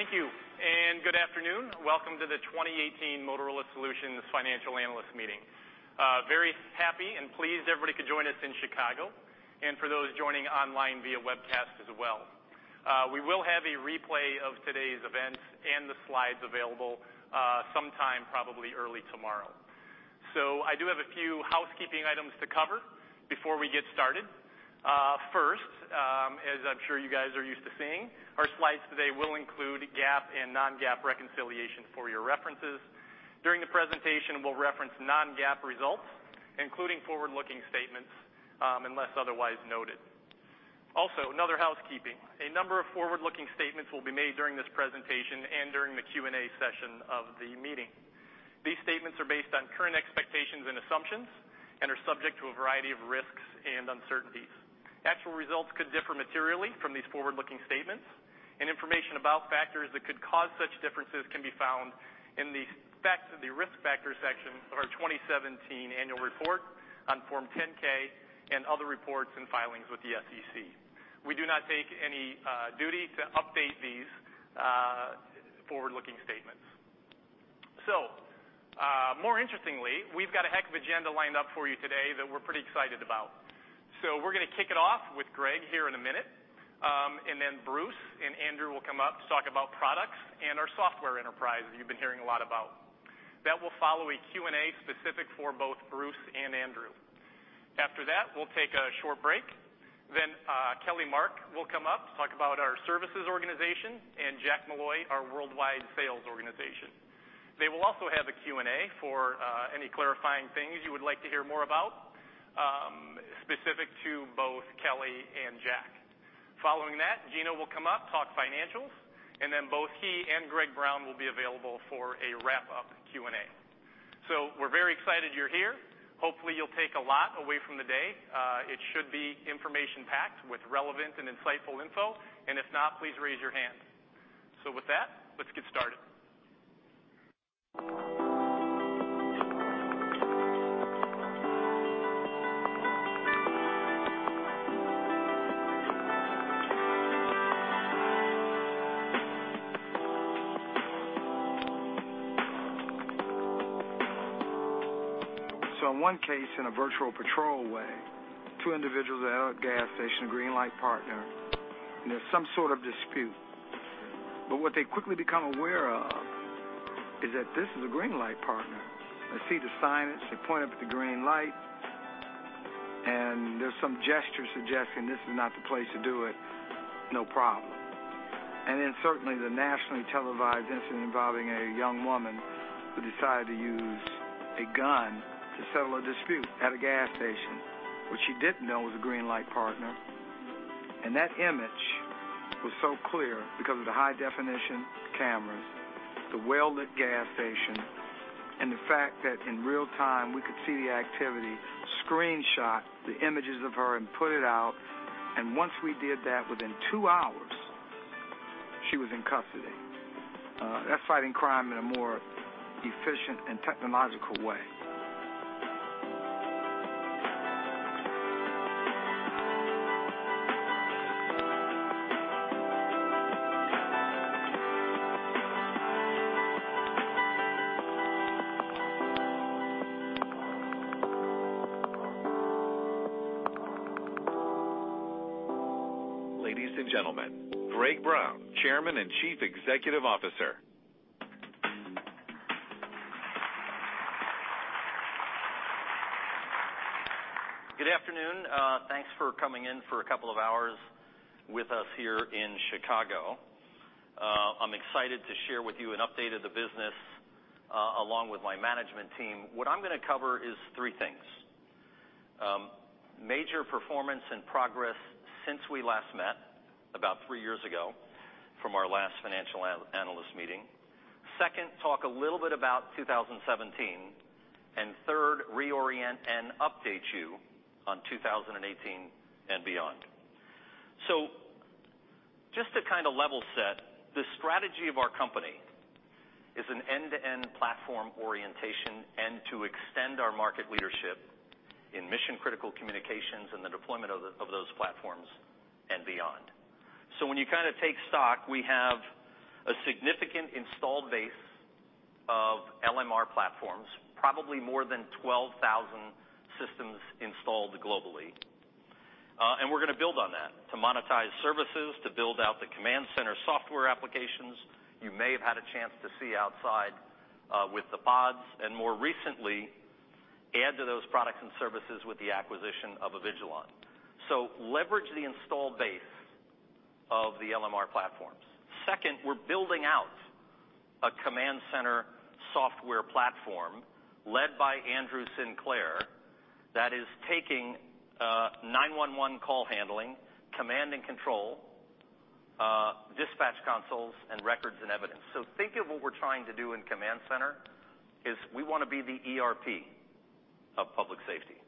...Thank you, and good afternoon. Welcome to the 2018 Motorola Solutions Financial Analyst Meeting. Very happy and pleased everybody could join us in Chicago, and for those joining online via webcast as well. We will have a replay of today's events and the slides available, sometime probably early tomorrow. So I do have a few housekeeping items to cover before we get started. First, as I'm sure you guys are used to seeing, our slides today will include GAAP and non-GAAP reconciliation for your references. During the presentation, we'll reference non-GAAP results, including forward-looking statements, unless otherwise noted. Also, another housekeeping. A number of forward-looking statements will be made during this presentation and during the Q&A session of the meeting. These statements are based on current expectations and assumptions, and are subject to a variety of risks and uncertainties. Actual results could differ materially from these forward-looking statements, and information about factors that could cause such differences can be found in the facts and the Risk Factors section of our 2017 annual report on Form 10-K, and other reports and filings with the SEC. We do not take any duty to update these forward-looking statements. So, more interestingly, we've got a heck of agenda lined up for you today that we're pretty excited about. So we're gonna kick it off with Greg here in a minute, and then Bruce and Andrew will come up to talk about products and our software enterprise that you've been hearing a lot about. That will follow a Q&A specific for both Bruce and Andrew. After that, we'll take a short break, then, Kelly Mark will come up to talk about our services organization, and Jack Molloy, our worldwide sales organization. They will also have a Q&A for any clarifying things you would like to hear more about, specific to both Kelly and Jack. Following that, Gino will come up, talk financials, and then both he and Greg Brown will be available for a wrap-up Q&A. So we're very excited you're here. Hopefully, you'll take a lot away from the day. It should be information-packed with relevant and insightful info, and if not, please raise your hand. So with that, let's get started. So in one case, in a virtual patrol way, two individuals are at a gas station, Green Light Partner, and there's some sort of dispute. But what they quickly become aware of is that this is a Green Light Partner. They see the sign, they point up at the green light, and there's some gesture suggesting this is not the place to do it. No problem. And then certainly, the nationally televised incident involving a young woman who decided to use a gun to settle a dispute at a gas station, which she didn't know was a Green Light Partner. And that image was so clear because of the high-definition cameras, the well-lit gas station, and the fact that in real time, we could see the activity, screenshot the images of her and put it out. And once we did that, within two hours, she was in custody. That's fighting crime in a more efficient and technological way. Ladies and gentlemen, Greg Brown, Chairman and Chief Executive Officer. Good afternoon. Thanks for coming in for a couple of hours with us here in Chicago. I'm excited to share with you an update of the business, along with my management team. What I'm gonna cover is three things. Major performance and progress since we last met about three years ago from our last financial analyst meeting. Second, talk a little bit about 2017, and third, reorient and update you on 2018 and beyond. So just to kind of level set, the strategy of our company is an end-to-end platform orientation, and to extend our market leadership in mission-critical communications and the deployment of those platforms and beyond. So when you kind of take stock, we have a significant installed base of LMR platforms, probably more than 12,000 systems installed globally. And we're gonna build on that to monetize services, to build out the command center software applications you may have had a chance to see outside, with the pods, and more recently, add to those products and services with the acquisition of Avigilon. So leverage the installed base of the LMR platforms. Second, we're building out a command center software platform led by Andrew Sinclair, that is taking 911 call handling, command and control, dispatch consoles, and records and evidence. So think of what we're trying to do in command center, is we wanna be the ERP of public safety.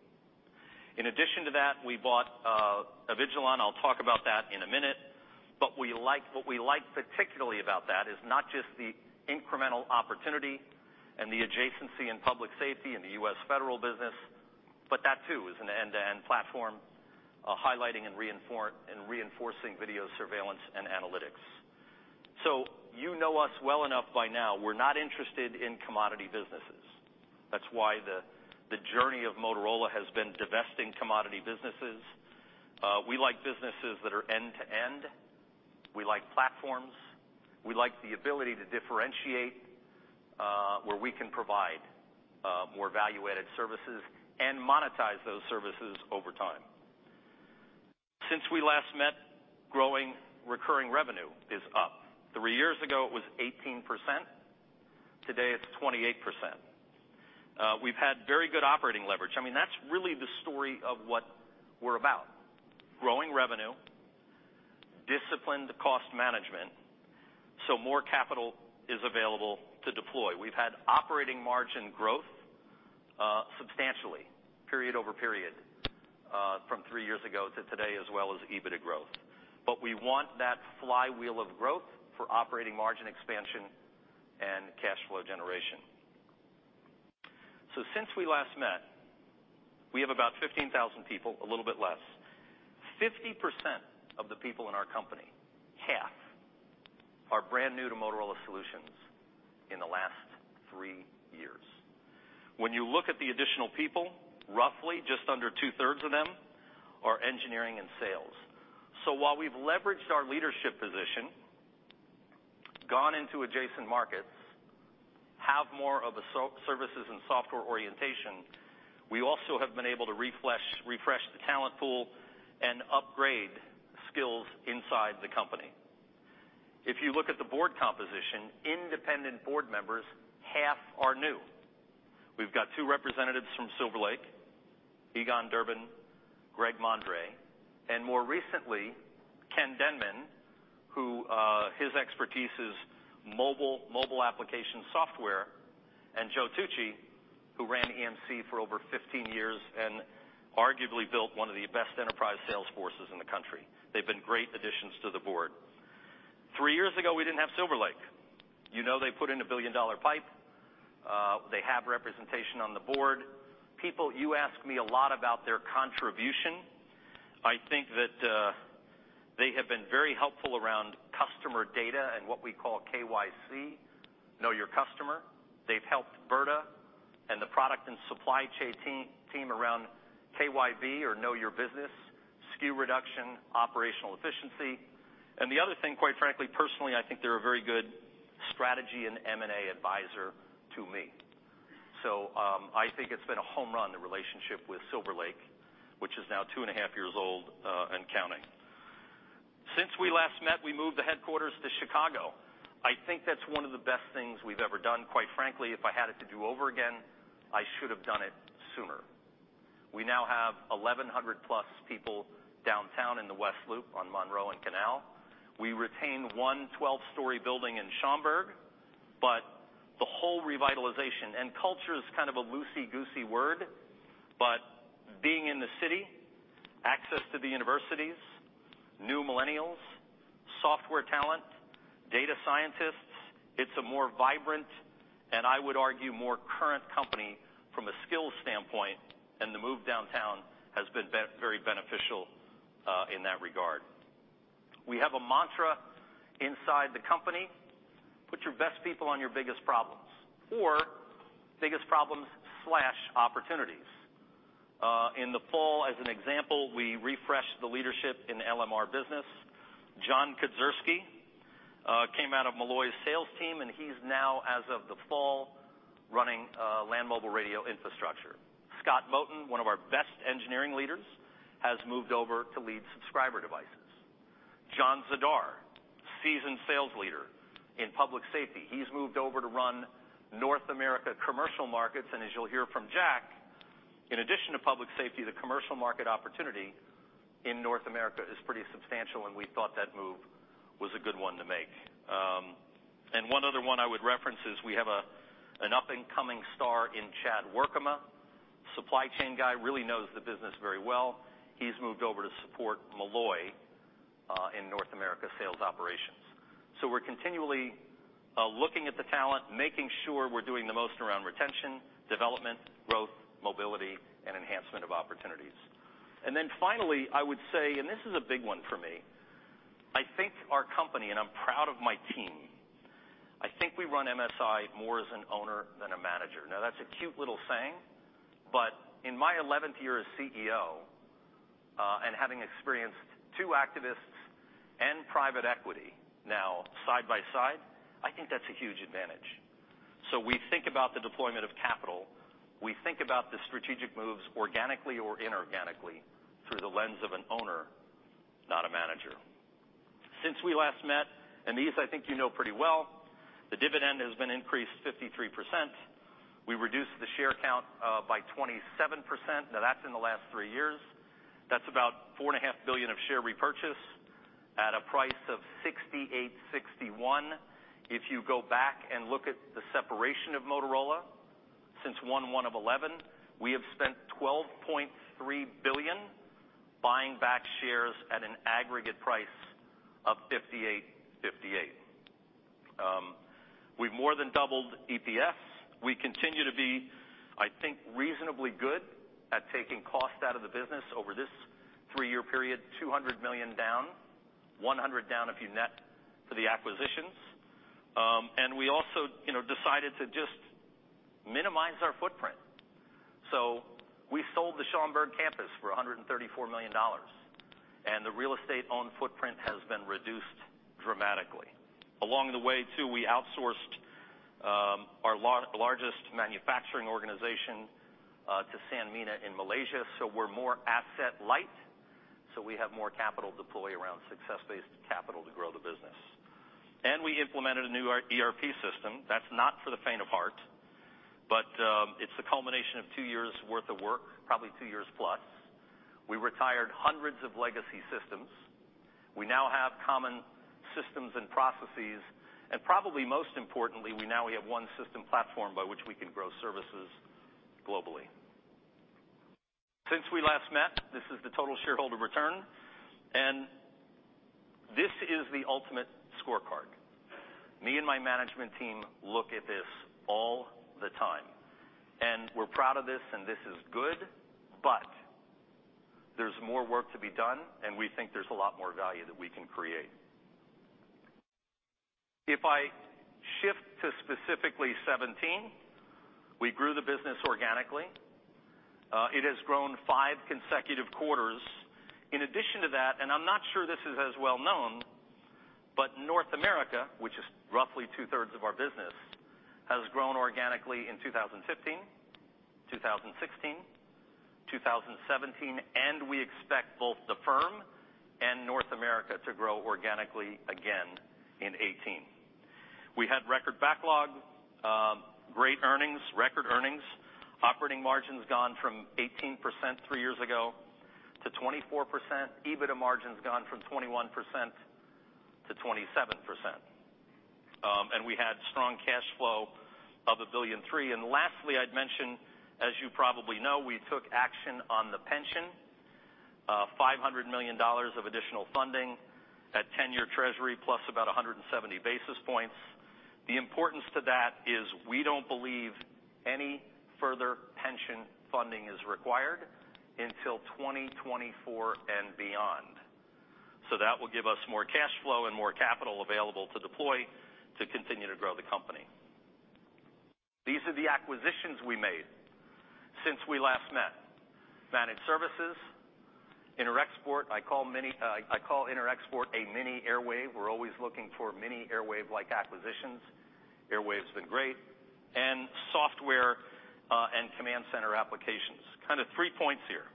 In addition to that, we bought Avigilon. I'll talk about that in a minute. What we like particularly about that is not just the incremental opportunity and the adjacency in public safety in the U.S. federal business. But that too is an end-to-end platform, highlighting and reinforcing video surveillance and analytics. So you know us well enough by now, we're not interested in commodity businesses. That's why the journey of Motorola has been divesting commodity businesses. We like businesses that are end-to-end. We like platforms. We like the ability to differentiate, where we can provide more value-added services and monetize those services over time. Since we last met, growing recurring revenue is up. Three years ago, it was 18%, today it's 28%. We've had very good operating leverage. I mean, that's really the story of what we're about, growing revenue, disciplined cost management, so more capital is available to deploy. We've had operating margin growth, substantially, period over period, from three years ago to today, as well as EBITDA growth. But we want that flywheel of growth for operating margin expansion and cash flow generation. So since we last met, we have about 15,000 people, a little bit less. 50% of the people in our company, half, are brand new to Motorola Solutions in the last three years. When you look at the additional people, roughly just under two-thirds of them are engineering and sales. So while we've leveraged our leadership position, gone into adjacent markets, have more of a services and software orientation, we also have been able to refresh the talent pool and upgrade skills inside the company. If you look at the board composition, independent board members, half are new. We've got two representatives from Silver Lake, Egon Durban, Greg Mondre, and more recently, Ken Denman, who, his expertise is mobile, mobile application software, and Joe Tucci, who ran EMC for over 15 years and arguably built one of the best enterprise sales forces in the country. They've been great additions to the board. Three years ago, we didn't have Silver Lake. You know, they put in a billion-dollar pipe. They have representation on the board. People, you ask me a lot about their contribution. I think that, they have been very helpful around customer data and what we call KYC, Know Your Customer. They've helped Brda and the product and supply chain team, team around KYB or Know Your Business, SKU reduction, operational efficiency. And the other thing, quite frankly, personally, I think they're a very good strategy and M&A advisor to me. So, I think it's been a home run, the relationship with Silver Lake, which is now 2.5 years old, and counting. Since we last met, we moved the headquarters to Chicago. I think that's one of the best things we've ever done. Quite frankly, if I had it to do over again, I should have done it sooner. We now have 1,100+ people downtown in the West Loop on Monroe and Canal. We retained one 12-story building in Schaumburg, but the whole revitalization and culture is kind of a loosey goosey word, but being in the city, access to the universities, new millennials, software talent, data scientists, it's a more vibrant, and I would argue, more current company from a skills standpoint, and the move downtown has been very beneficial in that regard. We have a mantra inside the company: put your best people on your biggest problems or biggest problems/opportunities. In the fall, as an example, we refreshed the leadership in the LMR business. John Kedzierski came out of Molloy's sales team, and he's now, as of the fall, running Land Mobile Radio infrastructure. Scott Mottonen, one of our best engineering leaders, has moved over to lead subscriber devices. John Zidar, seasoned sales leader in public safety, he's moved over to run North America Commercial Markets, and as you'll hear from Jack, in addition to public safety, the commercial market opportunity in North America is pretty substantial, and we thought that move was a good one to make. And one other one I would reference is we have an up-and-coming star in Chad Werkema. Supply chain guy, really knows the business very well. He's moved over to support Molloy in North America sales operations. So we're continually looking at the talent, making sure we're doing the most around retention, development, growth, mobility, and enhancement of opportunities. And then finally, I would say, and this is a big one for me, I think our company, and I'm proud of my team, I think we run MSI more as an owner than a manager. Now, that's a cute little saying, but in my eleventh year as CEO, and having experienced two activists and private equity now side by side, I think that's a huge advantage. So we think about the deployment of capital, we think about the strategic moves organically or inorganically through the lens of an owner, not a manager. Since we last met, and these I think you know pretty well, the dividend has been increased 53%. We reduced the share count by 27%. Now, that's in the last three years. That's about $4.5 billion of share repurchase at a price of $68.61. If you go back and look at the separation of Motorola since 1/1/2011, we have spent $12.3 billion buying back shares at an aggregate price of $58.... We've more than doubled EPS. We continue to be, I think, reasonably good at taking cost out of the business over this three-year period, $200 million down, $100 million down if you net for the acquisitions. And we also, you know, decided to just minimize our footprint. So we sold the Schaumburg campus for $134 million, and the real estate-owned footprint has been reduced dramatically. Along the way, too, we outsourced our largest manufacturing organization to Sanmina in Malaysia, so we're more asset light, so we have more capital to deploy around success-based capital to grow the business. And we implemented a new ERP system. That's not for the faint of heart, but it's a culmination of two years worth of work, probably two years plus. We retired hundreds of legacy systems. We now have common systems and processes, and probably most importantly, we now we have one system platform by which we can grow services globally. Since we last met, this is the total shareholder return, and this is the ultimate scorecard. Me and my management team look at this all the time, and we're proud of this, and this is good, but there's more work to be done, and we think there's a lot more value that we can create. If I shift to specifically 2017, we grew the business organically. It has grown five consecutive quarters. In addition to that, and I'm not sure this is as well known, but North America, which is roughly two-thirds of our business, has grown organically in 2015, 2016, 2017, and we expect both the firm and North America to grow organically again in 2018. We had record backlog, great earnings, record earnings. Operating margins gone from 18% 3 years ago to 24%. EBITDA margins gone from 21% to 27%. And we had strong cash flow of $1.3 billion. Lastly, I'd mention, as you probably know, we took action on the pension, $500 million of additional funding at 10-year treasury, plus about 170 basis points. The importance to that is we don't believe any further pension funding is required until 2024 and beyond. So that will give us more cash flow and more capital available to deploy to continue to grow the company. These are the acquisitions we made since we last met. Managed services, Interexport, I call Interexport a mini Airwave. We're always looking for mini Airwave-like acquisitions. Airwave's been great. And software, and command center applications. Kind of three points here.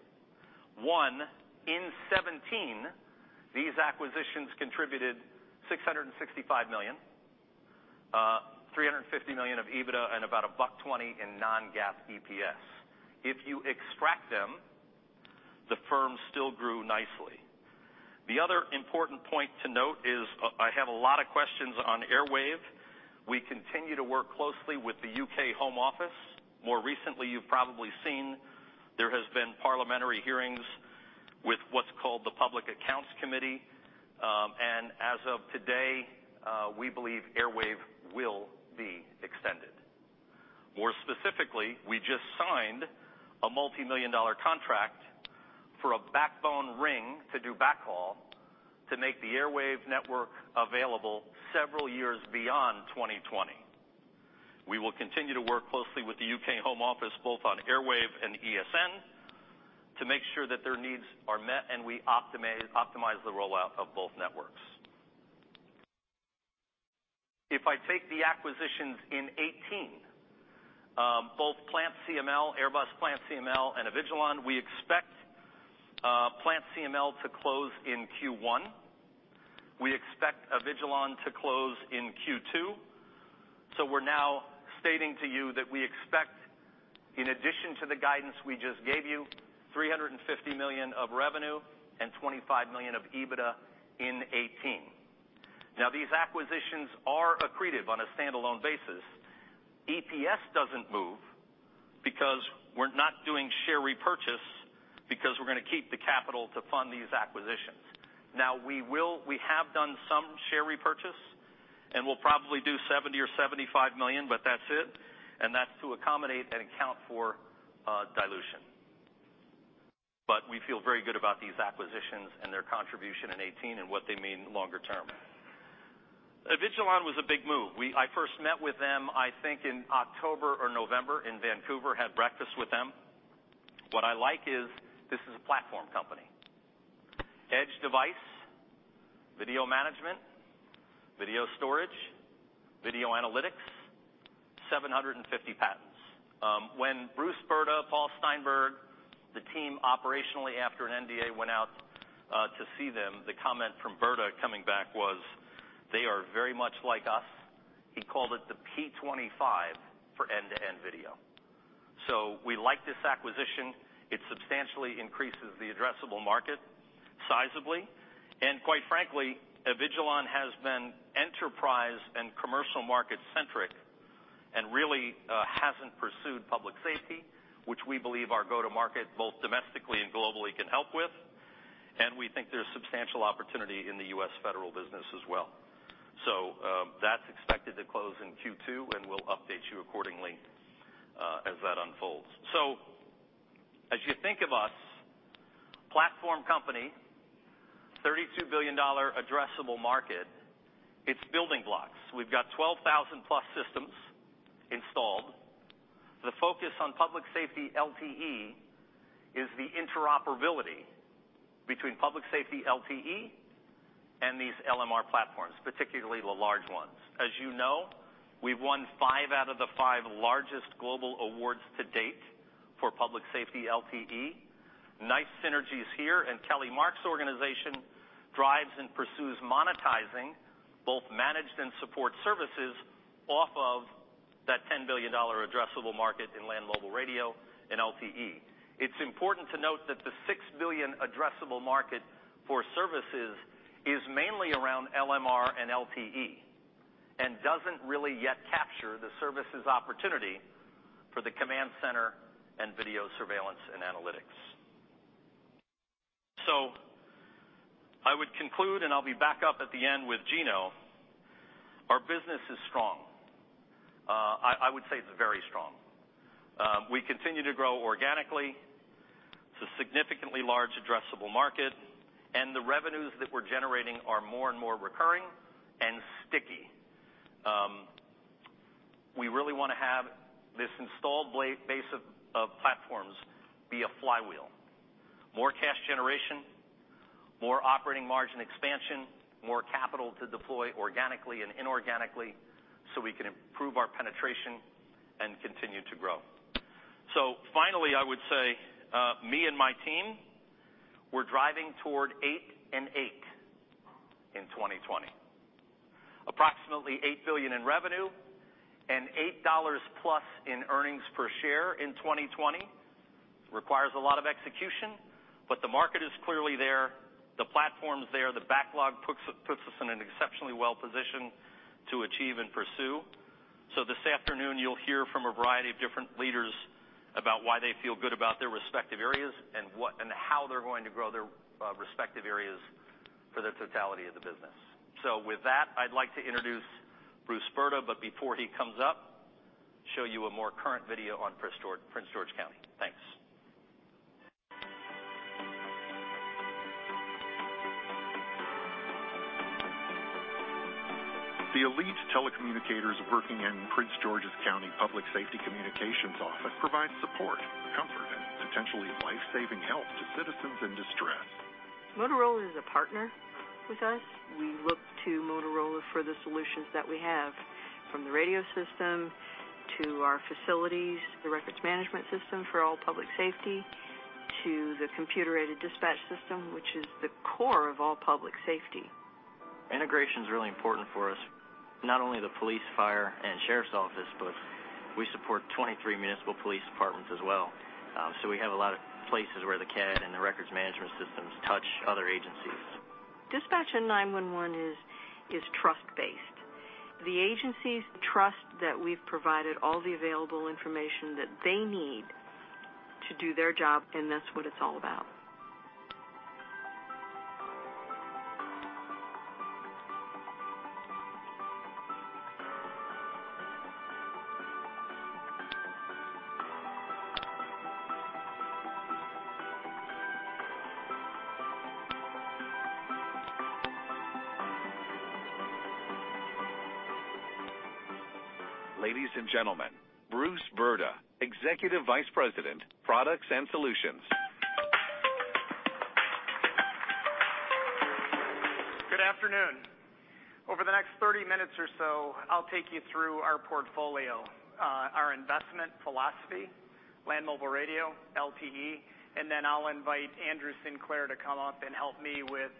One, in 2017, these acquisitions contributed 665 million, $350 million of EBITDA, and about $1.20 in non-GAAP EPS. If you extract them, the firm still grew nicely. The other important point to note is, I have a lot of questions on Airwave. We continue to work closely with the U.K. Home Office. More recently, you've probably seen there has been parliamentary hearings with what's called the Public Accounts Committee, and as of today, we believe Airwave will be extended. More specifically, we just signed a multimillion-dollar contract for a backbone ring to do backhaul, to make the Airwave network available several years beyond 2020. We will continue to work closely with the U.K. Home Office, both on Airwave and ESN, to make sure that their needs are met and we optimize, optimize the rollout of both networks. If I take the acquisitions in 2018, both PlantCML, Airbus PlantCML, and Avigilon, we expect, PlantCML to close in Q1. We expect Avigilon to close in Q2. So we're now stating to you that we expect, in addition to the guidance we just gave you, $350 million of revenue and $25 million of EBITDA in 2018. Now, these acquisitions are accretive on a standalone basis. EPS doesn't move because we're not doing share repurchase, because we're gonna keep the capital to fund these acquisitions. Now, we will. We have done some share repurchase, and we'll probably do $70 or $75 million, but that's it, and that's to accommodate and account for, dilution. But we feel very good about these acquisitions and their contribution in 2018 and what they mean longer term. Avigilon was a big move. We. I first met with them, I think, in October or November in Vancouver, had breakfast with them. What I like is this is a platform company. Edge device, video management, video storage, video analytics, 750 patents. When Bruce Brda, Paul Steinberg, the team operationally, after an NDA, went out to see them, the comment from Brda coming back was, "They are very much like us." He called it the P25 for end-to-end video. So we like this acquisition. It substantially increases the addressable market sizeably, and quite frankly, Avigilon has been enterprise and commercial market-centric and really hasn't pursued public safety, which we believe our go-to-market, both domestically and globally, can help with, and we think there's substantial opportunity in the U.S. federal business as well. So that's expected to close in Q2, and we'll update you accordingly as that unfolds. So as you think of us, platform company, $32 billion addressable market, it's building blocks. We've got 12,000+ systems installed. The focus on public safety LTE is the interoperability between public safety LTE and these LMR platforms, particularly the large ones. As you know, we've won five out of the five largest global awards to date for public safety LTE. Nice synergies here, and Kelly Mark's organization drives and pursues monetizing both managed and support services off of that $10 billion addressable market in Land Mobile Radio and LTE. It's important to note that the $6 billion addressable market for services is mainly around LMR and LTE, and doesn't really yet capture the services opportunity for the command center and video surveillance and analytics. So I would conclude, and I'll be back up at the end with Gino, our business is strong. I, I would say it's very strong. We continue to grow organically. It's a significantly large addressable market, and the revenues that we're generating are more and more recurring and sticky. We really wanna have this installed base of platforms be a flywheel, more cash generation, more operating margin expansion, more capital to deploy organically and inorganically, so we can improve our penetration and continue to grow. So finally, I would say, me and my team, we're driving toward eight and eight in 2020. Approximately $8 billion in revenue and $8+ in earnings per share in 2020. Requires a lot of execution, but the market is clearly there, the platform's there, the backlog puts us in an exceptionally well position to achieve and pursue. So this afternoon, you'll hear from a variety of different leaders about why they feel good about their respective areas and what and how they're going to grow their respective areas for the totality of the business. So with that, I'd like to introduce Bruce Brda, but before he comes up, show you a more current video on Prince George's County. Thanks. The elite telecommunicators working in Prince George's County Public Safety Communications Office provide support, comfort, and potentially life-saving help to citizens in distress. Motorola is a partner with us. We look to Motorola for the solutions that we have, from the radio system to our facilities, the records management system for all public safety, to the computer-aided dispatch system, which is the core of all public safety. Integration is really important for us, not only the police, fire, and sheriff's office, but we support 23 municipal police departments as well. So we have a lot of places where the CAD and the records management systems touch other agencies. Dispatch and 911 is trust-based. The agencies trust that we've provided all the available information that they need to do their job, and that's what it's all about. Ladies and gentlemen, Bruce Brda, Executive Vice President, Products and Solutions. Good afternoon. Over the next 30 minutes or so, I'll take you through our portfolio, our investment philosophy, Land Mobile Radio, LTE, and then I'll invite Andrew Sinclair to come up and help me with,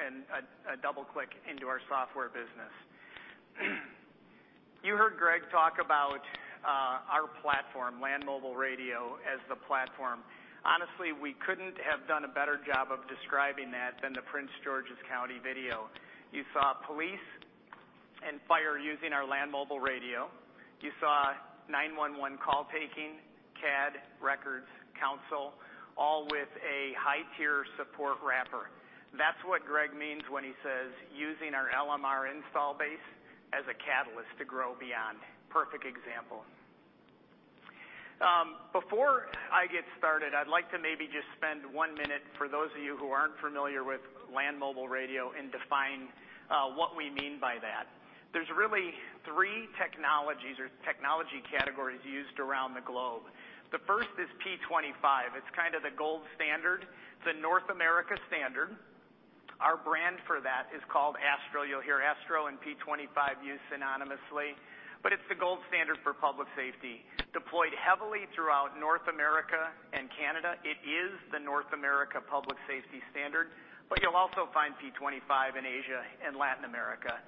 and a double-click into our software business. You heard Greg talk about, our platform, Land Mobile Radio, as the platform. Honestly, we couldn't have done a better job of describing that than the Prince George's County video. You saw police and fire using our Land Mobile Radio. You saw 911 call taking, CAD, records, console, all with a high-tier support wrapper. That's what Greg means when he says, "Using our LMR install base as a catalyst to grow beyond." Perfect example. Before I get started, I'd like to maybe just spend one minute for those of you who aren't familiar with Land Mobile Radio and define what we mean by that. There's really three technologies or technology categories used around the globe. The first is P25. It's kind of the gold standard, the North America standard. Our brand for that is called ASTRO. You'll hear ASTRO and P25 used synonymously, but it's the gold standard for public safety, deployed heavily throughout North America and Canada. It is the North America Public Safety Standard, but you'll also find P25 in Asia and Latin America.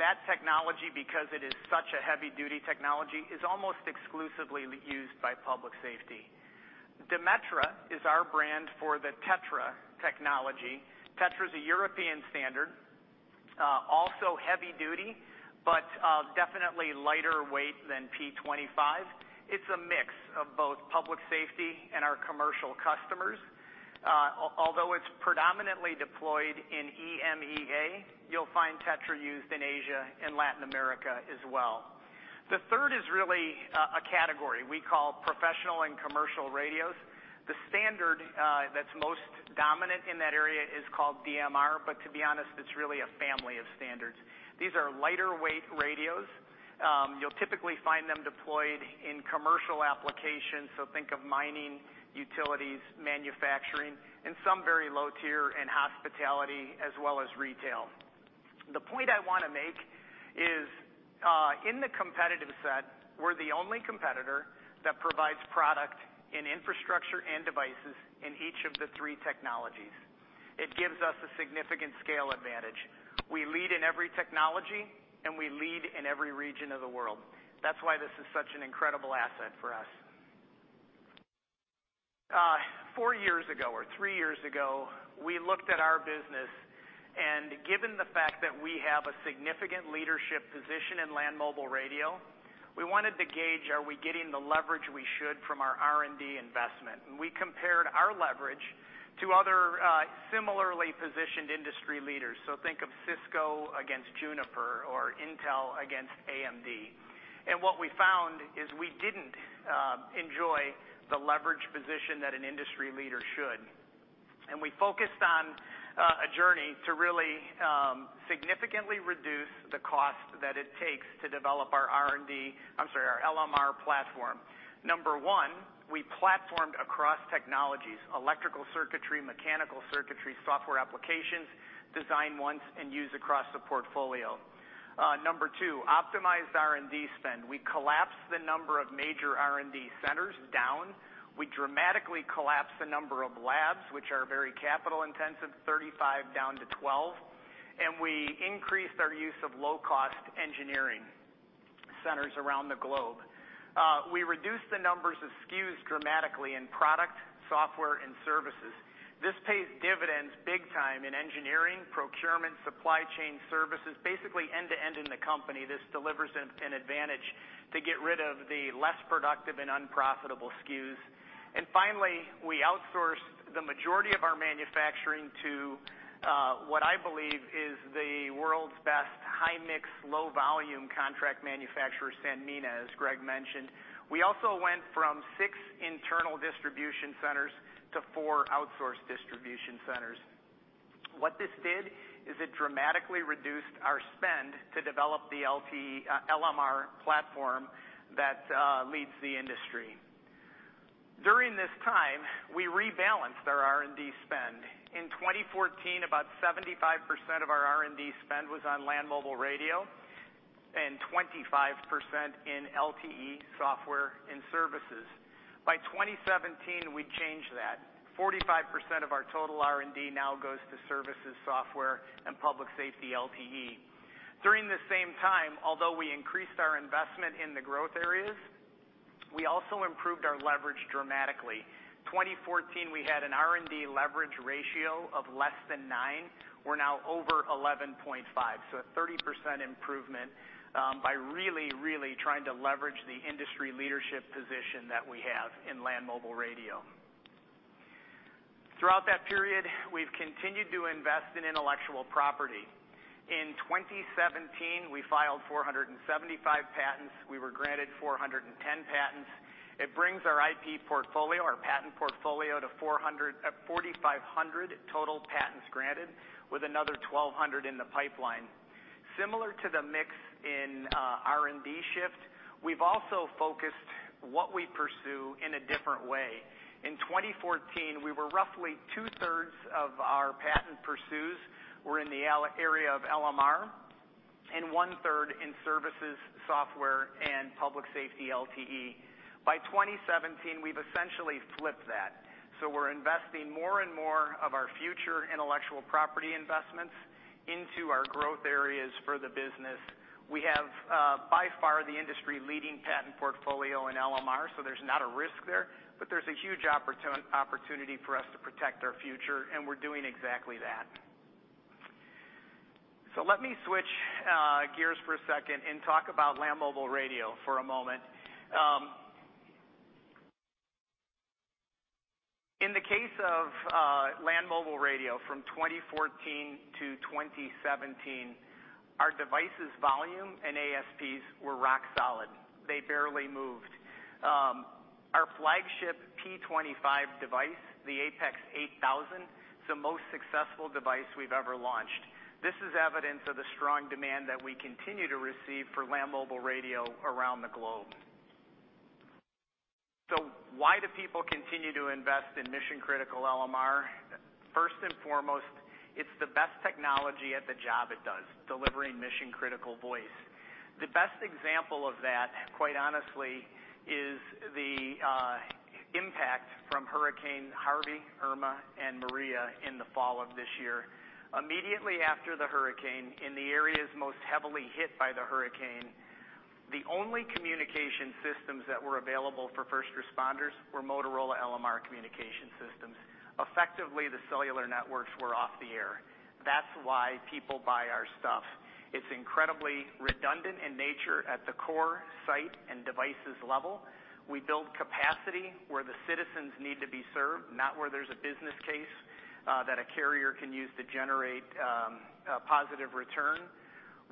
That technology, because it is such a heavy-duty technology, is almost exclusively used by public safety. DIMETRA is our brand for the TETRA technology. TETRA is a European standard. Also heavy duty, but, definitely lighter weight than P25. It's a mix of both public safety and our commercial customers. Although it's predominantly deployed in EMEA, you'll find TETRA used in Asia and Latin America as well. The third is really, a category we call professional and commercial radios. The standard, that's most dominant in that area is called DMR, but to be honest, it's really a family of standards. These are lighter weight radios. You'll typically find them deployed in commercial applications, so think of mining, utilities, manufacturing, and some very low tier in hospitality as well as retail. The point I want to make is, in the competitive set, we're the only competitor that provides product in infrastructure and devices in each of the three technologies. It gives us a significant scale advantage. We lead in every technology, and we lead in every region of the world. That's why this is such an incredible asset for us. Four years ago or three years ago, we looked at our business, and given the fact that we have a significant leadership position in Land Mobile Radio, we wanted to gauge, are we getting the leverage we should from our R&D investment? We compared our leverage to other similarly positioned industry leaders. So think of Cisco against Juniper or Intel against AMD. What we found is we didn't enjoy the leverage position that an industry leader should. We focused on a journey to really significantly reduce the cost that it takes to develop our R&D... I'm sorry, our LMR platform. Number one, we platformed across technologies, electrical circuitry, mechanical circuitry, software applications, design once, and use across the portfolio. Number two, optimized R&D spend. We collapsed the number of major R&D centers down. We dramatically collapsed the number of labs, which are very capital-intensive, 35 down to 12, and we increased our use of low-cost engineering centers around the globe. We reduced the numbers of SKUs dramatically in product, software, and services. This pays dividends big time in engineering, procurement, supply chain services. Basically, end-to-end in the company, this delivers an advantage to get rid of the less productive and unprofitable SKUs. And finally, we outsourced the majority of our manufacturing to what I believe is the world's best high-mix, low-volume contract manufacturer, Sanmina, as Greg mentioned. We also went from six internal distribution centers to four outsourced distribution centers. What this did is it dramatically reduced our spend to develop the LTE, LMR platform that leads the industry. During this time, we rebalanced our R&D spend. In 2014, about 75% of our R&D spend was on Land Mobile Radio and 25% in LTE software and services. By 2017, we changed that. 45% of our total R&D now goes to services, software, and public safety LTE. During the same time, although we increased our investment in the growth areas, we also improved our leverage dramatically. 2014, we had an R&D leverage ratio of less than 9. We're now over 11.5, so a 30% improvement, by really, really trying to leverage the industry leadership position that we have in Land Mobile Radio. Throughout that period, we've continued to invest in intellectual property. In 2017, we filed 475 patents. We were granted 410 patents. It brings our IP portfolio, our patent portfolio, to 4,500 total patents granted, with another 1,200 in the pipeline. Similar to the mix in, R&D shift, we've also focused what we pursue in a different way. In 2014, we were roughly two-thirds of our patent pursues were in the area of LMR and one-third in services, software, and public safety LTE. By 2017, we've essentially flipped that, so we're investing more and more of our future intellectual property investments into our growth areas for the business. We have, by far, the industry-leading patent portfolio in LMR, so there's not a risk there, but there's a huge opportunity for us to protect our future, and we're doing exactly that. So let me switch gears for a second and talk about Land Mobile Radio for a moment. In the case of Land Mobile Radio from 2014 to 2017, our devices, volume, and ASPs were rock solid. They barely moved. Our flagship P25 device, the APX 8000, is the most successful device we've ever launched. This is evidence of the strong demand that we continue to receive for Land Mobile Radio around the globe. So why do people continue to invest in mission-critical LMR? First and foremost, it's the best technology at the job it does, delivering mission-critical voice. The best example of that, quite honestly, is the impact from Hurricane Harvey, Irma, and Maria in the fall of this year. Immediately after the hurricane, in the areas most heavily hit by the hurricane,... The only communication systems that were available for first responders were Motorola LMR communication systems. Effectively, the cellular networks were off the air. That's why people buy our stuff. It's incredibly redundant in nature at the core, site, and devices level. We build capacity where the citizens need to be served, not where there's a business case that a carrier can use to generate a positive return.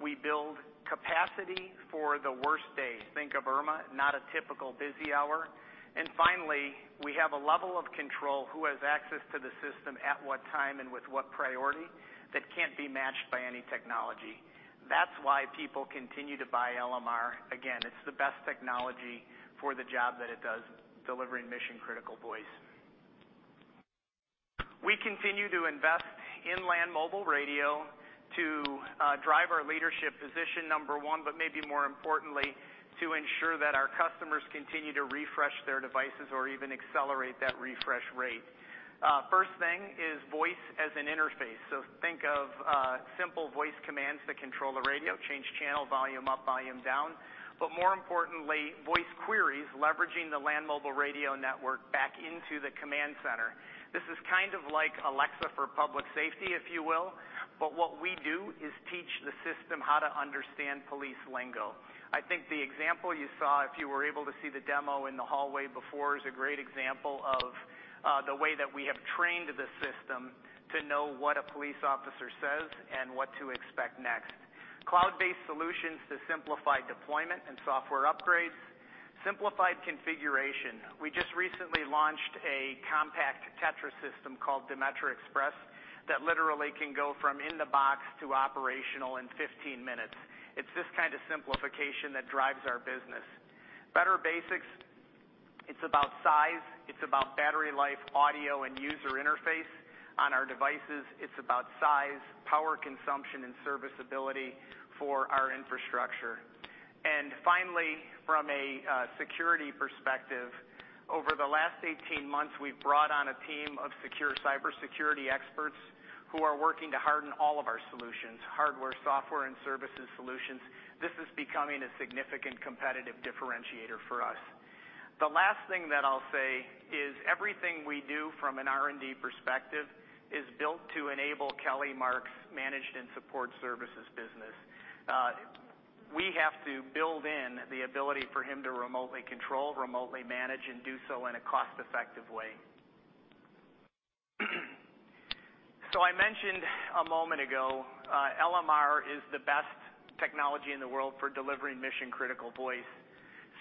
We build capacity for the worst day. Think of Irma, not a typical busy hour. And finally, we have a level of control, who has access to the system at what time and with what priority, that can't be matched by any technology. That's why people continue to buy LMR. Again, it's the best technology for the job that it does, delivering mission-critical voice. We continue to invest in Land Mobile Radio to drive our leadership position, number one, but maybe more importantly, to ensure that our customers continue to refresh their devices or even accelerate that refresh rate. First thing is voice as an interface. So think of simple voice commands that control the radio, change channel, volume up, volume down, but more importantly, voice queries, leveraging the Land Mobile Radio network back into the command center. This is kind of like Alexa for public safety, if you will, but what we do is teach the system how to understand police lingo. I think the example you saw, if you were able to see the demo in the hallway before, is a great example of the way that we have trained the system to know what a police officer says and what to expect next. Cloud-based solutions to simplify deployment and software upgrades, simplified configuration. We just recently launched a compact TETRA system called DIMETRA Express, that literally can go from in the box to operational in 15 minutes. It's this kind of simplification that drives our business. Better basics, it's about size, it's about battery life, audio, and user interface on our devices. It's about size, power, consumption, and serviceability for our infrastructure. And finally, from a security perspective, over the last 18 months, we've brought on a team of secure cybersecurity experts who are working to harden all of our solutions, hardware, software, and services solutions. This is becoming a significant competitive differentiator for us. The last thing that I'll say is everything we do from an R&D perspective is built to enable Kelly Mark's managed and support services business. We have to build in the ability for him to remotely control, remotely manage, and do so in a cost-effective way. So I mentioned a moment ago, LMR is the best technology in the world for delivering mission-critical voice.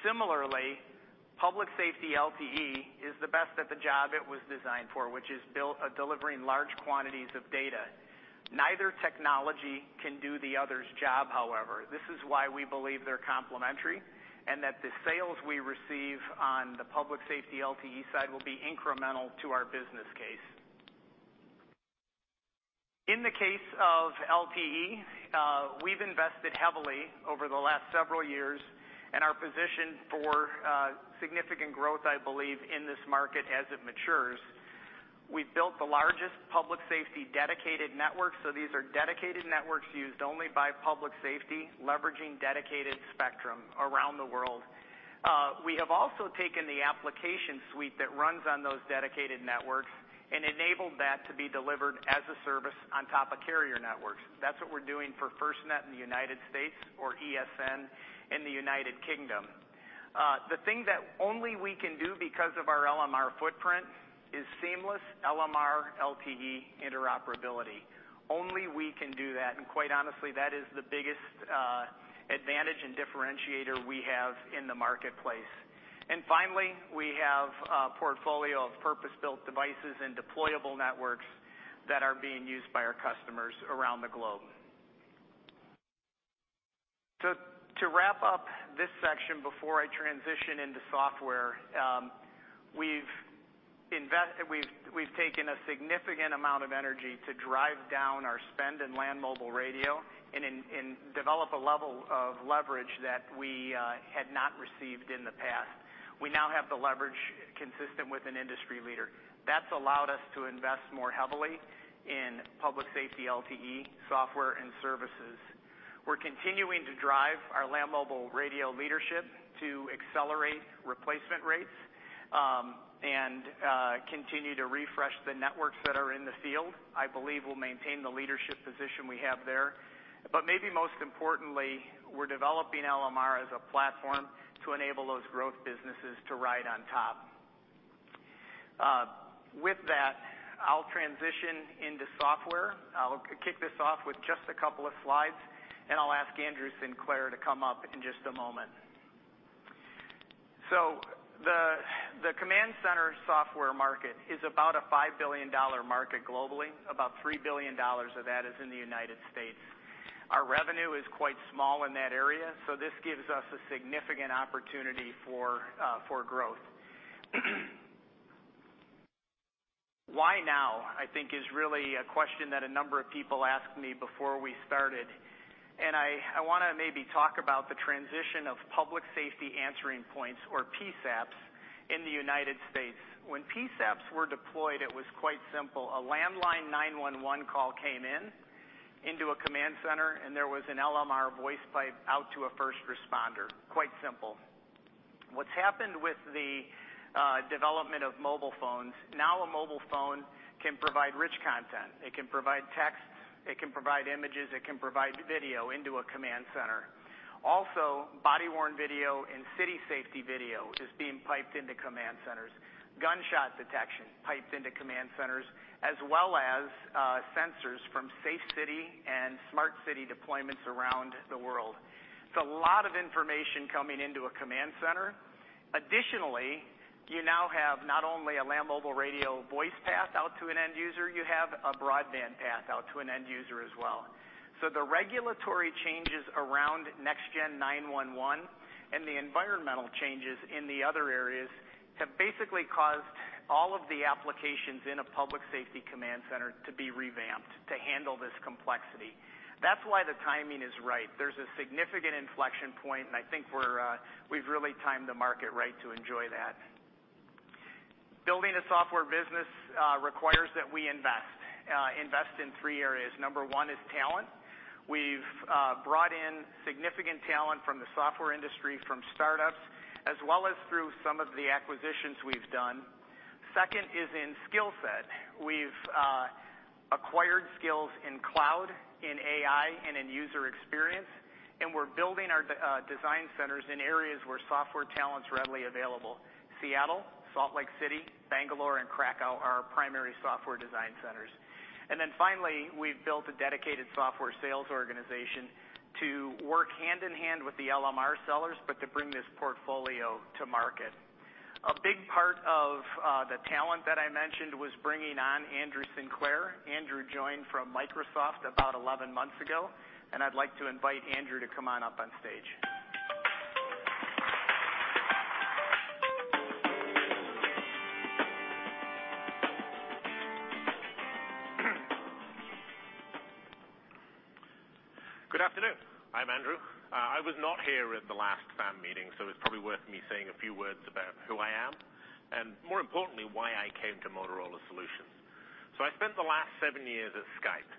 Similarly, public safety LTE is the best at the job it was designed for, which is built, delivering large quantities of data. Neither technology can do the other's job, however, this is why we believe they're complementary and that the sales we receive on the public safety LTE side will be incremental to our business case. In the case of LTE, we've invested heavily over the last several years, and are positioned for, significant growth, I believe, in this market as it matures. We've built the largest public safety-dedicated network, so these are dedicated networks used only by public safety, leveraging dedicated spectrum around the world. We have also taken the application suite that runs on those dedicated networks and enabled that to be delivered as a service on top of carrier networks. That's what we're doing for FirstNet in the United States or ESN in the United Kingdom. The thing that only we can do because of our LMR footprint is seamless LMR, LTE interoperability. Only we can do that, and quite honestly, that is the biggest advantage and differentiator we have in the marketplace. And finally, we have a portfolio of purpose-built devices and deployable networks that are being used by our customers around the globe. So to wrap up this section before I transition into software, we've taken a significant amount of energy to drive down our spend in Land Mobile Radio and develop a level of leverage that we had not received in the past. We now have the leverage consistent with an industry leader. That's allowed us to invest more heavily in public safety LTE, software, and services. We're continuing to drive our Land Mobile Radio leadership to accelerate replacement rates and continue to refresh the networks that are in the field. I believe we'll maintain the leadership position we have there. But maybe most importantly, we're developing LMR as a platform to enable those growth businesses to ride on top. With that, I'll transition into software. I'll kick this off with just a couple of slides, and I'll ask Andrew Sinclair to come up in just a moment. So the command center software market is about a $5 billion market globally. About $3 billion of that is in the United States. Our revenue is quite small in that area, so this gives us a significant opportunity for growth. Why now? I think is really a question that a number of people asked me before we started, and I want to maybe talk about the transition of public safety answering points or PSAPs in the United States. When PSAPs were deployed, it was quite simple. A landline 911 call came in into a command center, and there was an LMR voice pipe out to a first responder. Quite simple. What's happened with the development of mobile phones. Now a mobile phone can provide rich content. It can provide text, it can provide images, it can provide video into a command center. Also, body-worn video and city safety video is being piped into command centers. Gunshot detection piped into command centers, as well as sensors from safe city and smart city deployments around the world. It's a lot of information coming into a command center. Additionally, you now have not only a Land Mobile Radio voice path out to an end user, you have a broadband path out to an end user as well. So the regulatory changes around NextGen 911 and the environmental changes in the other areas have basically caused all of the applications in a public safety command center to be revamped to handle this complexity. That's why the timing is right. There's a significant inflection point, and I think we're, we've really timed the market right to enjoy that. Building a software business requires that we invest in three areas. Number one is talent. We've brought in significant talent from the software industry, from startups, as well as through some of the acquisitions we've done. Second is in skill set. We've acquired skills in cloud, in AI, and in user experience, and we're building our design centers in areas where software talent's readily available. Seattle, Salt Lake City, Bangalore, and Krakow are our primary software design centers. And then finally, we've built a dedicated software sales organization to work hand in hand with the LMR sellers, but to bring this portfolio to market. A big part of the talent that I mentioned was bringing on Andrew Sinclair. Andrew joined from Microsoft about 11 months ago, and I'd like to invite Andrew to come on up on stage. Good afternoon. I'm Andrew. I was not here at the last FAM meeting, so it's probably worth me saying a few words about who I am, and more importantly, why I came to Motorola Solutions. So I spent the last seven years at Skype.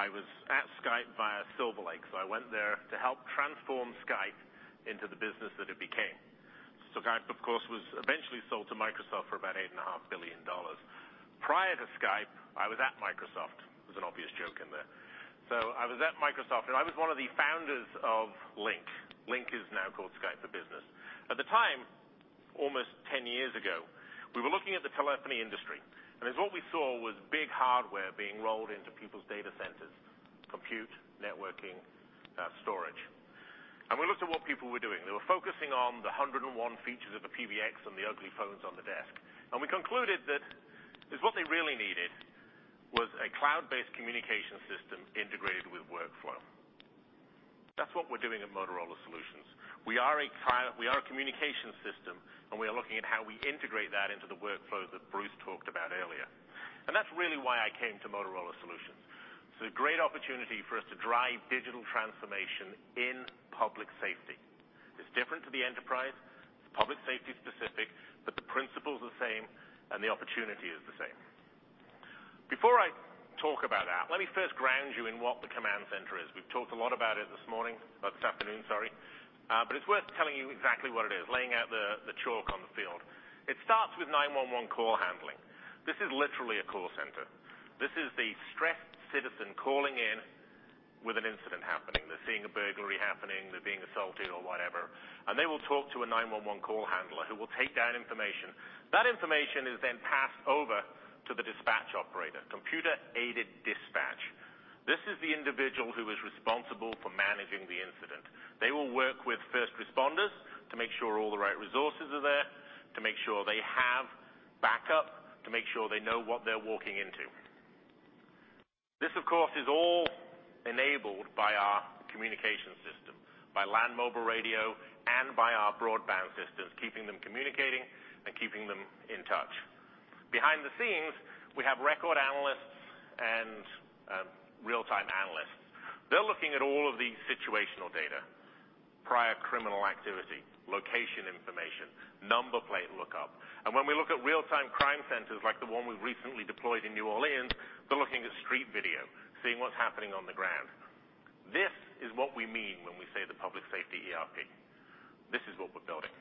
I was at Skype via Silver Lake, so I went there to help transform Skype into the business that it became. So Skype, of course, was eventually sold to Microsoft for about $8.5 billion. Prior to Skype, I was at Microsoft. There's an obvious joke in there. So I was at Microsoft, and I was one of the founders of Lync. Lync is now called Skype for Business. At the time, almost 10 years ago, we were looking at the telephony industry, and as what we saw was big hardware being rolled into people's data centers, compute, networking, storage. We looked at what people were doing. They were focusing on the 101 features of the PBX and the ugly phones on the desk. We concluded that is, what they really needed was a cloud-based communication system integrated with workflow. That's what we're doing at Motorola Solutions. We are a communication system, and we are looking at how we integrate that into the workflow that Bruce talked about earlier. That's really why I came to Motorola Solutions. It's a great opportunity for us to drive digital transformation in public safety. It's different to the enterprise, it's public safety specific, but the principles are the same and the opportunity is the same. Before I talk about that, let me first ground you in what the command center is. We've talked a lot about it this morning, or this afternoon, sorry. But it's worth telling you exactly what it is, laying out the chalk on the field. It starts with 911 call handling. This is literally a call center. This is the stressed citizen calling in with an incident happening. They're seeing a burglary happening, they're being assaulted or whatever, and they will talk to a 911 call handler who will take down information. That information is then passed over to the dispatch operator, computer-aided dispatch. This is the individual who is responsible for managing the incident. They will work with first responders to make sure all the right resources are there, to make sure they have backup, to make sure they know what they're walking into. This, of course, is all enabled by our communication system, by Land Mobile Radio, and by our broadband systems, keeping them communicating and keeping them in touch. Behind the scenes, we have records analysts and real-time analysts. They're looking at all of the situational data, prior criminal activity, location information, number plate lookup. And when we look at real-time crime centers, like the one we've recently deployed in New Orleans, they're looking at street video, seeing what's happening on the ground. This is what we mean when we say the public safety ERP. This is what we're building.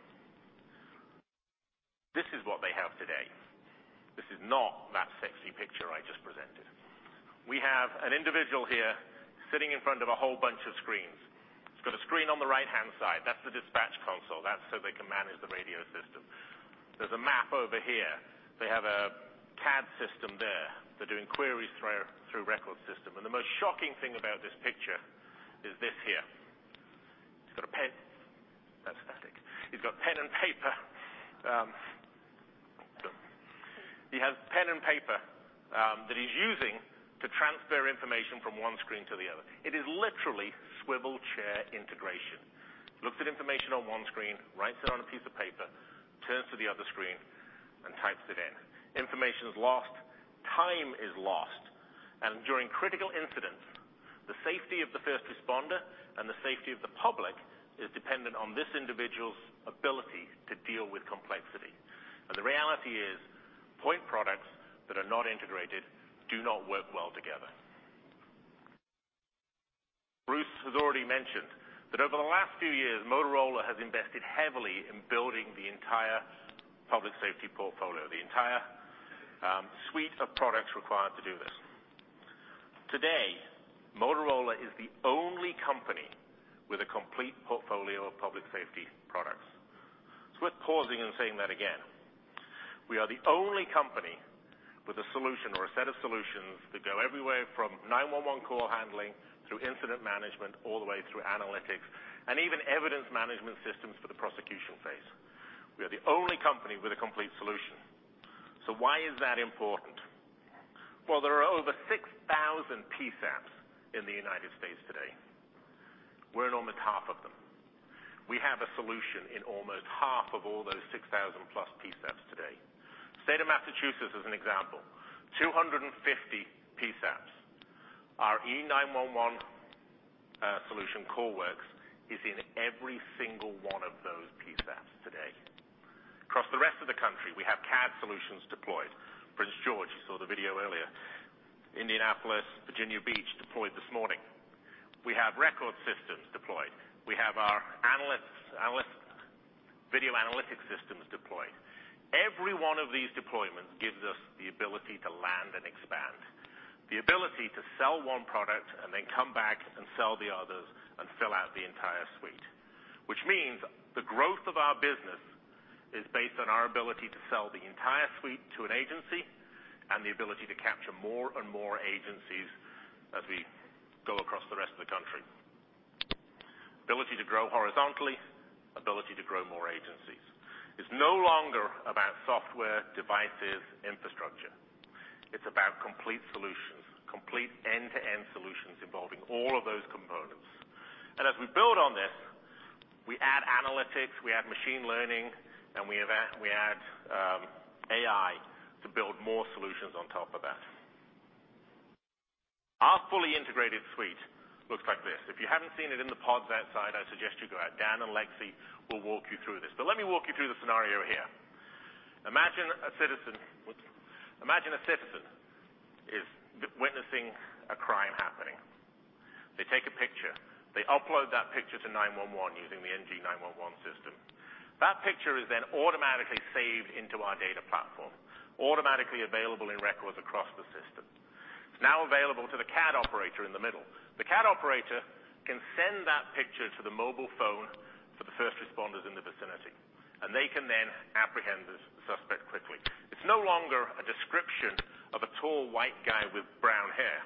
This is what they have today. This is not that sexy picture I just presented. We have an individual here sitting in front of a whole bunch of screens. He's got a screen on the right-hand side. That's the dispatch console. That's so they can manage the radio system. There's a map over here. They have a CAD system there. They're doing queries through our records system. The most shocking thing about this picture is this here. He's got a pen. That's plastic. He's got pen and paper. He has pen and paper that he's using to transfer information from one screen to the other. It is literally swivel chair integration. Looks at information on one screen, writes it on a piece of paper, turns to the other screen and types it in. Information is lost, time is lost, and during critical incidents, the safety of the first responder and the safety of the public is dependent on this individual's ability to deal with complexity. And the reality is point products that are not integrated do not work well together. Bruce has already mentioned that over the last few years, Motorola has invested heavily in building the entire public safety portfolio, the entire suite of products required to do this. Today, Motorola is the only company with a complete portfolio of public safety products. It's worth pausing and saying that again. We are the only company with a solution or a set of solutions that go everywhere from 911 call handling, through incident management, all the way through analytics, and even evidence management systems for the prosecution phase. We are the only company with a complete solution. So why is that important? Well, there are over 6,000 PSAPs in the United States today. We're in almost half of them. We have a solution in almost half of all those 6,000+ PSAPs today. State of Massachusetts is an example, 250 PSAPs. Our E911 solution CallWorks is in every single one of those PSAPs today. Across the rest of the country, we have CAD solutions deployed. Prince George's County, you saw the video earlier. Indianapolis, Virginia Beach, deployed this morning. We have records systems deployed. We have our analytics, video analytics systems deployed. Every one of these deployments gives us the ability to land and expand. The ability to sell one product and then come back and sell the others and fill out the entire suite. Which means the growth of our business is based on our ability to sell the entire suite to an agency, and the ability to capture more and more agencies as we go across the rest of the country. Ability to grow horizontally, ability to grow more agencies. It's no longer about software, devices, infrastructure. It's about complete solutions, complete end-to-end solutions involving all of those components. As we build on this, we add analytics, we add machine learning, and we add AI to build more solutions on top of that. Our fully integrated suite looks like this. If you haven't seen it in the pods outside, I suggest you go out. Dan and Lexi will walk you through this. But let me walk you through the scenario here. Imagine a citizen, imagine a citizen is witnessing a crime happening. They take a picture, they upload that picture to 911 using the NG911 system. That picture is then automatically saved into our data platform, automatically available in records across the system. It's now available to the CAD operator in the middle. The CAD operator can send that picture to the mobile phone for the first responders in the vicinity, and they can then apprehend the suspect quickly. It's no longer a description of a tall, white guy with brown hair.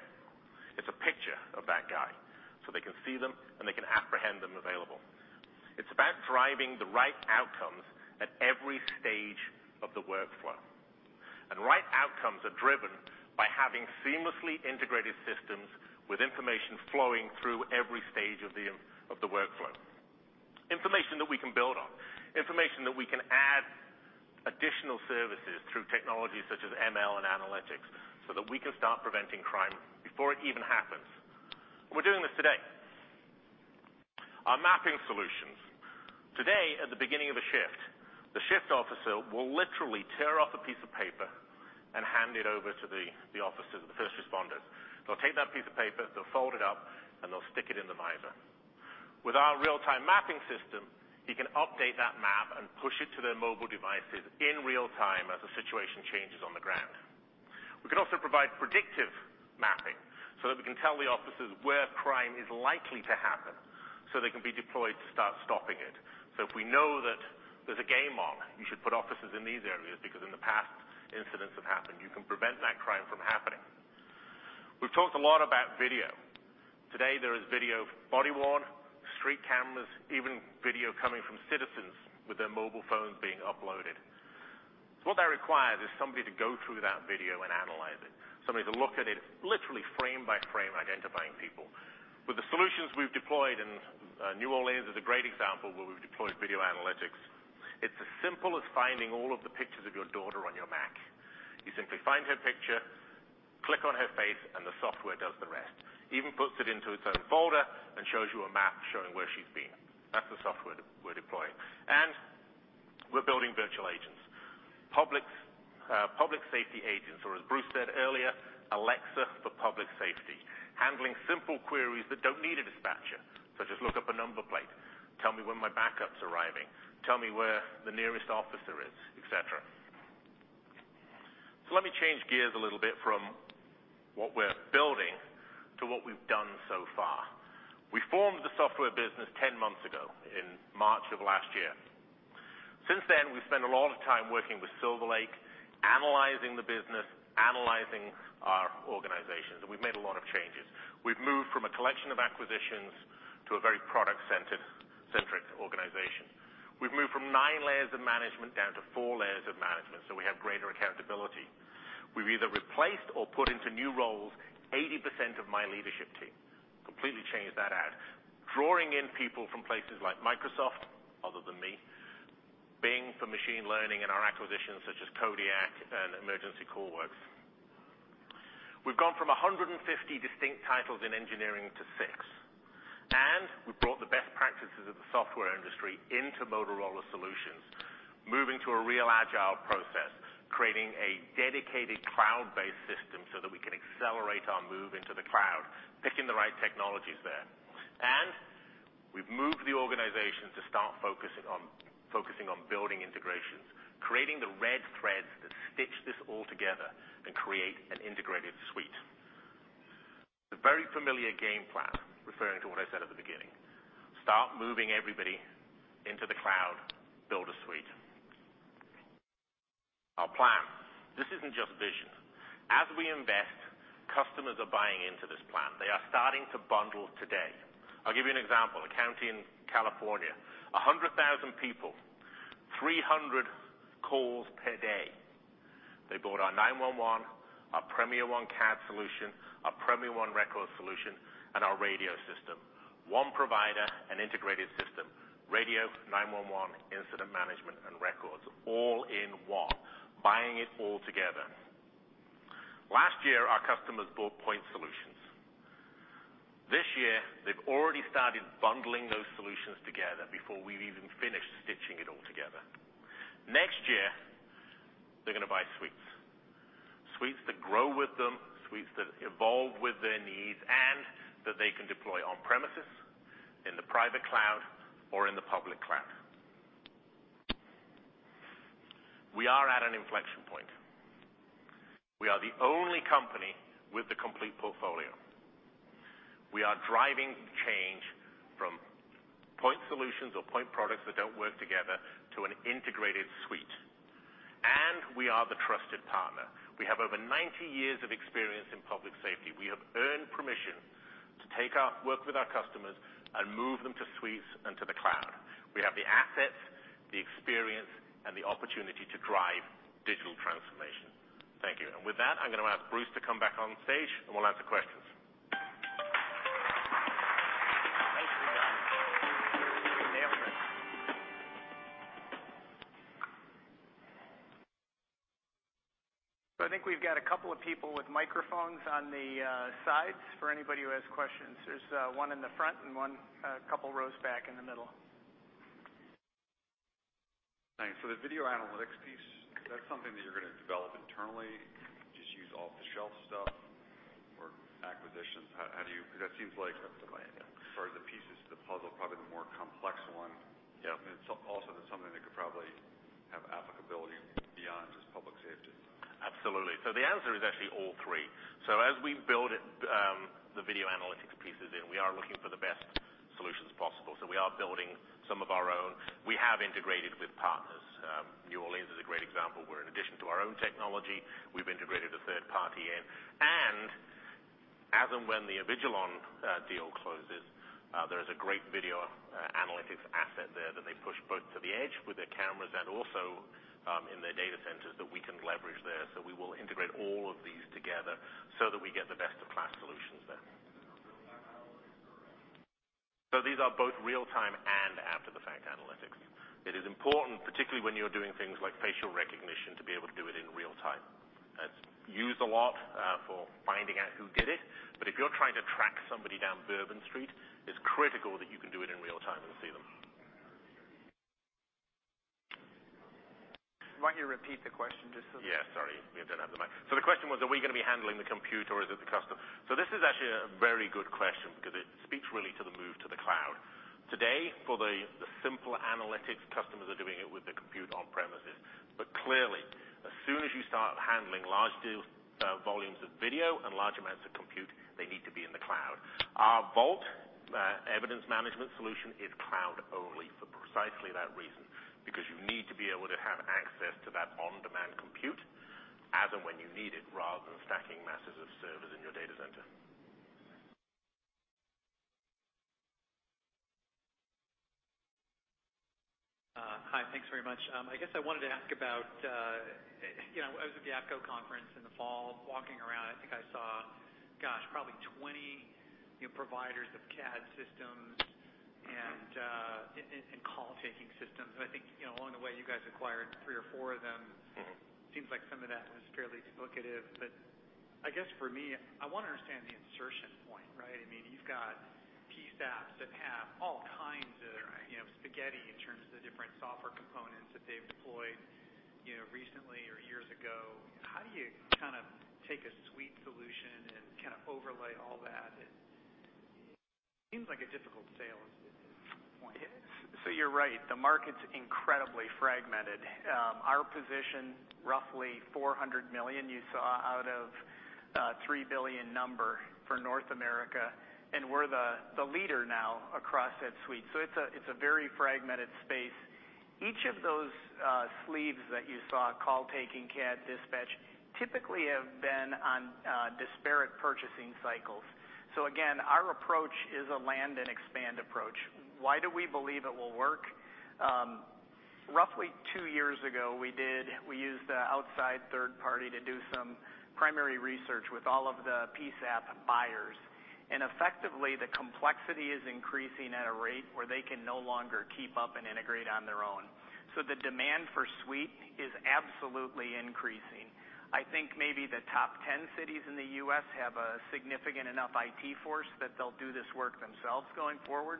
It's a picture of that guy, so they can see them, and they can apprehend them available. It's about driving the right outcomes at every stage of the workflow. Right outcomes are driven by having seamlessly integrated systems with information flowing through every stage of the workflow. Information that we can build on, information that we can add additional services through technologies such as ML and analytics, so that we can start preventing crime before it even happens. We're doing this today. Our mapping solutions. Today, at the beginning of a shift, the shift officer will literally tear off a piece of paper and hand it over to the officers, the first responders. They'll take that piece of paper, they'll fold it up, and they'll stick it in the visor. With our real-time mapping system, you can update that map and push it to their mobile devices in real time as the situation changes on the ground. We can also provide predictive mapping, so that we can tell the officers where crime is likely to happen, so they can be deployed to start stopping it. So if we know that there's a game on, you should put officers in these areas, because in the past, incidents have happened. You can prevent that crime from happening. We've talked a lot about video. Today, there is video, body worn, street cameras, even video coming from citizens with their mobile phones being uploaded. So what that requires is somebody to go through that video and analyze it, somebody to look at it literally frame by frame, identifying people. With the solutions we've deployed, and New Orleans is a great example where we've deployed video analytics, it's as simple as finding all of the pictures of your daughter on your Mac. You simply find her picture, click on her face, and the software does the rest. Even puts it into its own folder and shows you a map showing where she's been. That's the software we're deploying. And we're building virtual agents, public safety agents, or as Bruce said earlier, Alexa for public safety. Handling simple queries that don't need a dispatcher, such as look up a number plate, tell me when my backup's arriving, tell me where the nearest officer is, et cetera. So let me change gears a little bit from what we're building to what we've done so far. We formed the software business 10 months ago, in March of last year. Since then, we've spent a lot of time working with Silver Lake, analyzing the business, analyzing our organizations, and we've made a lot of changes. We've moved from a collection of acquisitions to a very product-centric organization. We've moved from nine layers of management down to four layers of management, so we have greater accountability. We've either replaced or put into new roles 80% of my leadership team, completely changed that out, drawing in people from places like Microsoft, other than me, Bing for machine learning, and our acquisitions, such as Kodiak and Emergency CallWorks. We've gone from 150 distinct titles in engineering to six, brought the best practices of the software industry into Motorola Solutions, moving to a real agile process, creating a dedicated cloud-based system so that we can accelerate our move into the cloud, picking the right technologies there. We've moved the organization to start focusing on, focusing on building integrations, creating the red threads that stitch this all together and create an integrated suite. The very familiar game Plant, referring to what I said at the beginning, start moving everybody into the cloud, build a suite. Our Plant, this isn't just vision. As we invest, customers are buying into this Plant. They are starting to bundle today. I'll give you an example. A county in California, 100,000 people, 300 calls per day. They bought our 911, our PremierOne CAD solution, our PremierOne records solution, and our radio system. One provider, an integrated system, radio, 911, incident management, and records, all in one, buying it all together. Last year, our customers bought point solutions. This year, they've already started bundling those solutions together before we've even finished stitching it all together. Next year, they're gonna buy suites. Suites that grow with them, suites that evolve with their needs, and that they can deploy on premises, in the private cloud, or in the public cloud. We are at an inflection point. We are the only company with the complete portfolio. We are driving change from point solutions or point products that don't work together to an integrated suite, and we are the trusted partner. We have over 90 years of experience in public safety. We have earned permission to take our work with our customers and move them to suites and to the cloud. We have the assets, the experience, and the opportunity to drive digital transformation. Thank you. And with that, I'm gonna ask Bruce to come back on stage and we'll answer questions. Nicely done. I think we've got a couple of people with microphones on the sides for anybody who has questions. There's one in the front and one couple rows back in the middle. Thanks. So the video analytics piece, is that something that you're gonna develop internally, just use off-the-shelf stuff or acquisitions? How, how do you... Because that seems like, as far as the pieces to the puzzle, probably the more complex one. Yeah. It's also something that could probably have applicability beyond just public safety. Absolutely. So the answer is actually all three. So as we build the video analytics pieces in, we are looking for the best solutions possible. So we are building some of our own. We have integrated with partners. New Orleans is a great example, where in addition to our own technology, we've integrated a third party in. And as and when the Avigilon deal closes, there is a great video analytics asset there that they push both to the edge with their cameras and also in their data centers that we can leverage there. So we will integrate all of these together so that we get the best of class solutions there. So these are both real time and after the fact analytics. It is important, particularly when you're doing things like facial recognition, to be able to do it in real time. It's used a lot for finding out who did it, but if you're trying to track somebody down Bourbon Street, it's critical that you can do it in real time and see them. Why don't you repeat the question just so? Yeah, sorry, we don't have the mic. So the question was, are we gonna be handling the compute, or is it the customer? So this is actually a very good question because it speaks really to the move to the cloud. Today, for the simple analytics, customers are doing it with the compute on premises, but clearly, as soon as you start handling large data volumes of video and large amounts of compute, they need to be in the cloud. Our Vault evidence management solution is cloud only for precisely that reason, because you need to be able to have access to that on-demand compute as and when you need it, rather than stacking masses of servers in your data center. Hi, thanks very much. I guess I wanted to ask about, you know, I was at the APCO conference in the fall. Walking around, I think I saw, gosh, probably 20, you know, providers of CAD systems and call-taking systems. I think, you know, along the way, you guys acquired 3 or 4 of them. Mm-hmm. Seems like some of that is fairly duplicative, but I guess for me, I wanna understand the insertion point, right? I mean, you've got PSAPs that have all kinds of, you know, spaghetti in terms of the different software components that they've deployed, you know, recently or years ago. How do you kind of take a suite solution and kind of overlay all that and... Seems like a difficult sale at this point. So you're right, the market's incredibly fragmented. Our position, roughly $400 million, you saw out of $3 billion number for North America, and we're the leader now across that suite. So it's a very fragmented space. Each of those silos that you saw, call taking, CAD, dispatch, typically have been on disparate purchasing cycles. So again, our approach is a land and expand approach. Why do we believe it will work? Roughly two years ago, we used an outside third party to do some primary research with all of the PSAP buyers, and effectively, the complexity is increasing at a rate where they can no longer keep up and integrate on their own. So the demand for suite is absolutely increasing. I think maybe the top 10 cities in the U.S. have a significant enough IT force that they'll do this work themselves going forward.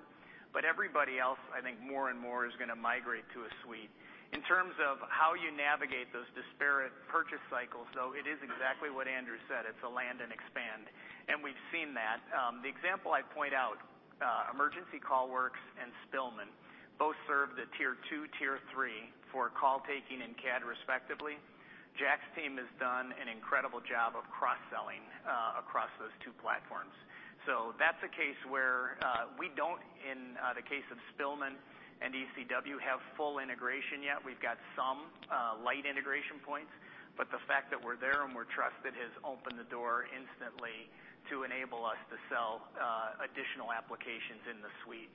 But everybody else, I think, more and more, is going to migrate to a suite. In terms of how you navigate those disparate purchase cycles, though, it is exactly what Andrew said. It's a land and expand, and we've seen that. The example I point out, Emergency CallWorks and Spillman both serve the tier two, tier three for call taking and CAD, respectively. Jack's team has done an incredible job of cross-selling, across those two platforms. So that's a case where, we don't, in, the case of Spillman and ECW, have full integration yet. We've got some light integration points, but the fact that we're there and we're trusted has opened the door instantly to enable us to sell additional applications in the suite.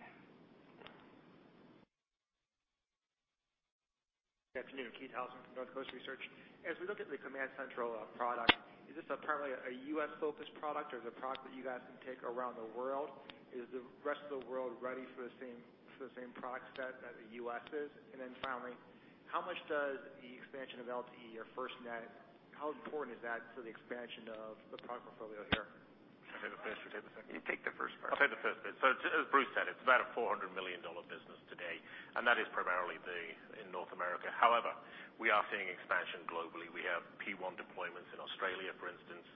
Good afternoon, Keith Housum from Northcoast Research. As we look at the CommandCentral product, is this apparently a U.S.-focused product or is it a product that you guys can take around the world? Is the rest of the world ready for the same, for the same product set that the U.S. is? And then finally, how much does the expansion of LTE or FirstNet, how important is that for the expansion of the product portfolio here? You want me to finish or take the second? You take the first part. I'll take the first bit. So as Bruce said, it's about a $400 million business today, and that is primarily in North America. However, we are seeing expansion globally. We have P1 deployments in Australia, for instance.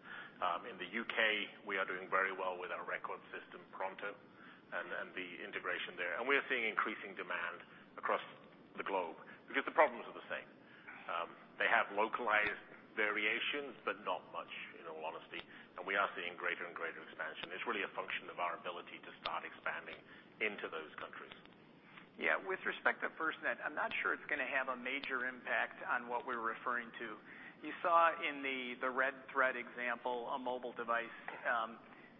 In the U.K., we are doing very well with our record system, Pronto, and the integration there. And we are seeing increasing demand across the globe because the problems are the same. They have localized variations, but not much, in all honesty, and we are seeing greater and greater expansion. It's really a function of our ability to start expanding into those countries. Yeah, with respect to FirstNet, I'm not sure it's going to have a major impact on what we're referring to. You saw in the, the red thread example, a mobile device.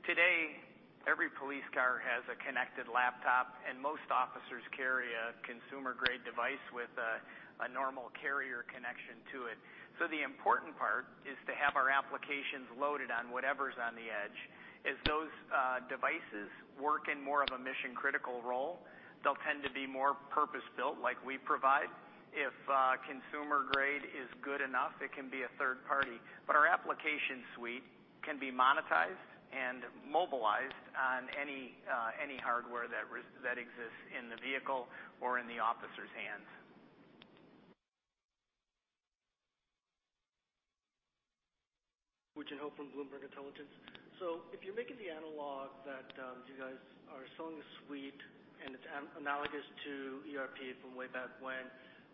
Today, every police car has a connected laptop, and most officers carry a consumer-grade device with a, a normal carrier connection to it. So the important part is to have our applications loaded on whatever's on the edge. As those devices work in more of a mission-critical role, they'll tend to be more purpose-built like we provide. If consumer grade is good enough, it can be a third party. But our application suite can be monetized and mobilized on any, any hardware that exists in the vehicle or in the officer's hands. Woo Jin Ho from Bloomberg Intelligence. So if you're making the analogy that, you guys are selling a suite and it's analogous to ERP from way back when,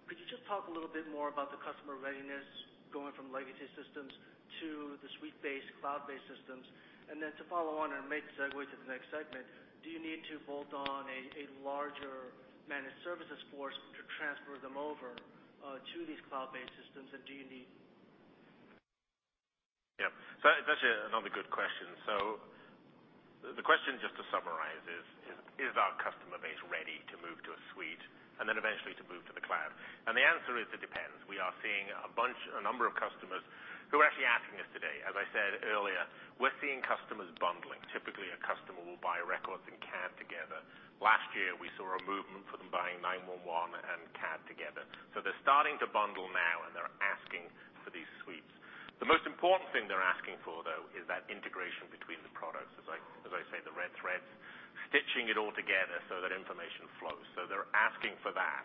could you just talk a little bit more about the customer readiness going from legacy systems to the suite-based, cloud-based systems? And then to follow on and make the segue to the next segment, do you need to bolt on a larger managed services force to transfer them over to these cloud-based systems? And do you need- Yeah, so that's another good question. So the question, just to summarize, is our customer base ready to move to a suite and then eventually to move to the cloud? And the answer is, it depends. We are seeing a bunch, a number of customers who are actually asking us today. As I said earlier, we're seeing customers bundling. Typically, a customer will buy records and CAD together. Last year, we saw a movement for them buying 911 and CAD together. So they're starting to bundle now, and they're asking for these suites. The most important thing they're asking for, though, is that integration between the products, as I say, the red threads, stitching it all together so that information flows. So they're asking for that.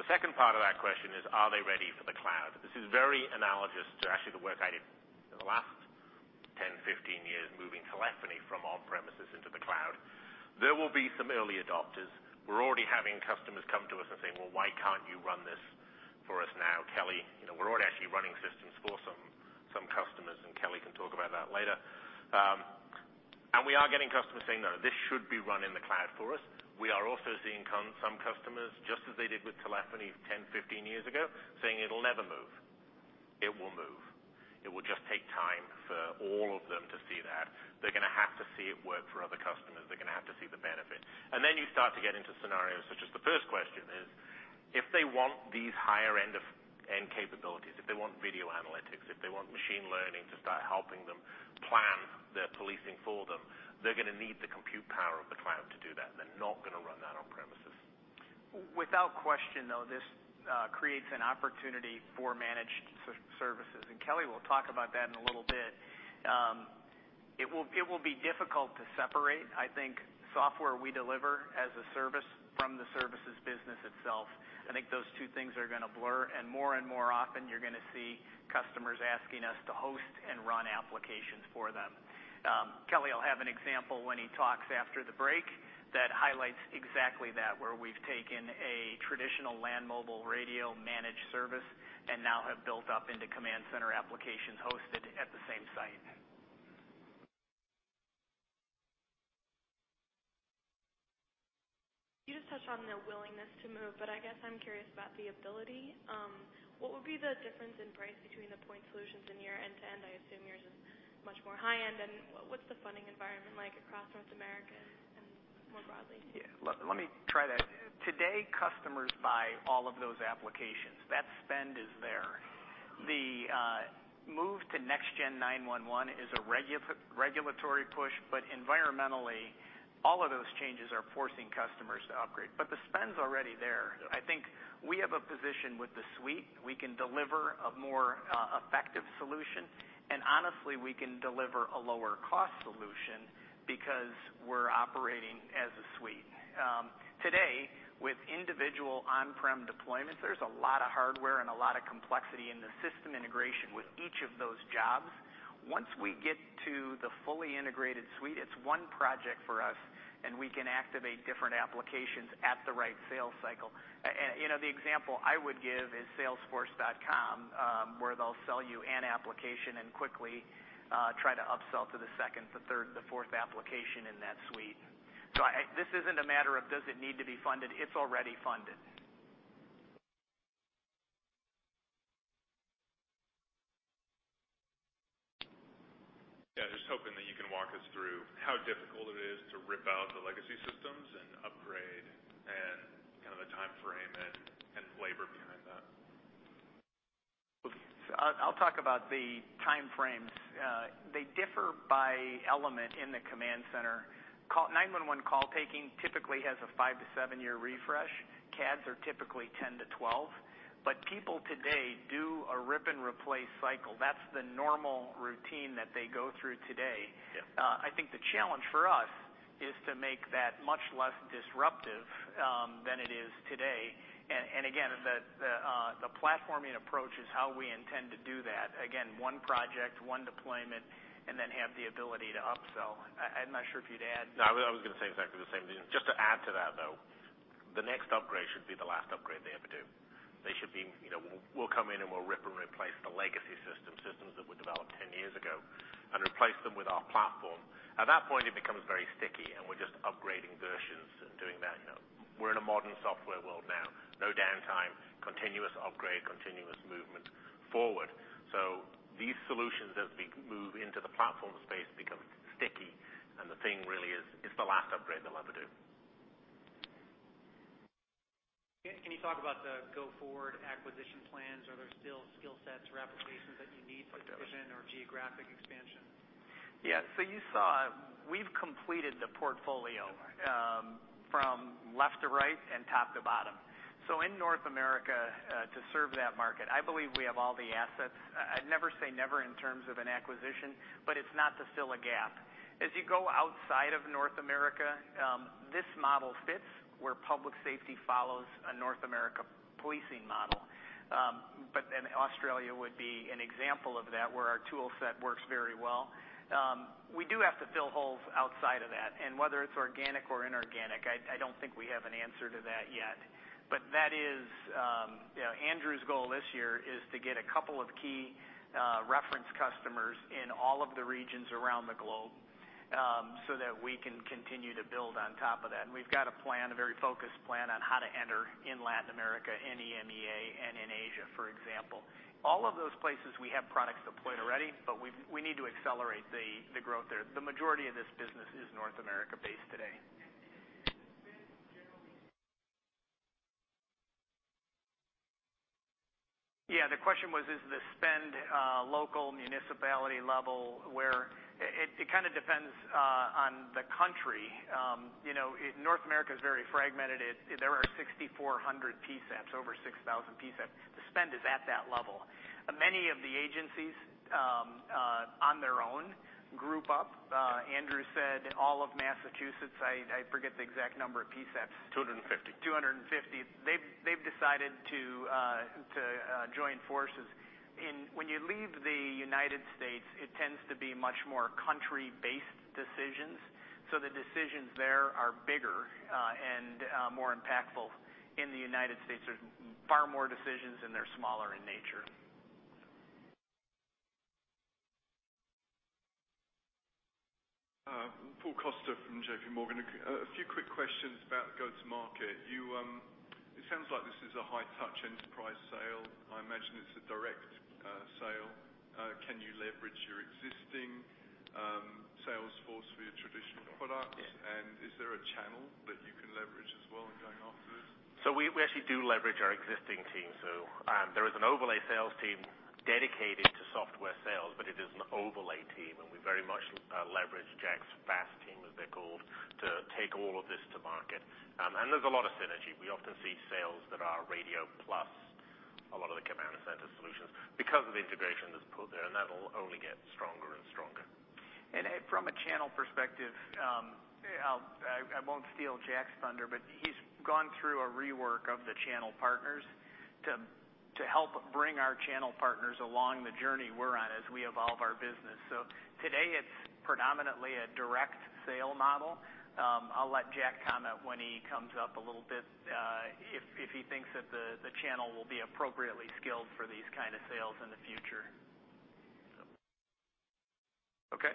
The second part of that question is, are they ready for the cloud? This is very analogous to actually the work I did in the last 10, 15 years, moving telephony from on-premises into the cloud. There will be some early adopters. We're already having customers come to us and say, "Well, why can't you run this for us now, Kelly?" You know, we're already actually running systems for some customers, and Kelly can talk about that later. And we are getting customers saying, "No, this should be run in the cloud for us." We are also seeing some customers, just as they did with telephony 10, 15 years ago, saying, "It'll never move." It will move. It will just take time for all of them to see that. They're going to have to see it work for other customers. They're going to have to see the benefit. Then you start to get into scenarios such as the first question is, if they want these higher-end capabilities, if they want video analytics, if they want machine learning to start helping them plan their policing for them, they're going to need the compute power of the cloud to do that. They're not going to run that on premises. Without question, though, this creates an opportunity for managed services, and Kelly will talk about that in a little bit. It will, it will be difficult to separate, I think, software we deliver as a service from the services business itself. I think those two things are going to blur, and more and more often, you're going to see customers asking us to host and run applications for them. Kelly will have an example when he talks after the break, that highlights exactly that, where we've taken a traditional Land Mobile Radio managed service and now have built up into command center applications hosted at the same site. You just touched on their willingness to move, but I guess I'm curious about the ability. What would be the difference in price between the point solutions and your end-to-end? I assume yours is much more high-end. And what's the funding environment like across North America and more broadly? Yeah, let me try that. Today, customers buy all of those applications. The move to next-gen 911 is a regulatory push, but environmentally, all of those changes are forcing customers to upgrade. But the spend's already there. I think we have a position with the suite. We can deliver a more effective solution, and honestly, we can deliver a lower cost solution because we're operating as a suite. Today, with individual on-prem deployments, there's a lot of hardware and a lot of complexity in the system integration with each of those jobs. Once we get to the fully integrated suite, it's one project for us, and we can activate different applications at the right sales cycle. You know, the example I would give is Salesforce.com, where they'll sell you an application and quickly try to upsell to the second, the third, the fourth application in that suite. So this isn't a matter of does it need to be funded? It's already funded. Yeah, just hoping that you can walk us through how difficult it is to rip out the legacy systems and upgrade, and kind of the timeframe and, and labor behind that? I'll talk about the timeframes. They differ by element in the command center. 911 call taking typically has a 5-7-year refresh. CADs are typically 10-12, but people today do a rip and replace cycle. That's the normal routine that they go through today. Yep. I think the challenge for us is to make that much less disruptive than it is today. And again, the platforming approach is how we intend to do that. Again, one project, one deployment, and then have the ability to upsell. I'm not sure if you'd add. No, I was, I was gonna say exactly the same thing. Just to add to that, though, the next upgrade should be the last upgrade they ever do. They should be... You know, we'll, we'll come in, and we'll rip and replace the legacy system, systems that were developed ten years ago, and replace them with our platform. At that point, it becomes very sticky, and we're just upgrading versions and doing that. You know, we're in a modern software world now. No downtime, continuous upgrade, continuous movement forward. So these solutions, as we move into the platform space, become sticky, and the thing really is, it's the last upgrade they'll ever do. Can you talk about the go-forward acquisition plans? Are there still skill sets or applications that you need for division or geographic expansion? Yeah. So you saw we've completed the portfolio from left to right and top to bottom. So in North America to serve that market, I believe we have all the assets. I'd never say never in terms of an acquisition, but it's not to fill a gap. As you go outside of North America, this model fits where public safety follows a North America policing model. But then Australia would be an example of that, where our toolset works very well. We do have to fill holes outside of that, and whether it's organic or inorganic, I don't think we have an answer to that yet. But that is. Andrew's goal this year is to get a couple of key reference customers in all of the regions around the globe so that we can continue to build on top of that. We've got a plan, a very focused plan, on how to enter in Latin America, in EMEA, and in Asia, for example. All of those places, we have products deployed already, but we need to accelerate the growth there. The majority of this business is North America-based today. Is the spend generally- Yeah, the question was, is the spend local municipality level, where... It kind of depends on the country. You know, North America is very fragmented. There are 6,400 PSAPs, over 6,000 PSAPs. The spend is at that level. Many of the agencies on their own, group up. Andrew said all of Massachusetts, I forget the exact number of PSAPs. 250. 250. They've decided to join forces. When you leave the United States, it tends to be much more country-based decisions, so the decisions there are bigger and more impactful. In the United States, there's far more decisions, and they're smaller in nature. Paul Coster from JPMorgan. A few quick questions about go-to-market. You... It sounds like this is a high-touch enterprise sale. I imagine it's a direct sale. Can you leverage your existing sales force for your traditional products? Yeah. Is there a channel that you can leverage as well in going after this? We actually do leverage our existing team. There is an overlay sales team dedicated to software sales, but it is an overlay team, and we very much leverage Jack's FAST team, as they're called, to take all of this to market. And there's a lot of synergy. We often see sales that are radio plus a lot of the command center solutions because of the integration that's put there, and that'll only get stronger and stronger. And from a channel perspective, I won't steal Jack's thunder, but he's gone through a rework of the channel partners to help bring our channel partners along the journey we're on as we evolve our business. So today, it's predominantly a direct sale model. I'll let Jack comment when he comes up a little bit, if he thinks that the channel will be appropriately skilled for these kind of sales in the future. Okay.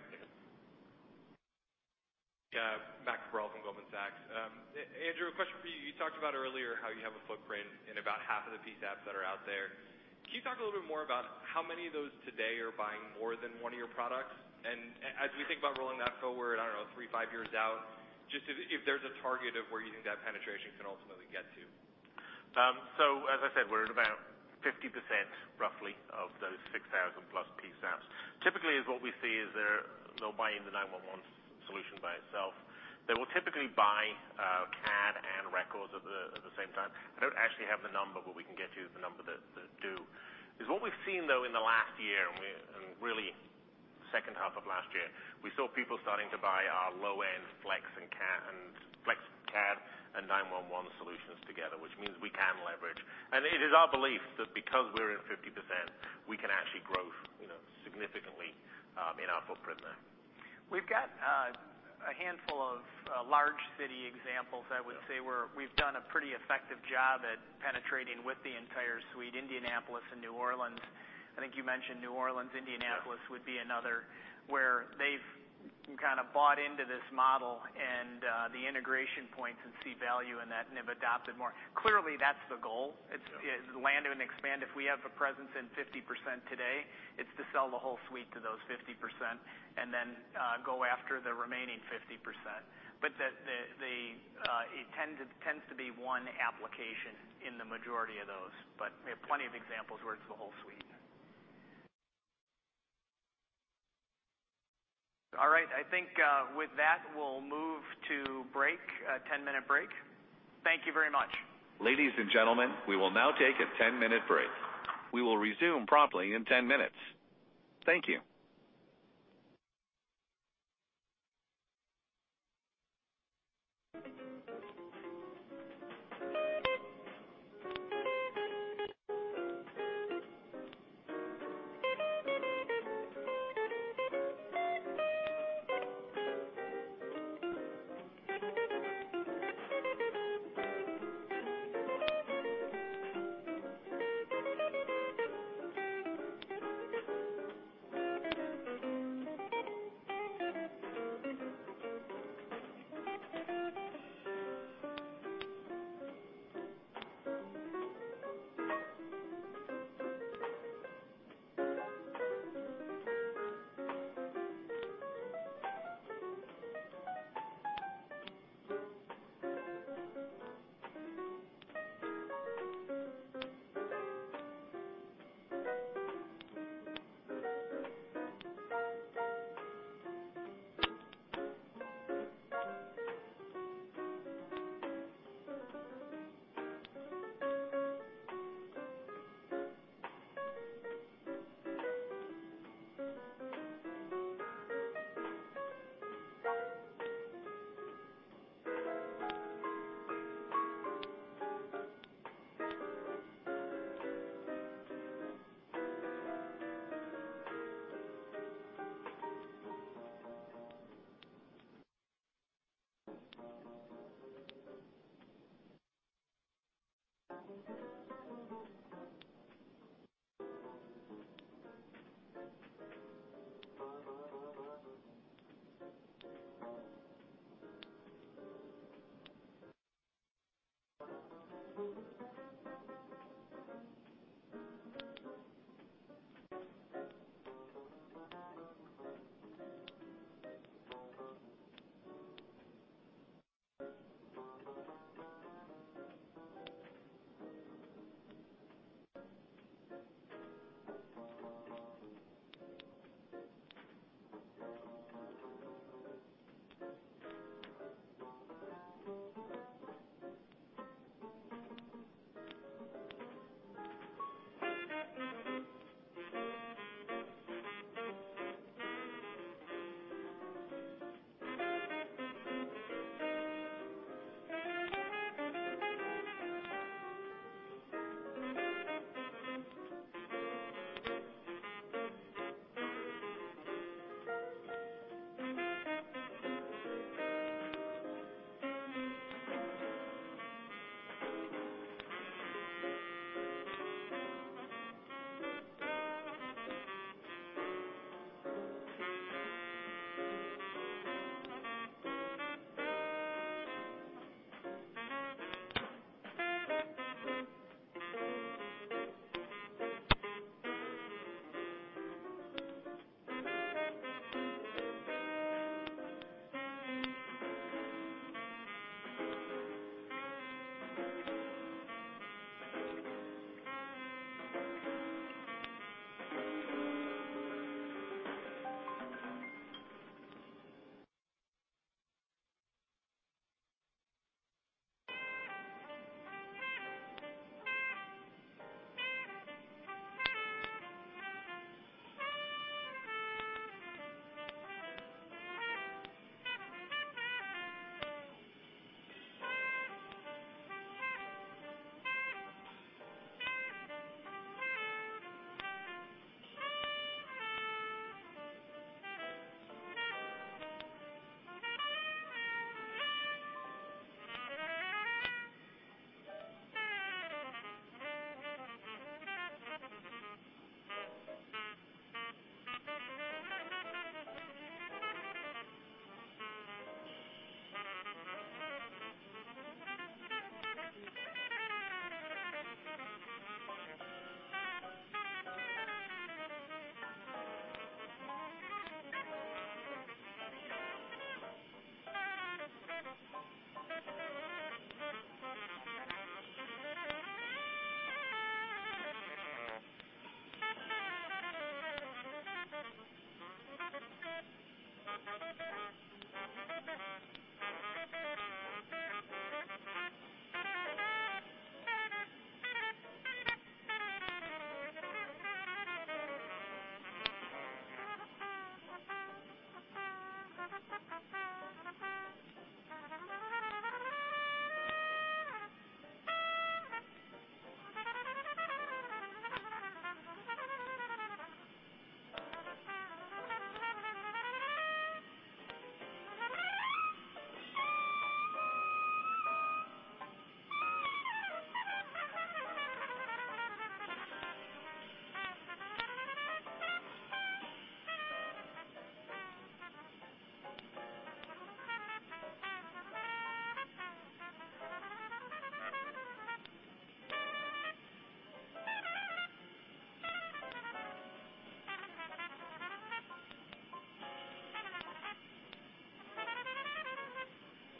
Yeah. Matt Brooks from Goldman Sachs. Andrew, a question for you. You talked about earlier how you have a footprint in about half of the PSAPs that are out there. Can you talk a little bit more about how many of those- ...more than one of your products? And as we think about rolling that forward, I don't know, three, five years out, just if there's a target of where you think that penetration can ultimately get to? So as I said, we're at about 50%, roughly, of those 6,000+ PSAPs. Typically, what we see is they'll buy the 911 solution by itself. They will typically buy CAD and records at the same time. I don't actually have the number, but we can get you the number that do. Because what we've seen, though, in the last year, and really second half of last year, we saw people starting to buy our low-end Flex and CAD and Flex, CAD, and 911 solutions together, which means we can leverage. And it is our belief that because we're in 50%, we can actually grow, you know, significantly, in our footprint there. We've got a handful of large city examples, I would say, where we've done a pretty effective job at penetrating with the entire suite, Indianapolis and New Orleans. I think you mentioned New Orleans. Indianapolis would be another, where they've kind of bought into this model and the integration points and see value in that, and they've adopted more. Clearly, that's the goal. Yeah. It's land and expand. If we have a presence in 50% today, it's to sell the whole suite to those 50% and then go after the remaining 50%. But the it tends to be one application in the majority of those, but we have plenty of examples where it's the whole suite. All right. I think with that, we'll move to break, a 10-minute break. Thank you very much. Ladies and gentlemen, we will now take a 10-minute break. We will resume promptly in 10 minutes. Thank you.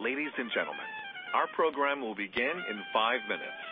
Ladies and gentlemen, our program will begin in five minutes.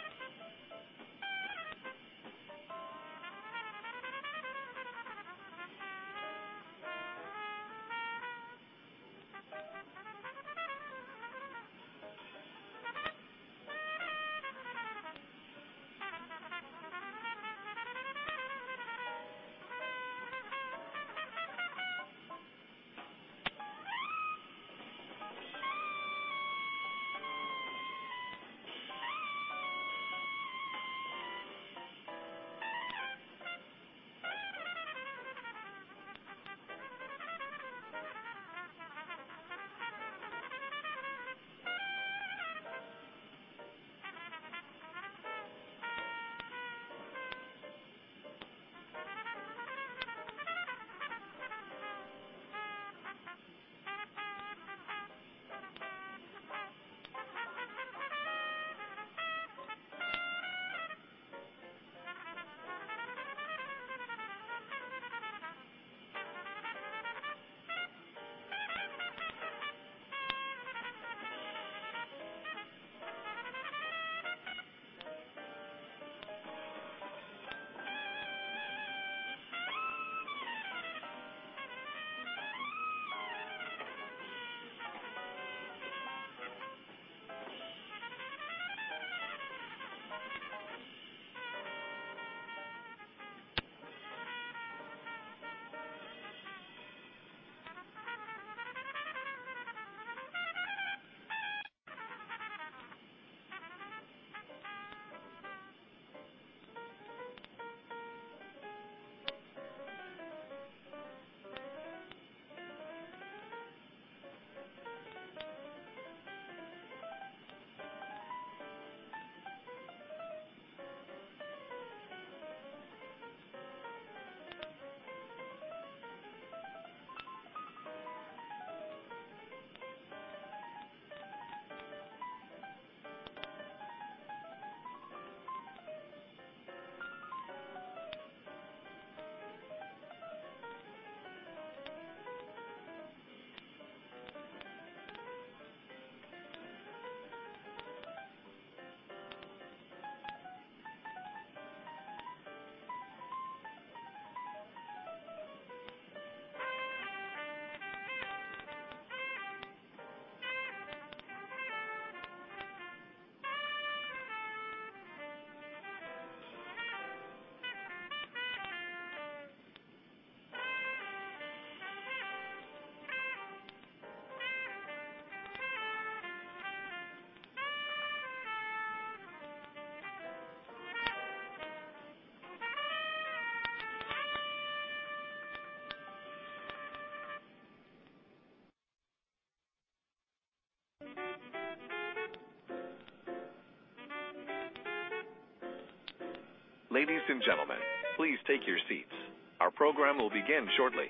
Ladies and gentlemen, please take your seats. Our program will begin shortly.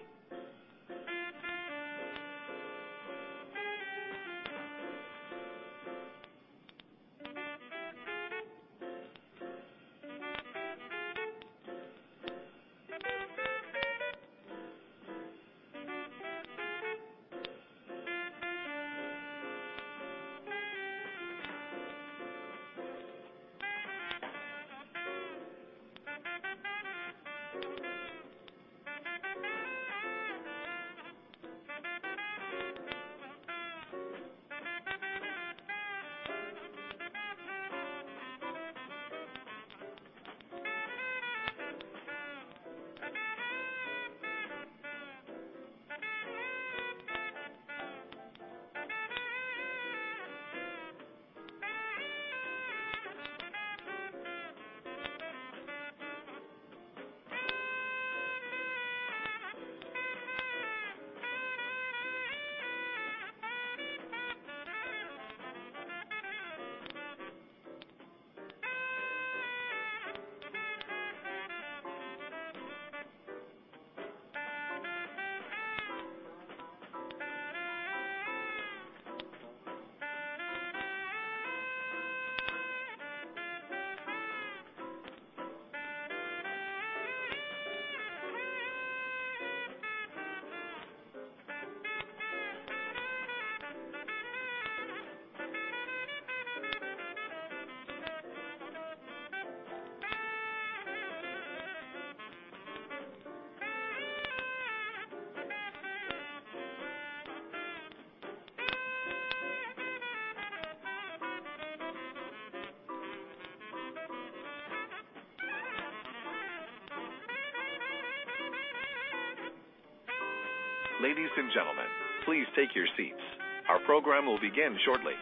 Ladies and gentlemen, please take your seats. Our program will begin shortly.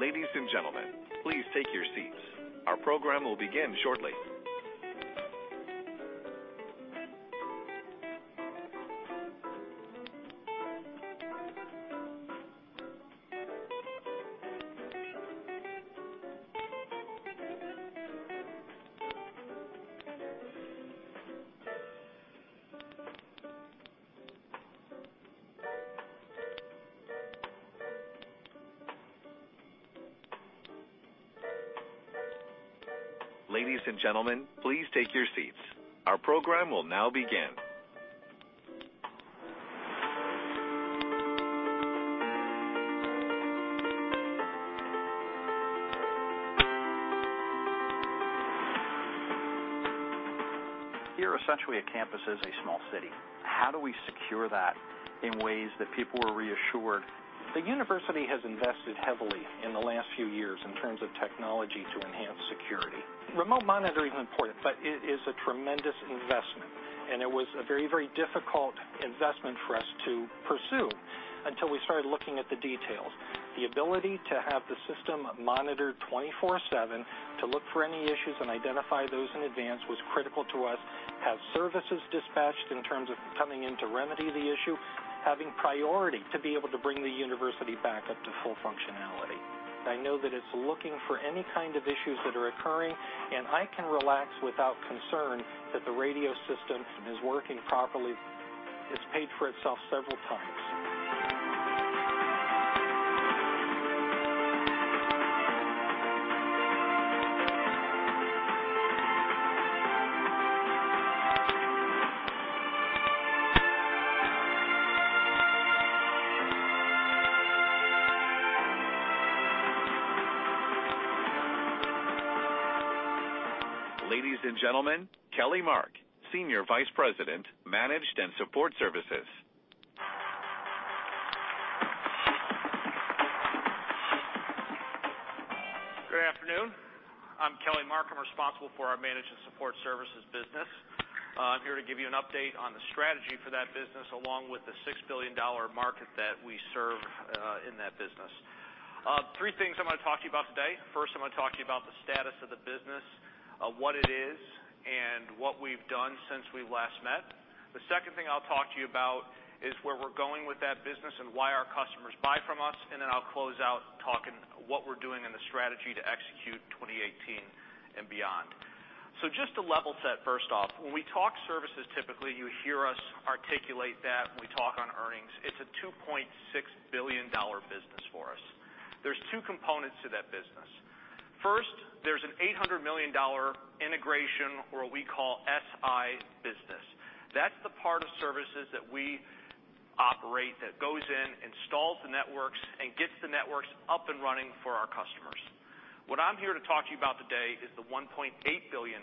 Ladies and gentlemen, please take your seats. Our program will now begin. Here, essentially, a campus is a small city. How do we secure that in ways that people are reassured? The university has invested heavily in the last few years in terms of technology to enhance security. Remote monitoring is important, but it is a tremendous investment, and it was a very, very difficult investment for us to pursue until we started looking at the details. The ability to have the system monitored 24/7, to look for any issues and identify those in advance, was critical to us. Have services dispatched in terms of coming in to remedy the issue, having priority to be able to bring the university back up to full functionality. I know that it's looking for any kind of issues that are occurring, and I can relax without concern that the radio system is working properly. It's paid for itself several times. Ladies and gentlemen, Kelly Mark, Senior Vice President, Managed and Support Services. Good afternoon. I'm Kelly Mark. I'm responsible for our Managed and Support Services business. I'm here to give you an update on the strategy for that business, along with the $6 billion market that we serve in that business. Three things I'm going to talk to you about today. First, I'm going to talk to you about the status of the business, of what it is and what we've done since we last met. The second thing I'll talk to you about is where we're going with that business and why our customers from us, and then I'll close out talking what we're doing and the strategy to execute 2018 and beyond. So just to level set, first off, when we talk services, typically, you hear us articulate that when we talk on earnings, it's a $2.6 billion business for us. There's two components to that business. First, there's an $800 million dollar integration or what we call SI business. That's the part of services that we operate that goes in, installs the networks, and gets the networks up and running for our customers. What I'm here to talk to you about today is the $1.8 billion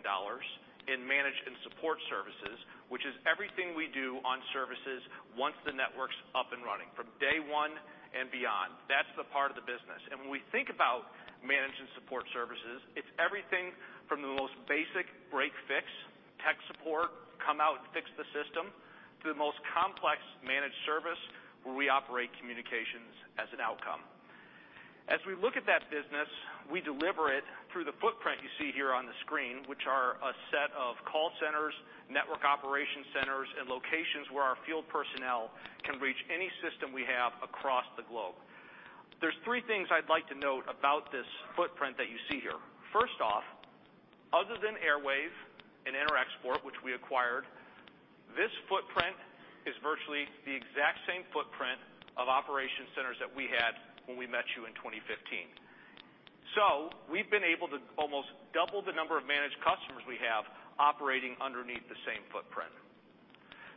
in managed and support services, which is everything we do on services once the network's up and running, from day one and beyond. That's the part of the business. When we think about managed and support services, it's everything from the most basic break, fix, tech support, come out and fix the system, to the most complex managed service, where we operate communications as an outcome. As we look at that business, we deliver it through the footprint you see here on the screen, which are a set of call centers, Network Operations Centers, and locations where our field personnel can reach any system we have across the globe. There's three things I'd like to note about this footprint that you see here. First off, other than Airwave and Interexport, which we acquired, this footprint is virtually the exact same footprint of Operations Centers that we had when we met you in 2015. So we've been able to almost double the number of managed customers we have operating underneath the same footprint.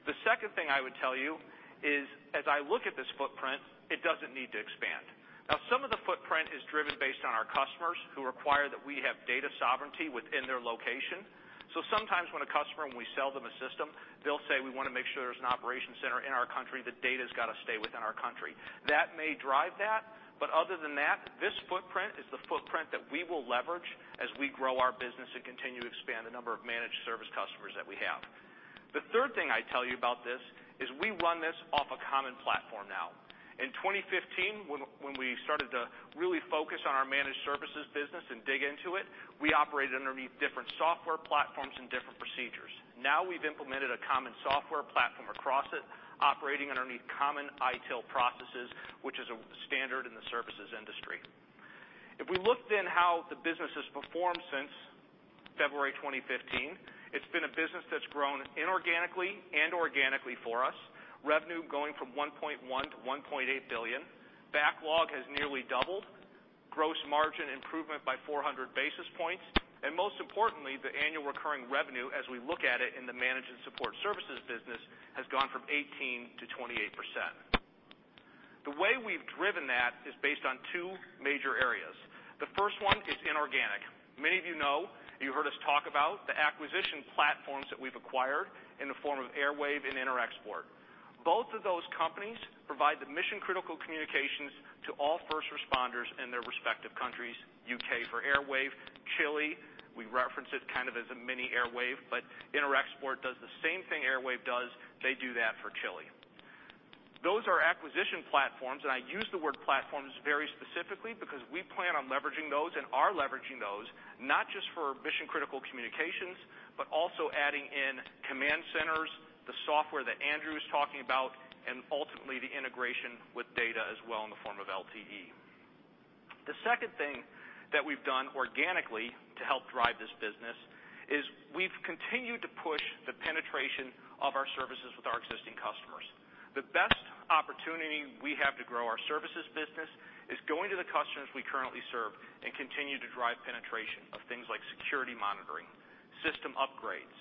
The second thing I would tell you is, as I look at this footprint, it doesn't need to expand. Now, some of the footprint is driven based on our customers, who require that we have data sovereignty within their location. So sometimes when a customer, when we sell them a system, they'll say, "We want to make sure there's an operations center in our country, the data's got to stay within our country." That may drive that, but other than that, this footprint is the footprint that we will leverage as we grow our business and continue to expand the number of managed services customers that we have. The third thing I tell you about this is we run this off a common platform now. In 2015, when we started to really focus on our managed services business and dig into it, we operated underneath different software platforms and different procedures. Now we've implemented a common software platform across it, operating underneath common ITIL processes, which is a standard in the services industry. If we looked in how the business has performed since February 2015, it's been a business that's grown inorganically and organically for us. Revenue going from $1.1 billion to $1.8 billion, backlog has nearly doubled, gross margin improvement by 400 basis points, and most importantly, the annual recurring revenue, as we look at it in the managed and support services business, has gone from 18% to 28%. The way we've driven that is based on two major areas. The first one is inorganic. Many of you know, you heard us talk about the acquisition platforms that we've acquired in the form of Airwave and Interexport. Both of those companies provide the mission-critical communications to all first responders in their respective countries, U.K. for Airwave, Chile, we reference it kind of as a mini Airwave, but Interexport does the same thing Airwave does. They do that for Chile. Those are acquisition platforms, and I use the word platforms very specifically because we plan on leveraging those and are leveraging those, not just for mission-critical communications, but also adding in command centers, the software that Andrew is talking about, and ultimately, the integration with data as well in the form of LTE. The second thing that we've done organically to help drive this business is we've continued to push the penetration of our services with our existing customers. The best opportunity we have to grow our services business is going to the customers we currently serve and continue to drive penetration of things like security monitoring, system upgrades,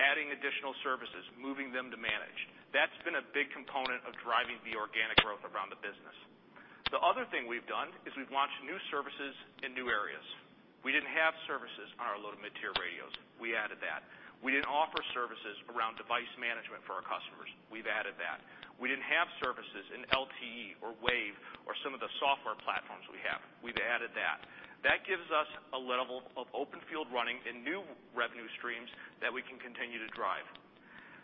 adding additional services, moving them to managed. That's been a big component of driving the organic growth around the business. The other thing we've done is we've launched new services in new areas. We didn't have services on our low to mid-tier radios. We added that. We didn't offer services around device management for our customers. We've added that. We didn't have services in LTE or WAVE or some of the software platforms we have. We've added that. That gives us a level of open field running and new revenue streams that we can continue to drive.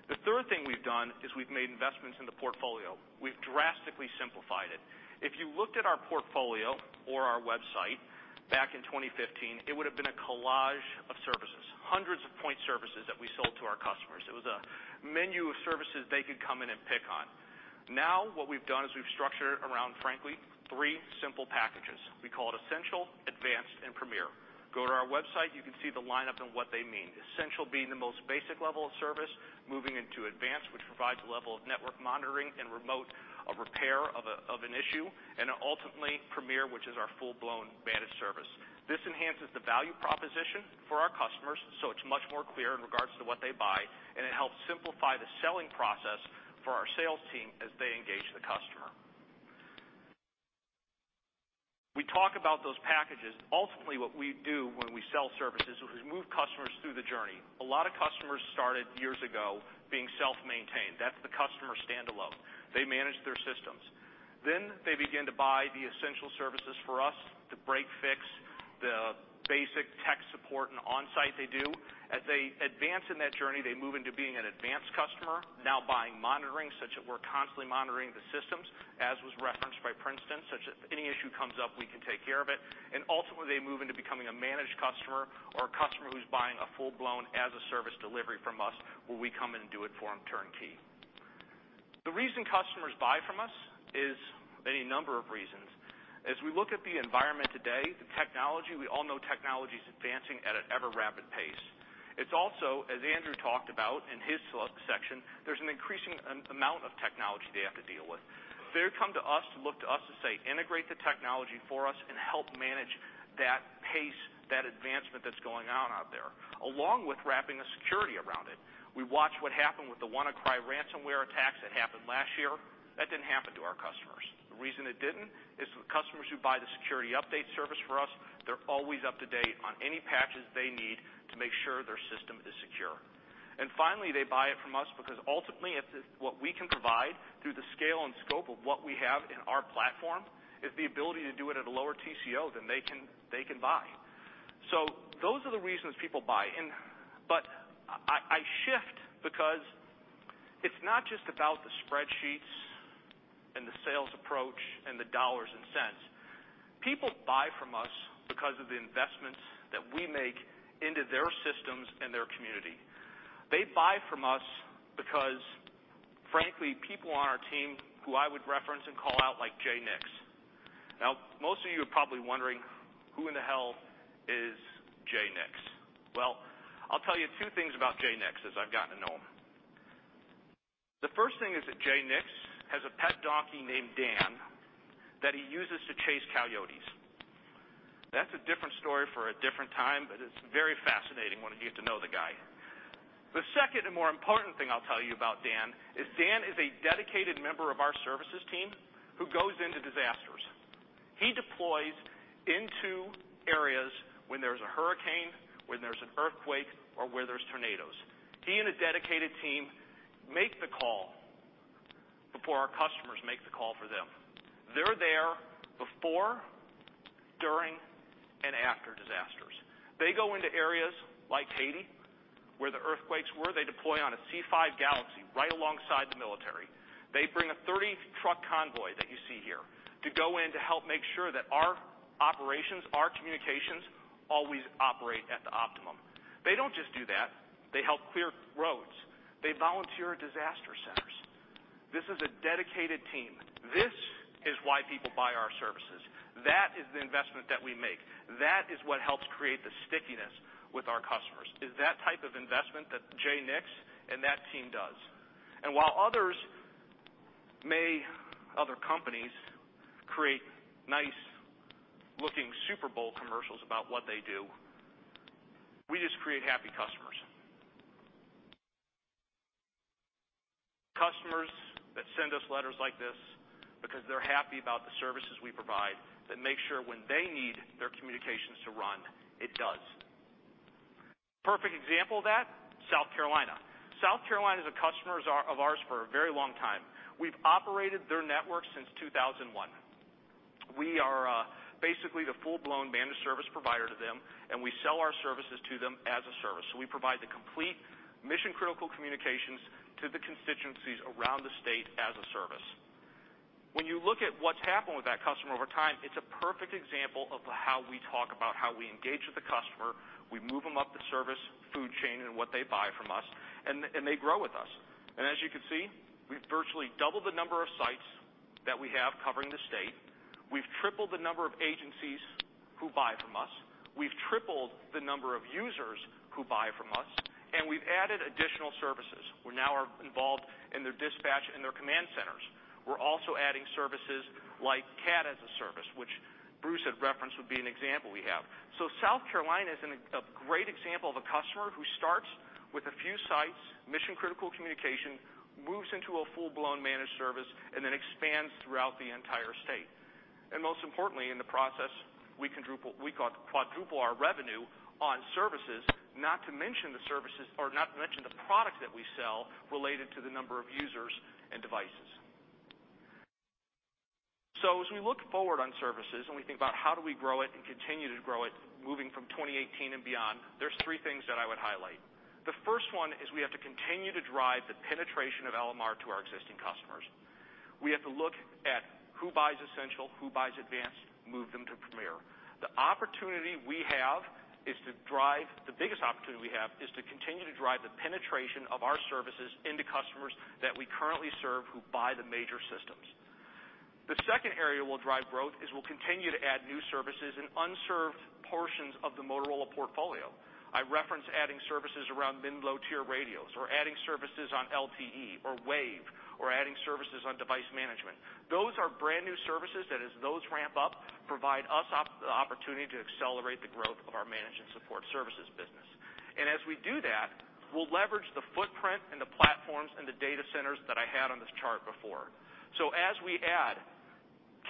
The third thing we've done is we've made investments in the portfolio. We've drastically simplified it. If you looked at our portfolio or our website back in 2015, it would have been a collage of services, hundreds of point services that we sold to our customers. It was a menu of services they could come in and pick on. Now, what we've done is we've structured it around, frankly, three simple packages. We call it Essential, Advanced, and Premier. Go to our website. You can see the lineup and what they mean. Essential being the most basic level of service, moving into Advanced, which provides a level of network monitoring and remote repair of an issue, and ultimately, Premier, which is our full-blown managed service. This enhances the value proposition for our customers, so it's much more clear in regards to what they buy, and it helps simplify the selling process for our sales team as they engage the customer. We talk about those packages. Ultimately, what we do when we sell services, is we move customers through the journey. A lot of customers started years ago being self-maintained. That's the customer standalone. They manage their systems. Then they begin to buy the essential services for us to break fix, the basic tech support and onsite they do. As they advance in that journey, they move into being an advanced customer, now buying monitoring, such that we're constantly monitoring the systems, as was referenced by Princeton.... comes up, we can take care of it, and ultimately, they move into becoming a managed customer or a customer who's buying a full-blown as-a-service delivery from us, where we come in and do it for them turnkey. The reason customers buy from us is any number of reasons. As we look at the environment today, the technology, we all know technology is advancing at an ever-rapid pace. It's also, as Andrew talked about in his section, there's an increasing amount of technology they have to deal with. They come to us, to look to us to say, "Integrate the technology for us and help manage that pace, that advancement that's going on out there, along with wrapping the security around it." We watched what happened with the WannaCry ransomware attacks that happened last year. That didn't happen to our customers. The reason it didn't is the customers who buy the security update service from us, they're always up to date on any patches they need to make sure their system is secure. And finally, they buy it from us because ultimately, what we can provide through the scale and scope of what we have in our platform is the ability to do it at a lower TCO than they can, they can buy. So those are the reasons people buy. But I shift because it's not just about the spreadsheets and the sales approach and the dollars and cents. People buy from us because of the investments that we make into their systems and their community. They buy from us because, frankly, people on our team who I would reference and call out, like Jay Nix. Now, most of you are probably wondering, "Who in the hell is Jay Nix?" Well, I'll tell you two things about Jay Nix, as I've gotten to know him. The first thing is that Jay Nix has a pet donkey named Dan, that he uses to chase coyotes. That's a different story for a different time, but it's very fascinating when you get to know the guy. The second and more important thing I'll tell you about Jay Nix is Jay Nix is a dedicated member of our services team who goes into disasters. He deploys into areas when there's a hurricane, when there's an earthquake, or where there's tornadoes. He and a dedicated team make the call before our customers make the call for them. They're there before, during, and after disasters. They go into areas like Haiti, where the earthquakes were. They deploy on a C5 Galaxy right alongside the military. They bring a 30-truck convoy that you see here to go in to help make sure that our operations, our communications, always operate at the optimum. They don't just do that. They help clear roads. They volunteer at disaster centers. This is a dedicated team. This is why people buy our services. That is the investment that we make. That is what helps create the stickiness with our customers, is that type of investment that Jay Nix and that team does. While others may, other companies, create nice-looking Super Bowl commercials about what they do, we just create happy customers. Customers that send us letters like this because they're happy about the services we provide, that make sure when they need their communications to run, it does. Perfect example of that, South Carolina. South Carolina is a customer of ours for a very long time. We've operated their network since 2001. We are basically the full-blown managed service provider to them, and we sell our services to them as a service. So we provide the complete mission-critical communications to the constituencies around the state as a service. When you look at what's happened with that customer over time, it's a perfect example of how we talk about how we engage with the customer. We move them up the service food chain and what they buy from us, and they grow with us. As you can see, we've virtually doubled the number of sites that we have covering the state. We've tripled the number of agencies who buy from us. We've tripled the number of users who buy from us, and we've added additional services. We now are involved in their dispatch and their command centers. We're also adding services like CAD as a service, which Bruce had referenced, would be an example we have. So South Carolina is a great example of a customer who starts with a few sites, mission-critical communication, moves into a full-blown managed service, and then expands throughout the entire state. Most importantly, in the process, we can quadruple our revenue on services, not to mention the services or not to mention the products that we sell related to the number of users and devices. So as we look forward on services and we think about how do we grow it and continue to grow it, moving from 2018 and beyond, there's three things that I would highlight. The first one is we have to continue to drive the penetration of LMR to our existing customers. We have to look at who buys essential, who buys advanced, move them to premier. The biggest opportunity we have is to continue to drive the penetration of our services into customers that we currently serve, who buy the major systems. The second area we'll drive growth is we'll continue to add new services in unserved portions of the Motorola portfolio. I reference adding services around mid-low tier radios or adding services on LTE or Wave, or adding services on device management. Those are brand-new services that as those ramp up, provide us the opportunity to accelerate the growth of our managed and support services business. And as we do that, we'll leverage the footprint and the platforms and the data centers that I had on this chart before. So as we add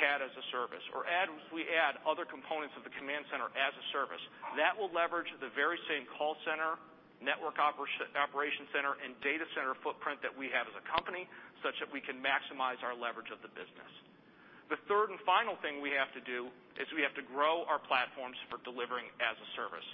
CAD as a service or add, we add other components of the command center as a service, that will leverage the very same call center, network operation center, and data center footprint that we have as a company, such that we can maximize our leverage of the business. The third and final thing we have to do is we have to grow our platforms for delivering as a service.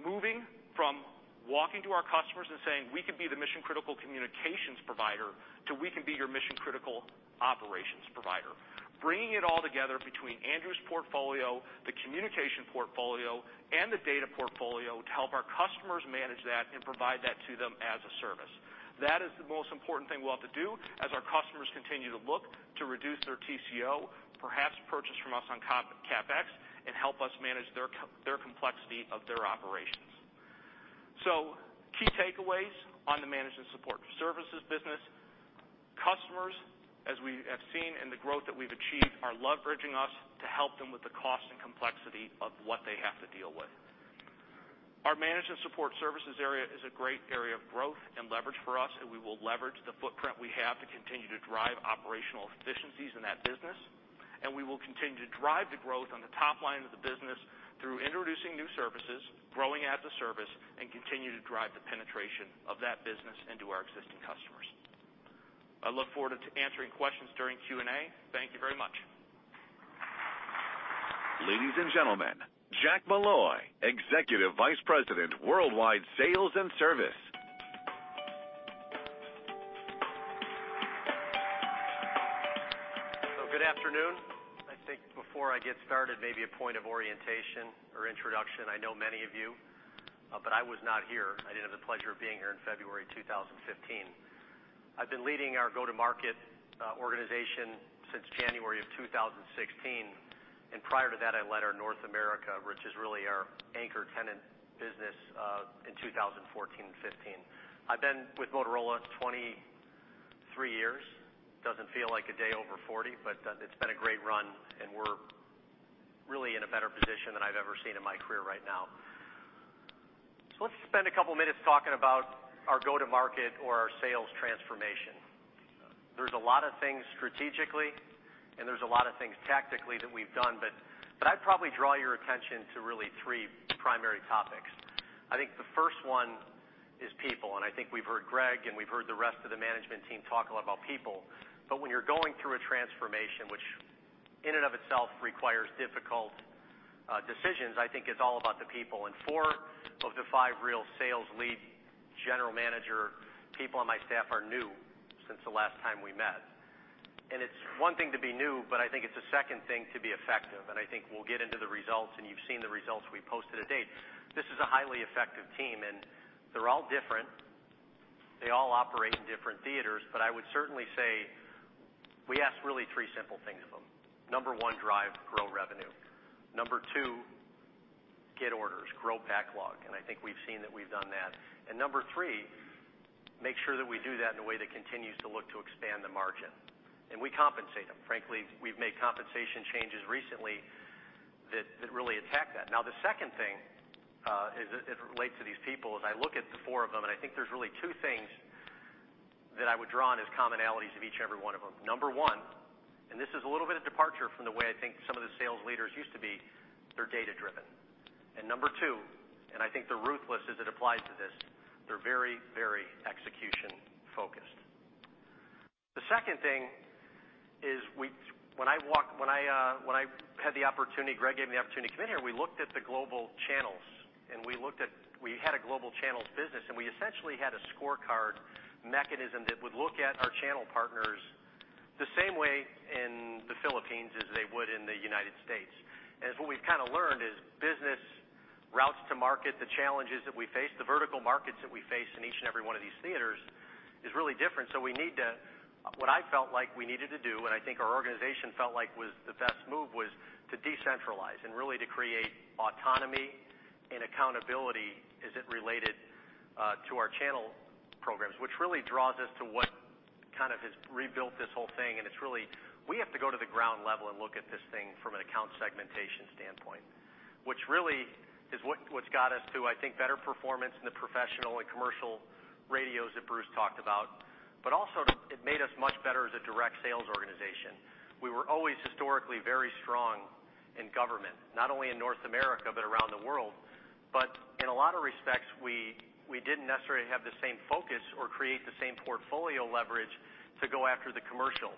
Moving from walking to our customers and saying, "We can be the mission-critical communications provider," to, "We can be your mission-critical operations provider." Bringing it all together between Andrew's portfolio, the communication portfolio, and the data portfolio to help our customers manage that and provide that to them as a service. That is the most important thing we'll have to do as our customers continue to look to reduce their TCO, perhaps purchase from us on CapEx, and help us manage their complexity of their operations. So key takeaways on the Managed and Support Services business, customers, as we have seen in the growth that we've achieved, are leveraging us to help them with the cost and complexity of what they have to deal with. Our Managed and Support Services area is a great area of growth and leverage for us, and we will leverage the footprint we have to continue to drive operational efficiencies in that business. We will continue to drive the growth on the top line of the business through introducing new services, growing as a service, and continue to drive the penetration of that business into our existing customers. I look forward to answering questions during Q&A. Thank you very much. Ladies and gentlemen, Jack Molloy, Executive Vice President, Worldwide Sales and Service. So good afternoon. I think before I get started, maybe a point of orientation or introduction. I know many of you, but I was not here. I didn't have the pleasure of being here in February 2015. I've been leading our go-to-market organization since January of 2016, and prior to that, I led our North America, which is really our anchor tenant business, in 2014 and 2015. I've been with Motorola 23 years. Doesn't feel like a day over 40, but, it's been a great run, and we're really in a better position than I've ever seen in my career right now. So let's spend a couple minutes talking about our go-to-market or our sales transformation. There's a lot of things strategically, and there's a lot of things tactically that we've done, but, but I'd probably draw your attention to really three primary topics. I think the first one is people, and I think we've heard Greg, and we've heard the rest of the management team talk a lot about people. But when you're going through a transformation, which in and of itself requires difficult decisions, I think it's all about the people. And four of the five real sales lead general manager people on my staff are new since the last time we met. And it's one thing to be new, but I think it's a second thing to be effective, and I think we'll get into the results, and you've seen the results we posted to date. This is a highly effective team, and they're all different. They all operate in different theaters, but I would certainly say we ask really three simple things of them. Number one, drive, grow revenue. Number two, get orders, grow backlog, and I think we've seen that we've done that. Number three, make sure that we do that in a way that continues to look to expand the margin, and we compensate them. Frankly, we've made compensation changes recently that, that really attack that. Now, the second thing, as it relates to these people, as I look at the four of them, and I think there's really two things that I would draw on as commonalities of each and every one of them. Number one, and this is a little bit of departure from the way I think some of the sales leaders used to be, they're data-driven. And number two, and I think they're ruthless as it applies to this, they're very, very execution-focused. The second thing is when I had the opportunity, Greg gave me the opportunity to come in here. We looked at the global channels, and we had a global channels business, and we essentially had a scorecard mechanism that would look at our channel partners the same way in the Philippines as they would in the United States. What we've kind of learned is business routes to market, the challenges that we face, the vertical markets that we face in each and every one of these theaters is really different. So what I felt like we needed to do, and I think our organization felt like was the best move, was to decentralize and really to create autonomy and accountability as it related to our channel programs, which really draws us to what kind of has rebuilt this whole thing. And it's really, we have to go to the ground level and look at this thing from an account segmentation standpoint, which really is what, what's got us to, I think, better performance in the professional and commercial radios that Bruce talked about, but also it made us much better as a direct sales organization. We were always historically very strong in government, not only in North America, but around the world. But in a lot of respects, we, we didn't necessarily have the same focus or create the same portfolio leverage to go after the commercial,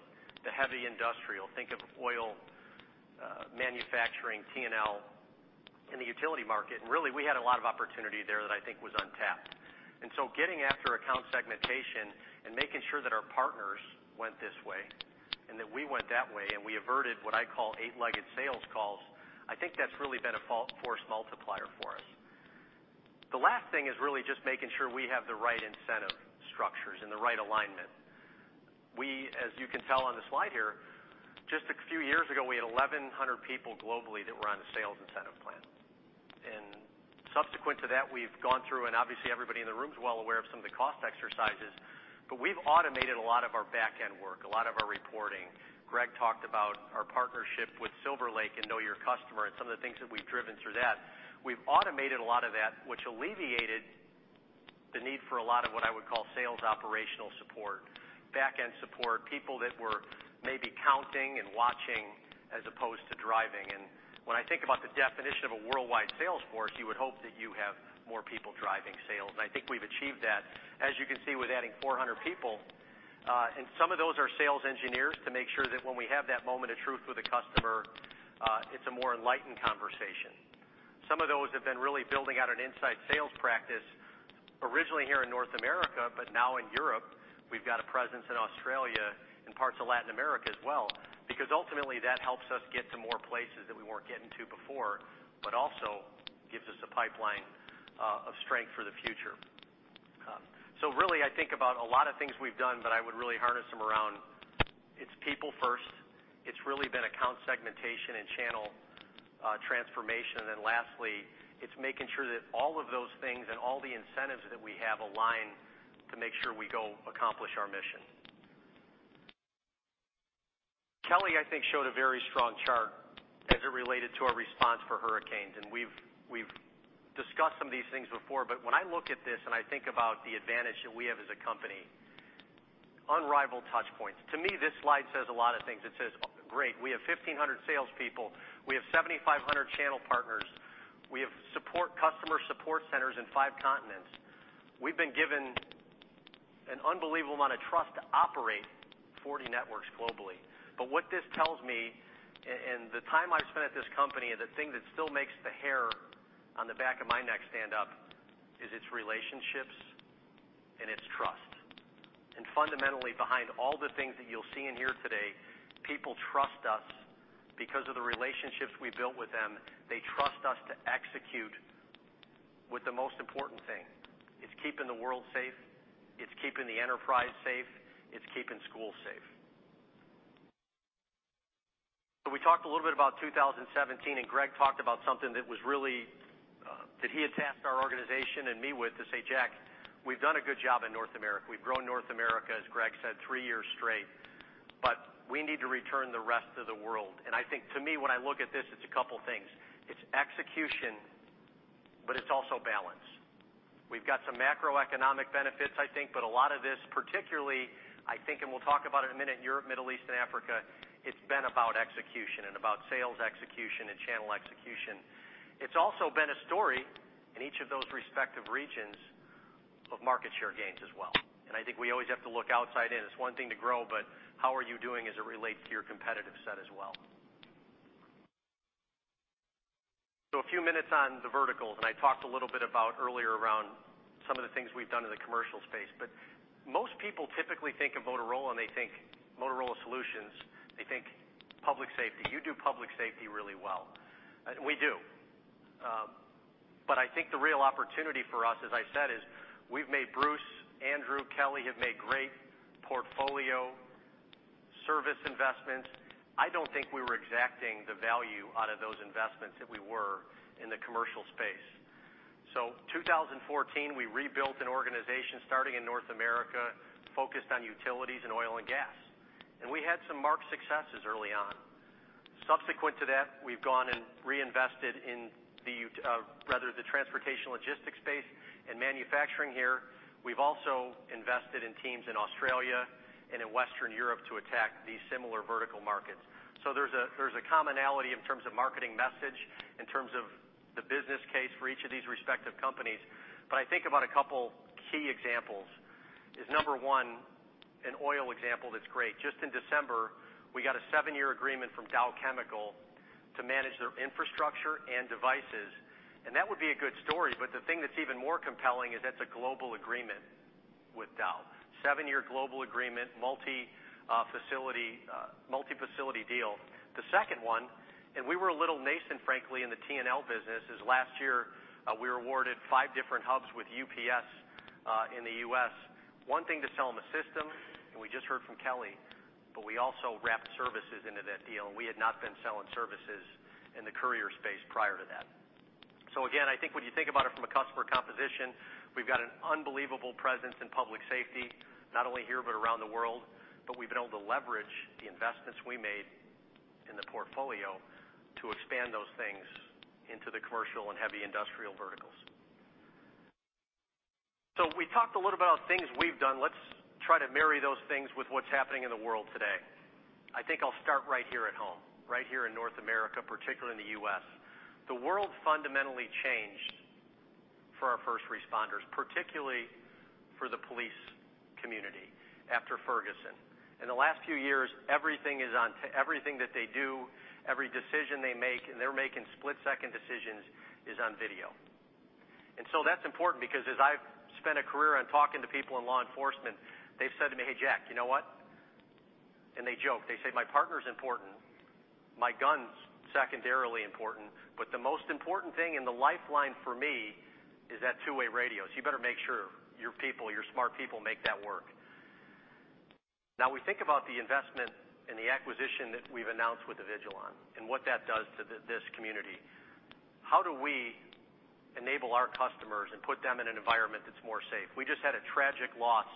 the heavy industrial. Think of oil, manufacturing, T&L in the utility market, and really, we had a lot of opportunity there that I think was untapped. And so getting after account segmentation and making sure that our partners went this way and that we went that way, and we averted what I call eight-legged sales calls, I think that's really been a force multiplier for us. The last thing is really just making sure we have the right incentive structures and the right alignment. We, as you can tell on the slide here, just a few years ago, we had 1,100 people globally that were on a sales incentive plan. Subsequent to that, we've gone through, and obviously everybody in the room is well aware of some of the cost exercises, but we've automated a lot of our back-end work, a lot of our reporting. Greg talked about our partnership with Silver Lake and Know Your Customer and some of the things that we've driven through that. We've automated a lot of that, which alleviated the need for a lot of what I would call sales operational support, back-end support, people that were maybe counting and watching as opposed to driving. And when I think about the definition of a worldwide sales force, you would hope that you have more people driving sales, and I think we've achieved that. As you can see, with adding 400 people,... And some of those are sales engineers to make sure that when we have that moment of truth with a customer, it's a more enlightened conversation. Some of those have been really building out an inside sales practice, originally here in North America, but now in Europe. We've got a presence in Australia and parts of Latin America as well, because ultimately, that helps us get to more places that we weren't getting to before, but also gives us a pipeline of strength for the future. So really, I think about a lot of things we've done, but I would really harness them around. It's people first. It's really been account segmentation and channel transformation. And then lastly, it's making sure that all of those things and all the incentives that we have align to make sure we go accomplish our mission. Kelly, I think, showed a very strong chart as it related to our response for hurricanes, and we've, we've discussed some of these things before, but when I look at this, and I think about the advantage that we have as a company, unrivaled touch points. To me, this slide says a lot of things. It says, great, we have 1,500 salespeople, we have 7,500 channel partners, we have support customer support centers in five continents. We've been given an unbelievable amount of trust to operate 40 networks globally. But what this tells me, and the time I've spent at this company, and the thing that still makes the hair on the back of my neck stand up, is it's relationships and it's trust. And fundamentally, behind all the things that you'll see in here today, people trust us because of the relationships we've built with them. They trust us to execute with the most important thing. It's keeping the world safe, it's keeping the enterprise safe, it's keeping schools safe. So we talked a little bit about 2017, and Greg talked about something that was really that he had tasked our organization and me with, to say, "Jack, we've done a good job in North America. We've grown North America, as Greg said, three years straight, but we need to return the rest of the world." And I think to me, when I look at this, it's a couple things. It's execution, but it's also balance. We've got some macroeconomic benefits, I think, but a lot of this, particularly, I think, and we'll talk about in a minute, Europe, Middle East, and Africa, it's been about execution and about sales execution and channel execution. It's also been a story in each of those respective regions of market share gains as well. I think we always have to look outside in. It's one thing to grow, but how are you doing as it relates to your competitive set as well? So a few minutes on the verticals, and I talked a little bit about earlier around some of the things we've done in the commercial space. But most people typically think of Motorola, and they think Motorola Solutions, they think public safety. You do public safety really well. We do. But I think the real opportunity for us, as I said, is we've made Bruce, Andrew, Kelly, have made great portfolio, service investments. I don't think we were exacting the value out of those investments that we were in the commercial space. So 2014, we rebuilt an organization starting in North America, focused on utilities and oil and gas, and we had some marked successes early on. Subsequent to that, we've gone and reinvested in the transportation logistics space and manufacturing here. We've also invested in teams in Australia and in Western Europe to attack these similar vertical markets. So there's a commonality in terms of marketing message, in terms of the business case for each of these respective companies. But I think about a couple key examples, is number one, an oil example that's great. Just in December, we got a seven-year agreement from Dow Chemical to manage their infrastructure and devices, and that would be a good story, but the thing that's even more compelling is that's a global agreement with Dow. seven-year global agreement, multi-facility deal. The second one, and we were a little nascent, frankly, in the T&L business, is last year, we were awarded five different hubs with UPS, in the U.S. One thing to sell them a system, and we just heard from Kelly, but we also wrapped services into that deal, and we had not been selling services in the courier space prior to that. So again, I think when you think about it from a customer composition, we've got an unbelievable presence in public safety, not only here, but around the world, but we've been able to leverage the investments we made in the portfolio to expand those things into the commercial and heavy industrial verticals. So we talked a little about things we've done. Let's try to marry those things with what's happening in the world today. I think I'll start right here at home, right here in North America, particularly in the U.S.. The world fundamentally changed for our first responders, particularly for the police community after Ferguson. In the last few years, everything is on—everything that they do, every decision they make, and they're making split-second decisions, is on video. And so that's important because as I've spent a career on talking to people in law enforcement, they've said to me, "Hey, Jack, you know what?" And they joke, they say, "My partner's important, my gun's secondarily important, but the most important thing and the lifeline for me is that two-way radio. So you better make sure your people, your smart people, make that work." Now, we think about the investment and the acquisition that we've announced with Avigilon and what that does to this community. How do we enable our customers and put them in an environment that's more safe? We just had a tragic loss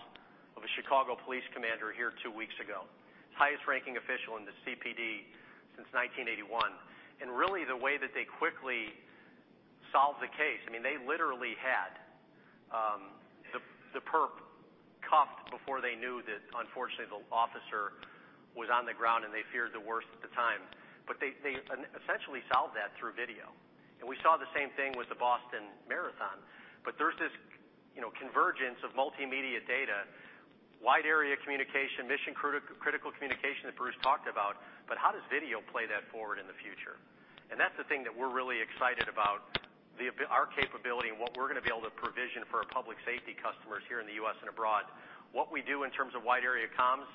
of a Chicago police commander here two weeks ago, highest-ranking official in the CPD since 1981. And really, the way that they quickly solved the case, I mean, they literally had the perp cuffed before they knew that unfortunately, the officer was on the ground, and they feared the worst at the time, but they essentially solved that through video. And we saw the same thing with the Boston Marathon. But there's this, you know, convergence of multimedia data, wide area communication, mission-critical communication that Bruce talked about, but how does video play that forward in the future? And that's the thing that we're really excited about, the availability, our capability and what we're going to be able to provision for our public safety customers here in the U.S. and abroad. What we do in terms of wide area comms,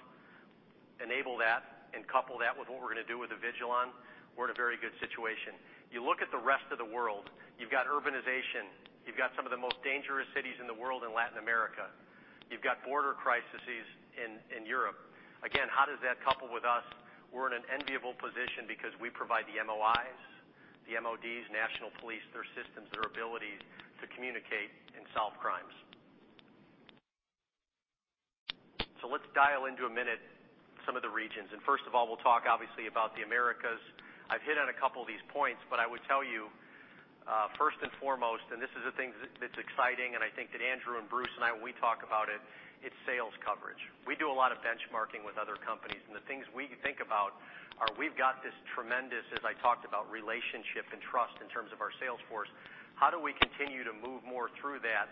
enable that, and couple that with what we're going to do with Avigilon, we're in a very good situation. You look at the rest of the world, you've got urbanization, you've got some of the most dangerous cities in the world in Latin America. You've got border crises in Europe. Again, how does that couple with us? We're in an enviable position because we provide the MOIs, the MODs, national police, their systems, their abilities to communicate and solve crimes. So let's dive into in a minute some of the regions. And first of all, we'll talk obviously about the Americas. I've hit on a couple of these points, but I would tell you, first and foremost, and this is the thing that, that's exciting, and I think that Andrew and Bruce and I, when we talk about it, it's sales coverage. We do a lot of benchmarking with other companies, and the things we think about are we've got this tremendous, as I talked about, relationship and trust in terms of our sales force. How do we continue to move more through that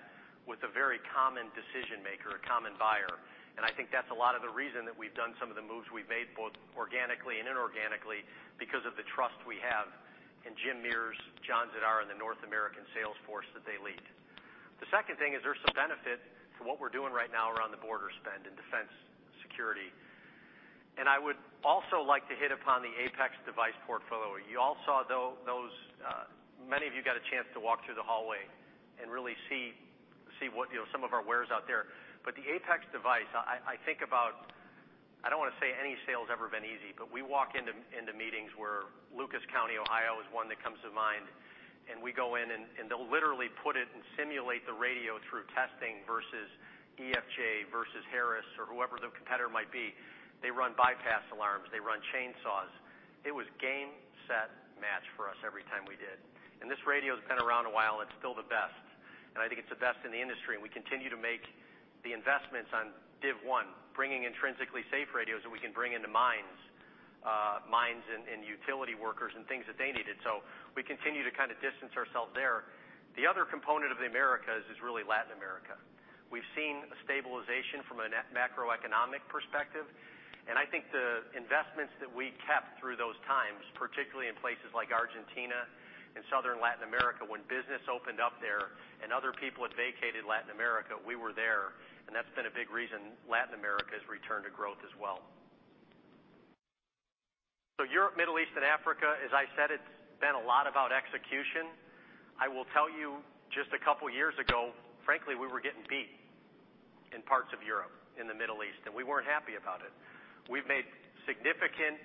with a very common decision maker, a common buyer? And I think that's a lot of the reason that we've done some of the moves we've made, both organically and inorganically, because of the trust we have in Jim Mears, John Zidar, and the North American sales force that they lead. The second thing is there's some benefit to what we're doing right now around the border spend in defense security. And I would also like to hit upon the APX device portfolio. You all saw those. Many of you got a chance to walk through the hallway and really see what, you know, some of our wares out there. But the APX device, I think about. I don't want to say any sale's ever been easy, but we walk into meetings where Lucas County, Ohio, is one that comes to mind, and we go in, and they'll literally put it and simulate the radio through testing versus EFJ, versus Harris, or whoever the competitor might be. They run bypass alarms. They run chainsaws. It was game, set, match for us every time we did. This radio's been around a while, it's still the best, and I think it's the best in the industry. We continue to make the investments on Div 1, bringing intrinsically safe radios that we can bring into mines, mines and utility workers and things that they needed. So we continue to kind of distance ourselves there. The other component of the Americas is really Latin America. We've seen a stabilization from a net- macroeconomic perspective, and I think the investments that we kept through those times, particularly in places like Argentina and Southern Latin America, when business opened up there and other people had vacated Latin America, we were there, and that's been a big reason Latin America has returned to growth as well. Europe, Middle East, and Africa, as I said, it's been a lot about execution. I will tell you, just a couple of years ago, frankly, we were getting beat in parts of Europe, in the Middle East, and we weren't happy about it. We've made significant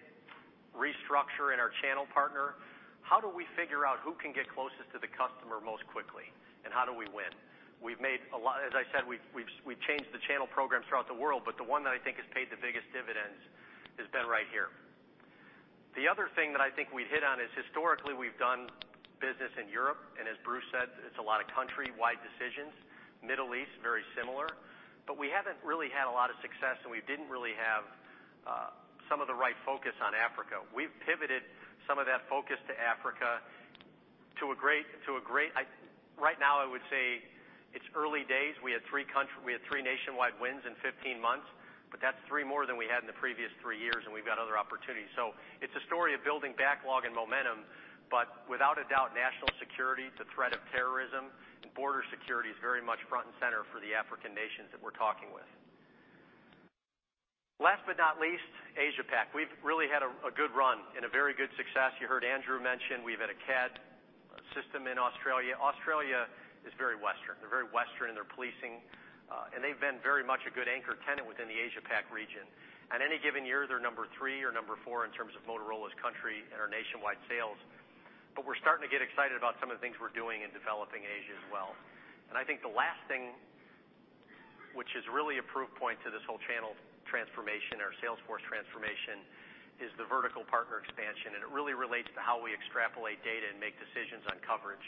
restructure in our channel partner. How do we figure out who can get closest to the customer most quickly, and how do we win? We've made a lot, as I said, we've changed the channel programs throughout the world, but the one that I think has paid the biggest dividends has been right here. The other thing that I think we hit on is, historically, we've done business in Europe, and as Bruce said, it's a lot of countrywide decisions. Middle East, very similar, but we haven't really had a lot of success, and we didn't really have some of the right focus on Africa. We've pivoted some of that focus to Africa to a great extent. Right now, I would say it's early days. We had three nationwide wins in 15 months, but that's three more than we had in the previous three years, and we've got other opportunities. So it's a story of building backlog and momentum, but without a doubt, national security, the threat of terrorism, and border security is very much front and center for the African nations that we're talking with. Last but not least, AsiaPac. We've really had a good run and a very good success. You heard Andrew mention we've had a CAD system in Australia. Australia is very Western. They're very Western in their policing, and they've been very much a good anchor tenant within the AsiaPac region. At any given year, they're number three or number four in terms of Motorola's country and our nationwide sales, but we're starting to get excited about some of the things we're doing in developing Asia as well. And I think the last thing, which is really a proof point to this whole channel transformation, our sales force transformation, is the vertical partner expansion, and it really relates to how we extrapolate data and make decisions on coverage.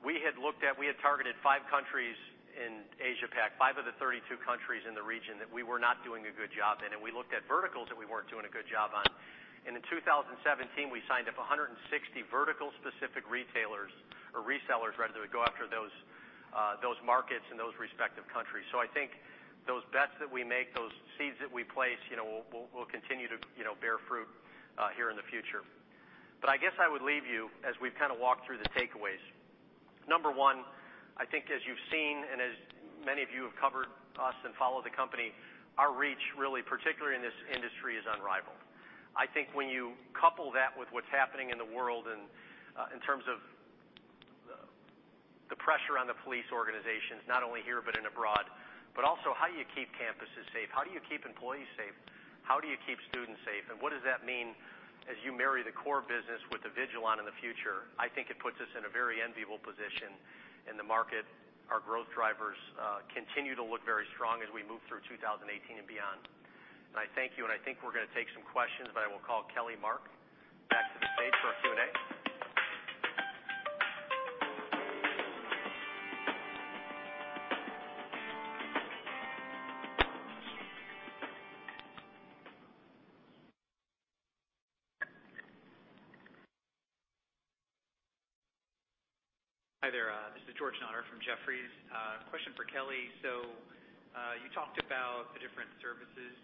We had looked at, we had targeted five countries in AsiaPac, five of the 32 countries in the region that we were not doing a good job in, and we looked at verticals that we weren't doing a good job on. And in 2017, we signed up 160 vertical-specific retailers, or resellers, rather, that would go after those, those markets in those respective countries. So I think those bets that we make, those seeds that we place, you know, will continue to, you know, bear fruit here in the future. But I guess I would leave you, as we've kind of walked through the takeaways. Number one, I think as you've seen, and as many of you have covered us and followed the company, our reach, really, particularly in this industry, is unrivaled. I think when you couple that with what's happening in the world and in terms of the pressure on the police organizations, not only here but abroad, but also, how do you keep campuses safe? How do you keep employees safe? How do you keep students safe? And what does that mean as you marry the core business with the Avigilon in the future? I think it puts us in a very enviable position in the market. Our growth drivers continue to look very strong as we move through 2018 and beyond. I thank you, and I think we're going to take some questions, but I will call Kelly Mark. Hi there, this is George Notter from Jefferies. Question for Kelly. So, you talked about the different services,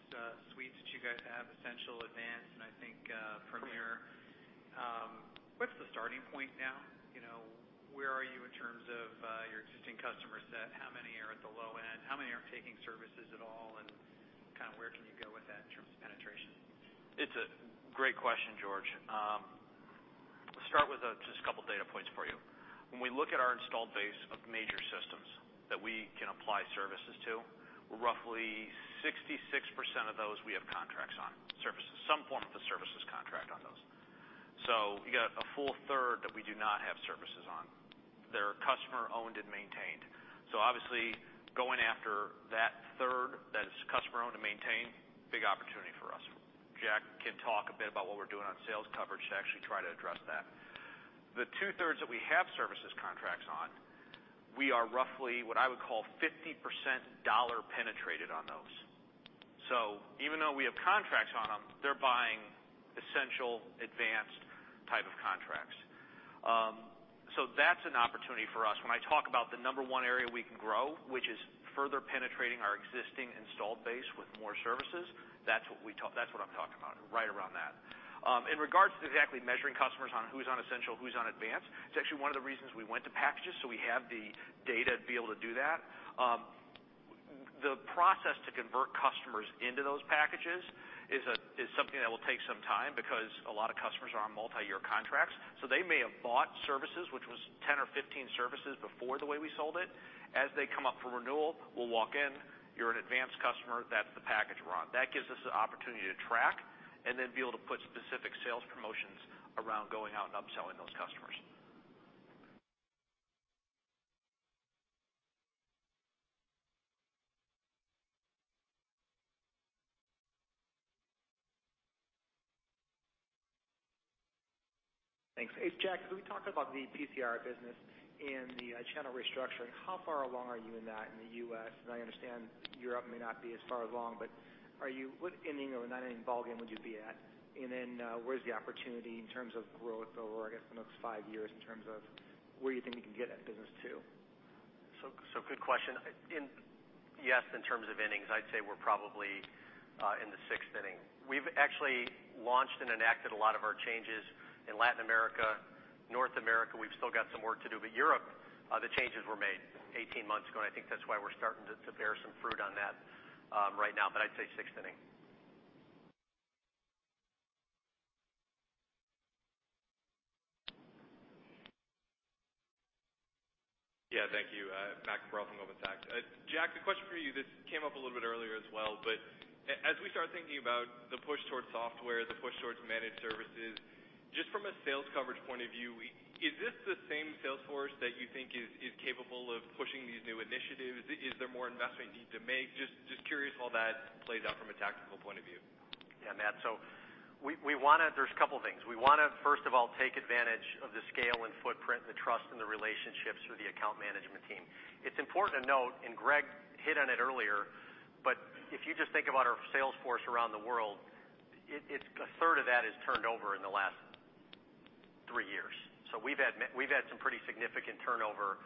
suites that you guys have, Essential, Advanced, and I think, Premier. What's the starting point now? You know, where are you in terms of, your existing customer set? How many are at the low end? How many are taking services at all, and kind of where can you go with that in terms of penetration? It's a great question, George. Start with just a couple data points for you. When we look at our installed base of major systems that we can apply services to, roughly 66% of those, we have contracts on, services, some form of a services contract on those. So you got a full third that we do not have services on. They're customer-owned and maintained. So obviously, going after that third, that is customer-owned and maintained, big opportunity for us. Jack can talk a bit about what we're doing on sales coverage to actually try to address that. The two-thirds that we have services contracts on, we are roughly, what I would call, 50% dollar penetrated on those. So even though we have contracts on them, they're buying Essential, Advanced type of contracts. So that's an opportunity for us. When I talk about the number one area we can grow, which is further penetrating our existing installed base with more services, that's what we talk-- that's what I'm talking about, right around that. In regards to exactly measuring customers on who's on Essential, who's on Advanced, it's actually one of the reasons we went to packages, so we have the data to be able to do that. The process to convert customers into those packages is something that will take some time because a lot of customers are on multiyear contracts, so they may have bought services, which was 10 or 15 services before the way we sold it. As they come up for renewal, we'll walk in, you're an Advanced customer, that's the package we're on. That gives us the opportunity to track and then be able to put specific sales promotions around going out and upselling those customers. Thanks. Hey, Jack, can we talk about the PCR business and the channel restructuring? How far along are you in that in the U.S.? And I understand Europe may not be as far along, but what inning or nine-inning ballgame would you be at? And then, where's the opportunity in terms of growth over, I guess, the next five years in terms of where you think you can get that business to? So, good question. Yes, in terms of innings, I'd say we're probably in the sixth inning. We've actually launched and enacted a lot of our changes in Latin America. North America, we've still got some work to do, but Europe, the changes were made 18 months ago, and I think that's why we're starting to bear some fruit on that right now, but I'd say sixth inning. Yeah, thank you. Matt Cabral from Goldman Sachs. Jack, a question for you. This came up a little bit earlier as well, but as we start thinking about the push towards software, the push towards managed services, just from a sales coverage point of view, is this the same sales force that you think is, is capable of pushing these new initiatives? Is there more investment you need to make? Just, just curious how that plays out from a tactical point of view. Yeah, Matt, so we wanna. There's a couple things. We wanna, first of all, take advantage of the scale and footprint, the trust, and the relationships through the account management team. It's important to note, and Greg hit on it earlier, but if you just think about our sales force around the world, it's a third of that has turned over in the last three years. So we've had we've had some pretty significant turnover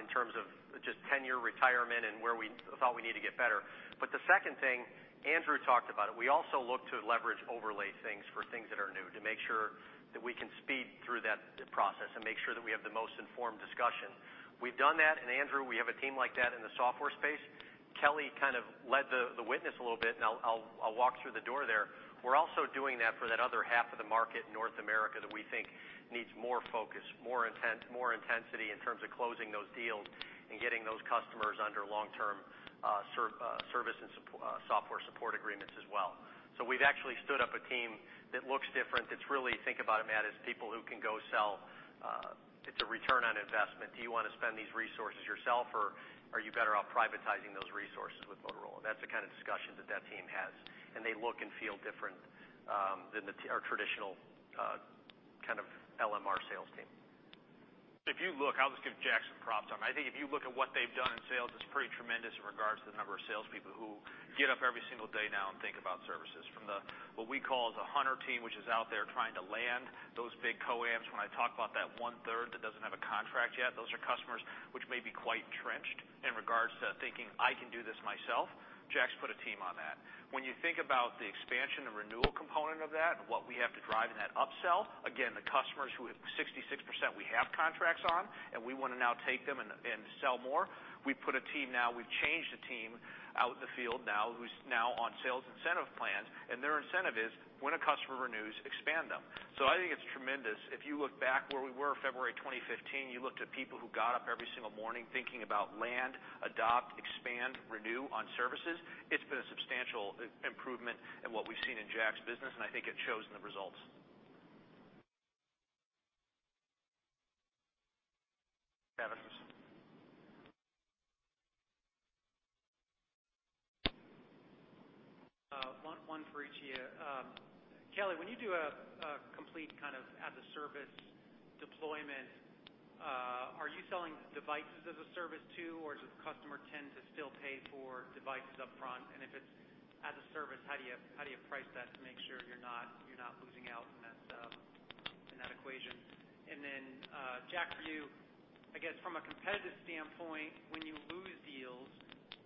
in terms of just tenure, retirement, and where we thought we need to get better. But the second thing, Andrew talked about it, we also look to leverage overlay things for things that are new, to make sure that we can speed through that process and make sure that we have the most informed discussion. We've done that, and Andrew, we have a team like that in the software space. Kelly kind of led the witness a little bit, and I'll walk through the door there. We're also doing that for that other half of the market in North America, that we think needs more focus, more intent, more intensity in terms of closing those deals and getting those customers under long-term service and software support agreements as well. So we've actually stood up a team that looks different. It's really, think about it, Matt, as people who can go sell, it's a return on investment. Do you want to spend these resources yourself, or are you better off privatizing those resources with Motorola? That's the kind of discussion that that team has, and they look and feel different than our traditional kind of LMR sales team. If you look, I'll just give Jack some props on it. I think if you look at what they've done in sales, it's pretty tremendous in regards to the number of salespeople who get up every single day now and think about services. From the, what we call the hunter team, which is out there trying to land those big COAMs. When I talk about that one-third that doesn't have a contract yet, those are customers which may be quite entrenched in regards to thinking, "I can do this myself." Jack's put a team on that. When you think about the expansion and renewal component of that, and what we have to drive in that upsell, again, the customers who have 66%, we have contracts on, and we want to now take them and, and sell more. We've put a team now, we've changed the team out in the field now, who's now on sales incentive plans, and their incentive is when a customer renews, expand them. So I think it's tremendous. If you look back where we were February 2015, you looked at people who got up every single morning thinking about land, adopt, expand, renew on services. It's been a substantial improvement in what we've seen in Jack's business, and I think it shows in the results. One, one for each of you. Kelly, when you do a complete kind of as-a-service deployment, are you selling devices as a service, too, or does the customer tend to still pay for devices upfront? And if it's as a service, how do you price that to make sure you're not losing out in that equation? And then, Jack, for you, I guess from a competitive standpoint, when you lose deals,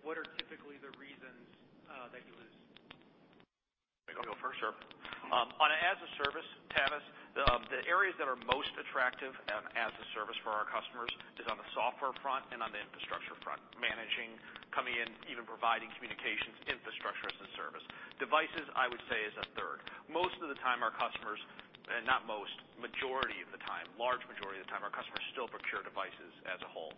what are typically the reasons that you lose? I'll go first, sure. On an as-a-service, Tavis, the areas that are most attractive on as-a-service for our customers is on the software front and on the infrastructure front, managing, coming in, even providing communications infrastructure as a service. Devices, I would say, is a third. Most of the time, our customers, not most, majority of the time, large majority of the time, our customers still procure devices as a whole.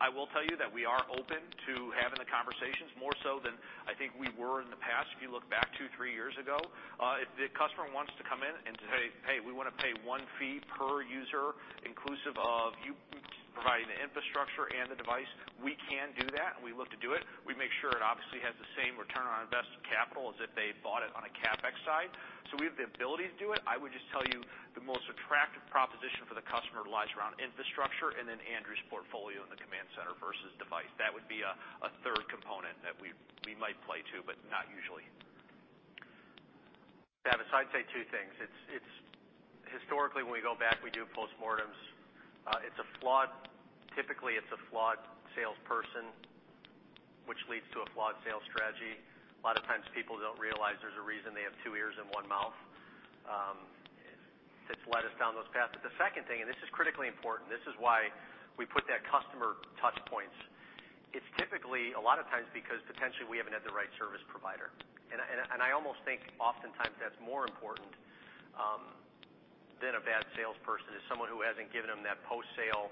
I will tell you that we are open to having the conversations more so than I think we were in the past, if you look back two, three years ago. If the customer wants to come in and say, "Hey, we want to pay one fee per user, inclusive of you providing the infrastructure and the device," we can do that, and we look to do it. We make sure it obviously has the same return on invested capital as if they bought it on a CapEx side. So we have the ability to do it. I would just tell you the most attractive proposition for the customer lies around infrastructure and then Andrew's portfolio in the command center versus device. That would be a third component that we might play to, but not usually. Tavis, I'd say two things. It's historically, when we go back, we do postmortems. It's a flawed—typically, it's a flawed salesperson, which leads to a flawed sales strategy. A lot of times people don't realize there's a reason they have two ears and one mouth, that's led us down those paths. But the second thing, and this is critically important, this is why we put that customer touch points. It's typically, a lot of times, because potentially we haven't had the right service provider. And I almost think oftentimes that's more important than a bad salesperson, is someone who hasn't given them that post-sale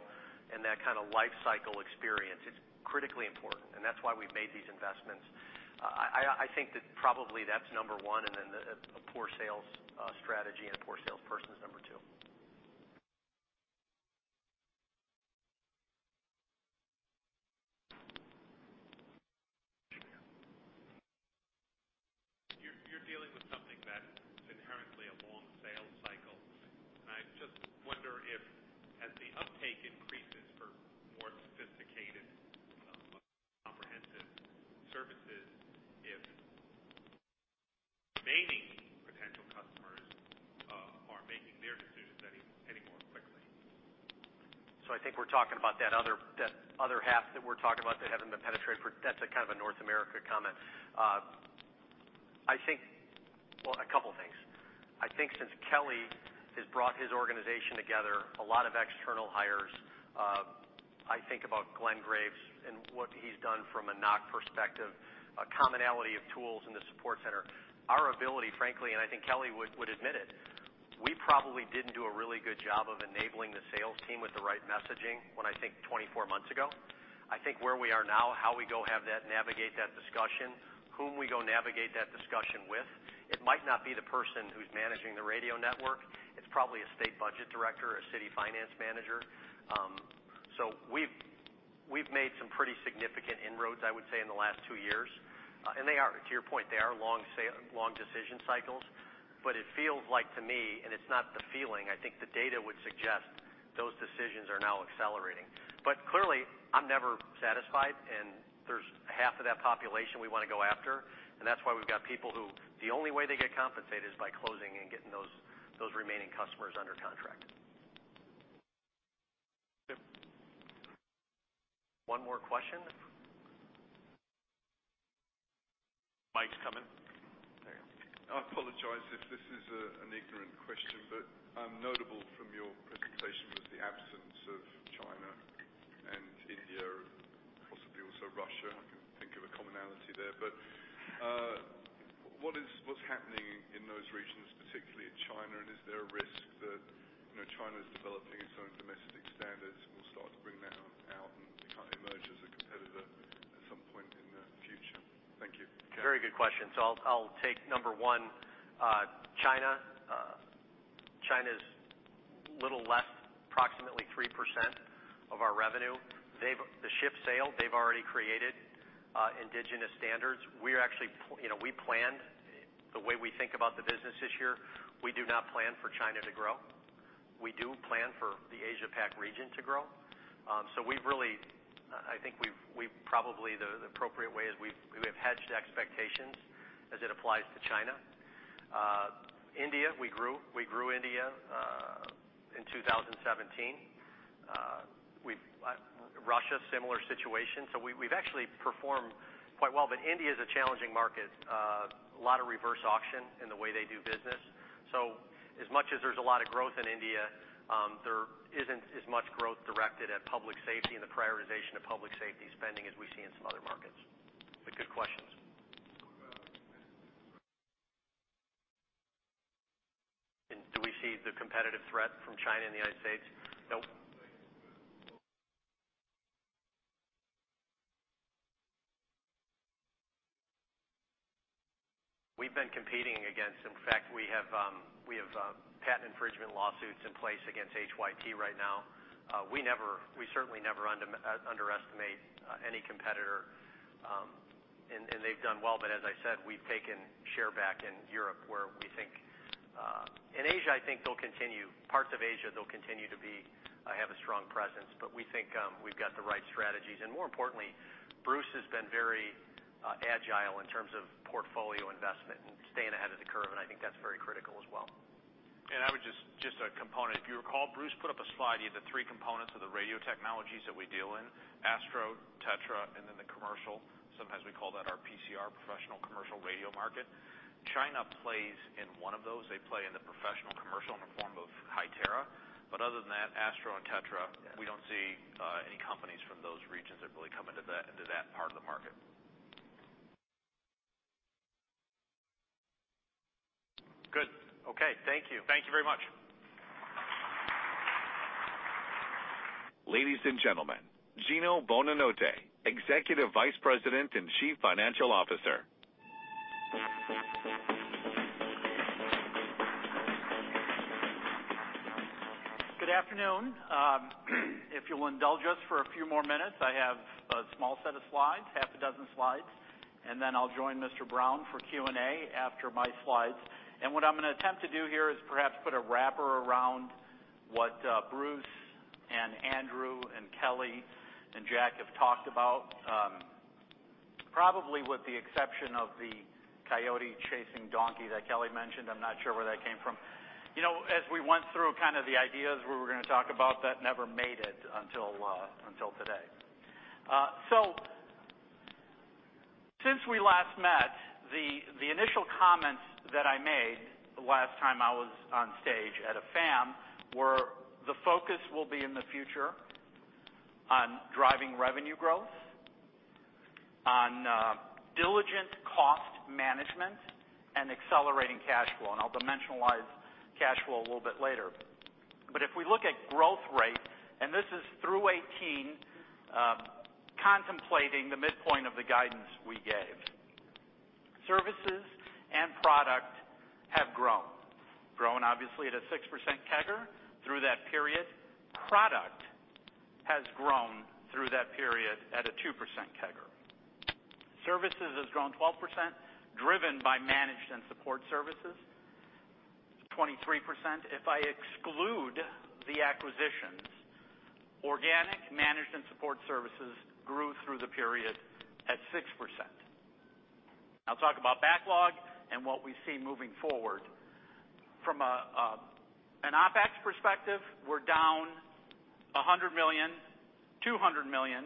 and that kind of life cycle experience. It's critically important, and that's why we've made these investments. I think that probably that's number one, and then a poor sales strategy and a poor salesperson is number two. You're dealing with something that's inherently a long sales cycle. I just wonder if as the uptake increases for more sophisticated, comprehensive services, if remaining potential customers are making their decisions any more quickly? So I think we're talking about that other, that other half that we're talking about that haven't been penetrated. For-- That's a kind of a North America comment. I think... Well, a couple things. I think since Kelly has brought his organization together, a lot of external hires, I think about Glenn Graves and what he's done from a NOC perspective, a commonality of tools in the support center. Our ability, frankly, and I think Kelly would, would admit it, we probably didn't do a really good job of enabling the sales team with the right messaging when I think 24 months ago. I think where we are now, how we go have that, navigate that discussion, whom we go navigate that discussion with, it might not be the person who's managing the radio network. It's probably a state budget director or a city finance manager. So we've made some pretty significant inroads, I would say, in the last two years. And they are, to your point, they are long decision cycles, but it feels like to me, and it's not the feeling, I think the data would suggest those decisions are now accelerating. But clearly, I'm never satisfied, and there's half of that population we want to go after, and that's why we've got people who the only way they get compensated is by closing and getting those remaining customers under contract. One more question. Mic's coming. There you go. I apologize if this is an ignorant question, but notable from your presentation was the absence of China and India, possibly also Russia. I can think of a commonality there. But what's happening in those regions, particularly in China? And is there a risk that, you know, China is developing its own domestic standards and will start to bring that out and kind of emerge as a competitor at some point in the future? Thank you. Very good question. So I'll take number one. China. China's a little less, approximately 3% of our revenue. They've. The ship sailed, they've already created indigenous standards. We're actually, you know, we planned, the way we think about the business this year, we do not plan for China to grow. We do plan for the AsiaPac region to grow. So we've really, I think we've probably the appropriate way is we have hedged expectations as it applies to China. India, we grew India in 2017. We've, Russia, similar situation. So we, we've actually performed quite well, but India is a challenging market. A lot of reverse auction in the way they do business. So as much as there's a lot of growth in India, there isn't as much growth directed at public safety and the prioritization of public safety spending as we see in some other markets. But good questions. And do we see the competitive threat from China in the United States? Nope. We have patent infringement lawsuits in place against Hytera right now. We certainly never underestimate any competitor, and they've done well. But as I said, we've taken share back in Europe, where we think, in Asia, I think they'll continue, parts of Asia, they'll continue to be, have a strong presence. But we think, we've got the right strategies. More importantly, Bruce has been very agile in terms of portfolio investment and staying ahead of the curve, and I think that's very critical as well. I would just a component. If you recall, Bruce put up a slide, the three components of the radio technologies that we deal in, ASTRO, TETRA, and then the commercial. Sometimes we call that our PCR, Professional Commercial Radio market. China plays in one of those. They play in the professional commercial in the form of Hytera. But other than that, ASTRO and TETRA, we don't see any companies from those regions that really come into that part of the market. Good. Okay, thank you. Thank you very much. Ladies and gentlemen, Gino Bonanotte, Executive Vice President and Chief Financial Officer. Good afternoon. If you'll indulge us for a few more minutes, I have a small set of slides, half a dozen slides, and then I'll join Mr. Brown for Q&A after my slides. What I'm going to attempt to do here is perhaps put a wrapper around what, Bruce and Andrew and Kelly and Jack have talked about. Probably with the exception of the coyote-chasing donkey that Kelly mentioned, I'm not sure where that came from. You know, as we went through kind of the ideas we were going to talk about, that never made it until, until today. So since we last met, the initial comments that I made the last time I was on stage at a FAM were the focus will be in the future on driving revenue growth, on diligent cost management, and accelerating cash flow, and I'll dimensionalize cash flow a little bit later. But if we look at growth rate, and this is through 2018, contemplating the midpoint of the guidance we gave. Services and product have grown obviously at a 6% CAGR through that period. Product has grown through that period at a 2% CAGR. Services has grown 12%, driven by Managed and Support Services, 23%. If I exclude the acquisitions, organic Managed and Support Services grew through the period at 6%. I'll talk about backlog and what we see moving forward. From an OpEx perspective, we're down $100 million, $200 million,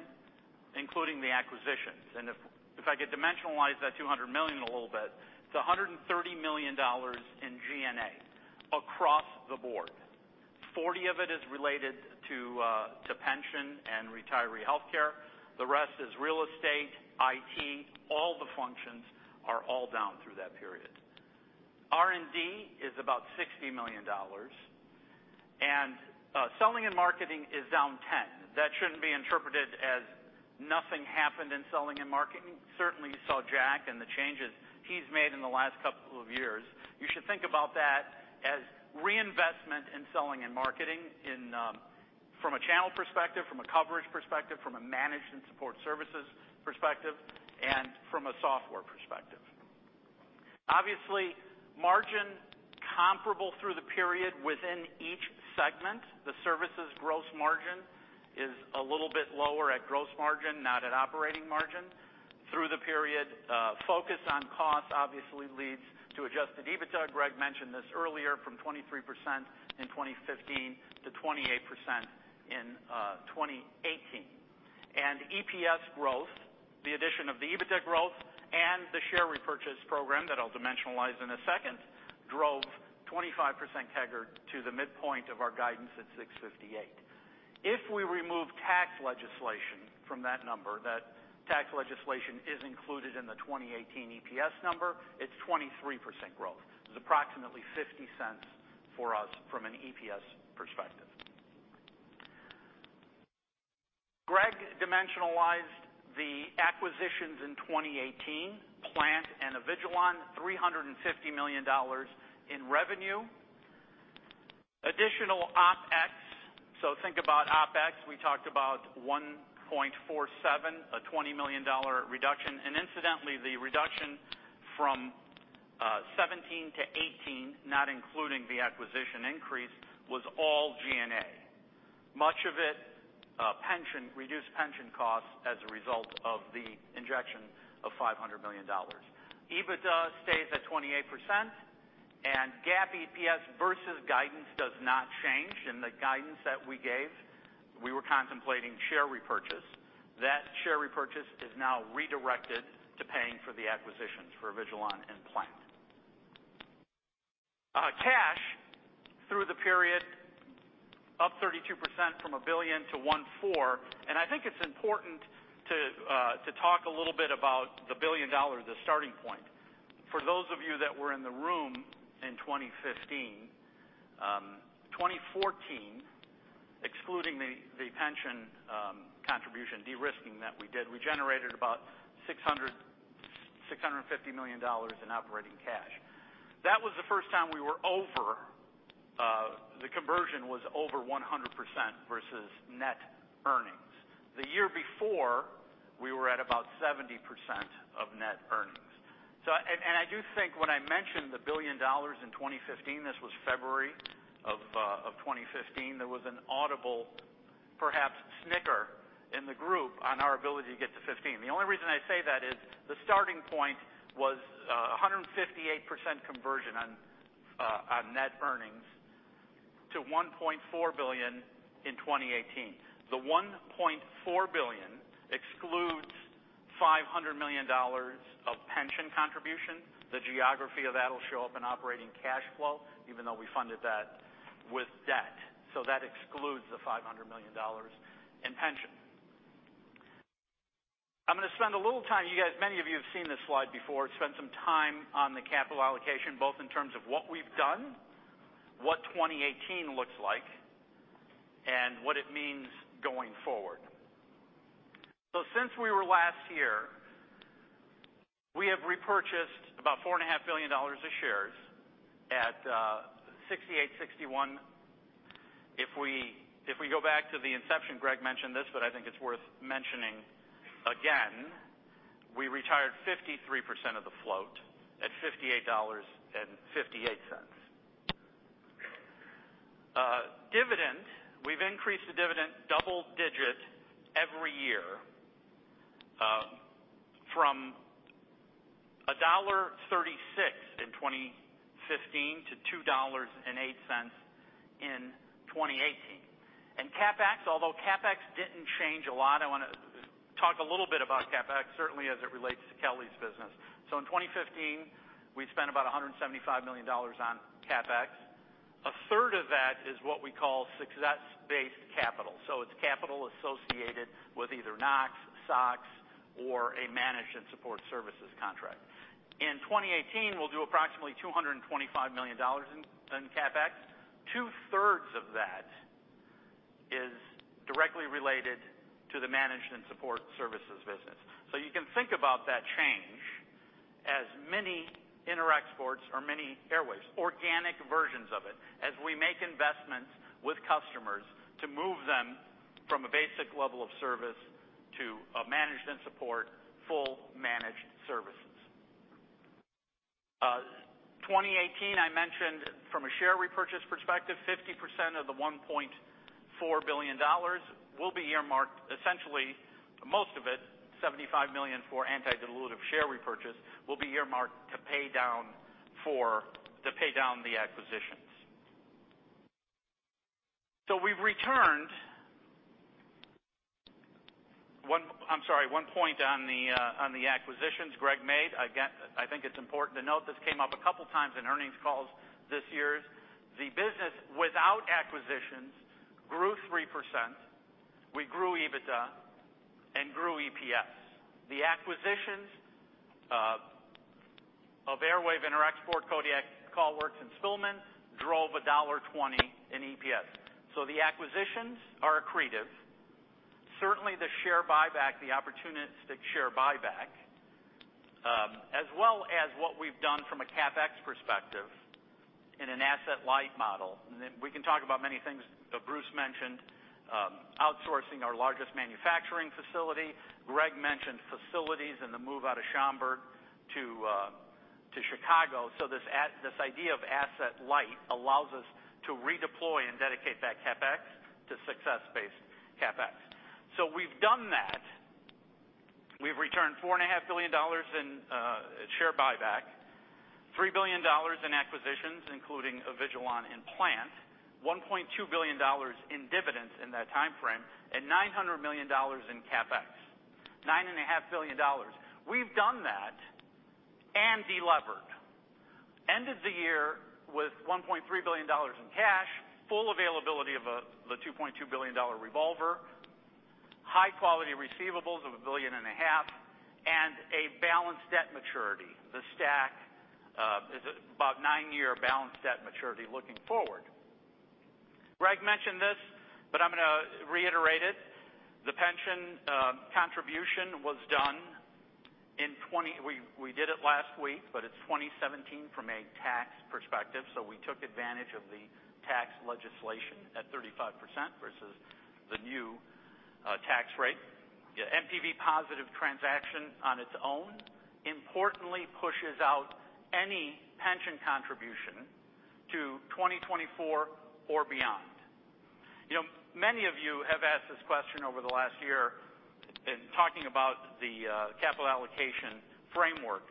including the acquisitions. And if I could dimensionalize that $200 million a little bit, it's $130 million in G&A across the board. 40 of it is related to pension and retiree health care. The rest is real estate, IT, all the functions are all down through that period. R&D is about $60 million, and selling and marketing is down 10. That shouldn't be interpreted as nothing happened in selling and marketing. Certainly, you saw Jack and the changes he's made in the last couple of years. You should think about that as reinvestment in selling and marketing from a channel perspective, from a coverage perspective, from a Managed and Support Services perspective, and from a software perspective. Obviously, margin comparable through the period within each segment. The services gross margin is a little bit lower at gross margin, not at operating margin. Through the period, focus on cost obviously leads to adjusted EBITDA. Greg mentioned this earlier, from 23% in 2015 to 28% in 2018. And EPS growth, the addition of the EBITDA growth and the share repurchase program that I'll dimensionalize in a second, drove 25% CAGR to the midpoint of our guidance at $6.58. If we remove tax legislation from that number, that tax legislation is included in the 2018 EPS number, it's 23% growth. It's approximately $0.50 for us from an EPS perspective. Greg dimensionalized the acquisitions in 2018, Plant and Avigilon, $350 million in revenue. Additional OpEx, so think about OpEx, we talked about 1.47, a $20 million reduction. And incidentally, the reduction from 2017 to 2018, not including the acquisition increase, was all G&A. Much of it, pension, reduced pension costs as a result of the injection of $500 million. EBITDA stays at 28%, and GAAP EPS versus guidance does not change. In the guidance that we gave, we were contemplating share repurchase. That share repurchase is now redirected to paying for the acquisitions for Avigilon and Plant. Cash through the period, up 32% from $1 billion to $1.4 billion, and I think it's important to talk a little bit about the billion dollar, the starting point. For those of you that were in the room in 2015-... 2014, excluding the pension contribution de-risking that we did, we generated about $650 million in operating cash. That was the first time we were over, the conversion was over 100% versus net earnings. The year before, we were at about 70% of net earnings. So, and I do think when I mentioned the billion dollars in 2015, this was February of 2015, there was an audible, perhaps snicker in the group on our ability to get to fifteen. The only reason I say that is the starting point was a 158% conversion on net earnings to $1.4 billion in 2018. The $1.4 billion excludes $500 million of pension contribution. The geography of that will show up in operating cash flow, even though we funded that with debt, so that excludes the $500 million in pension. I'm gonna spend a little time, you guys, many of you have seen this slide before, spend some time on the capital allocation, both in terms of what we've done, what 2018 looks like, and what it means going forward. So since we were last here, we have repurchased about $4.5 billion of shares at $68.61. If we, if we go back to the inception, Greg mentioned this, but I think it's worth mentioning again, we retired 53% of the float at $58.58. Dividend, we've increased the dividend double digit every year, from $1.36 in 2015 to $2.08 in 2018. CapEx, although CapEx didn't change a lot, I wanna talk a little bit about CapEx, certainly as it relates to Kelly's business. So in 2015, we spent about $175 million on CapEx. A third of that is what we call success-based capital. So it's capital associated with either NOCs, SOCs, or a Managed and Support Services contract. In 2018, we'll do approximately $225 million in CapEx. Two-thirds of that is directly related to the management support services business. So you can think about that change as many Interexports or many Airwaves, organic versions of it, as we make investments with customers to move them from a basic level of service to a management support, full managed services. 2018, I mentioned from a share repurchase perspective, 50% of the $1.4 billion will be earmarked. Essentially, most of it, $75 million for anti-dilutive share repurchase, will be earmarked to pay down the acquisitions. So we've returned. One point on the acquisitions Greg made. Again, I think it's important to note, this came up a couple times in earnings calls this year. The business without acquisitions grew 3%. We grew EBITDA and grew EPS. The acquisitions of Airwave, Interexport, Kodiak, CallWorks, and Spillman drove $1.20 in EPS. So the acquisitions are accretive. Certainly, the share buyback, the opportunistic share buyback, as well as what we've done from a CapEx perspective in an asset-light model. Then we can talk about many things that Bruce mentioned, outsourcing our largest manufacturing facility. Greg mentioned facilities and the move out of Schaumburg to Chicago. So this idea of asset light allows us to redeploy and dedicate that CapEx to success-based CapEx. So we've done that. We've returned $4.5 billion in share buyback, $3 billion in acquisitions, including Avigilon and Plant, $1.2 billion in dividends in that timeframe, and $900 million in CapEx, $9.5 billion. We've done that and delevered. Ended the year with $1.3 billion in cash, full availability of the $2.2 billion revolver, high quality receivables of $1.5 billion, and a balanced debt maturity. The stack is about nine-year balanced debt maturity looking forward. Greg mentioned this, but I'm gonna reiterate it. The pension contribution was done in twenty... We did it last week, but it's 2017 from a tax perspective. So we took advantage of the tax legislation at 35% versus the new tax rate. NPV positive transaction on its own, importantly, pushes out any pension contribution to 2024 or beyond. You know, many of you have asked this question over the last year in talking about the capital allocation framework.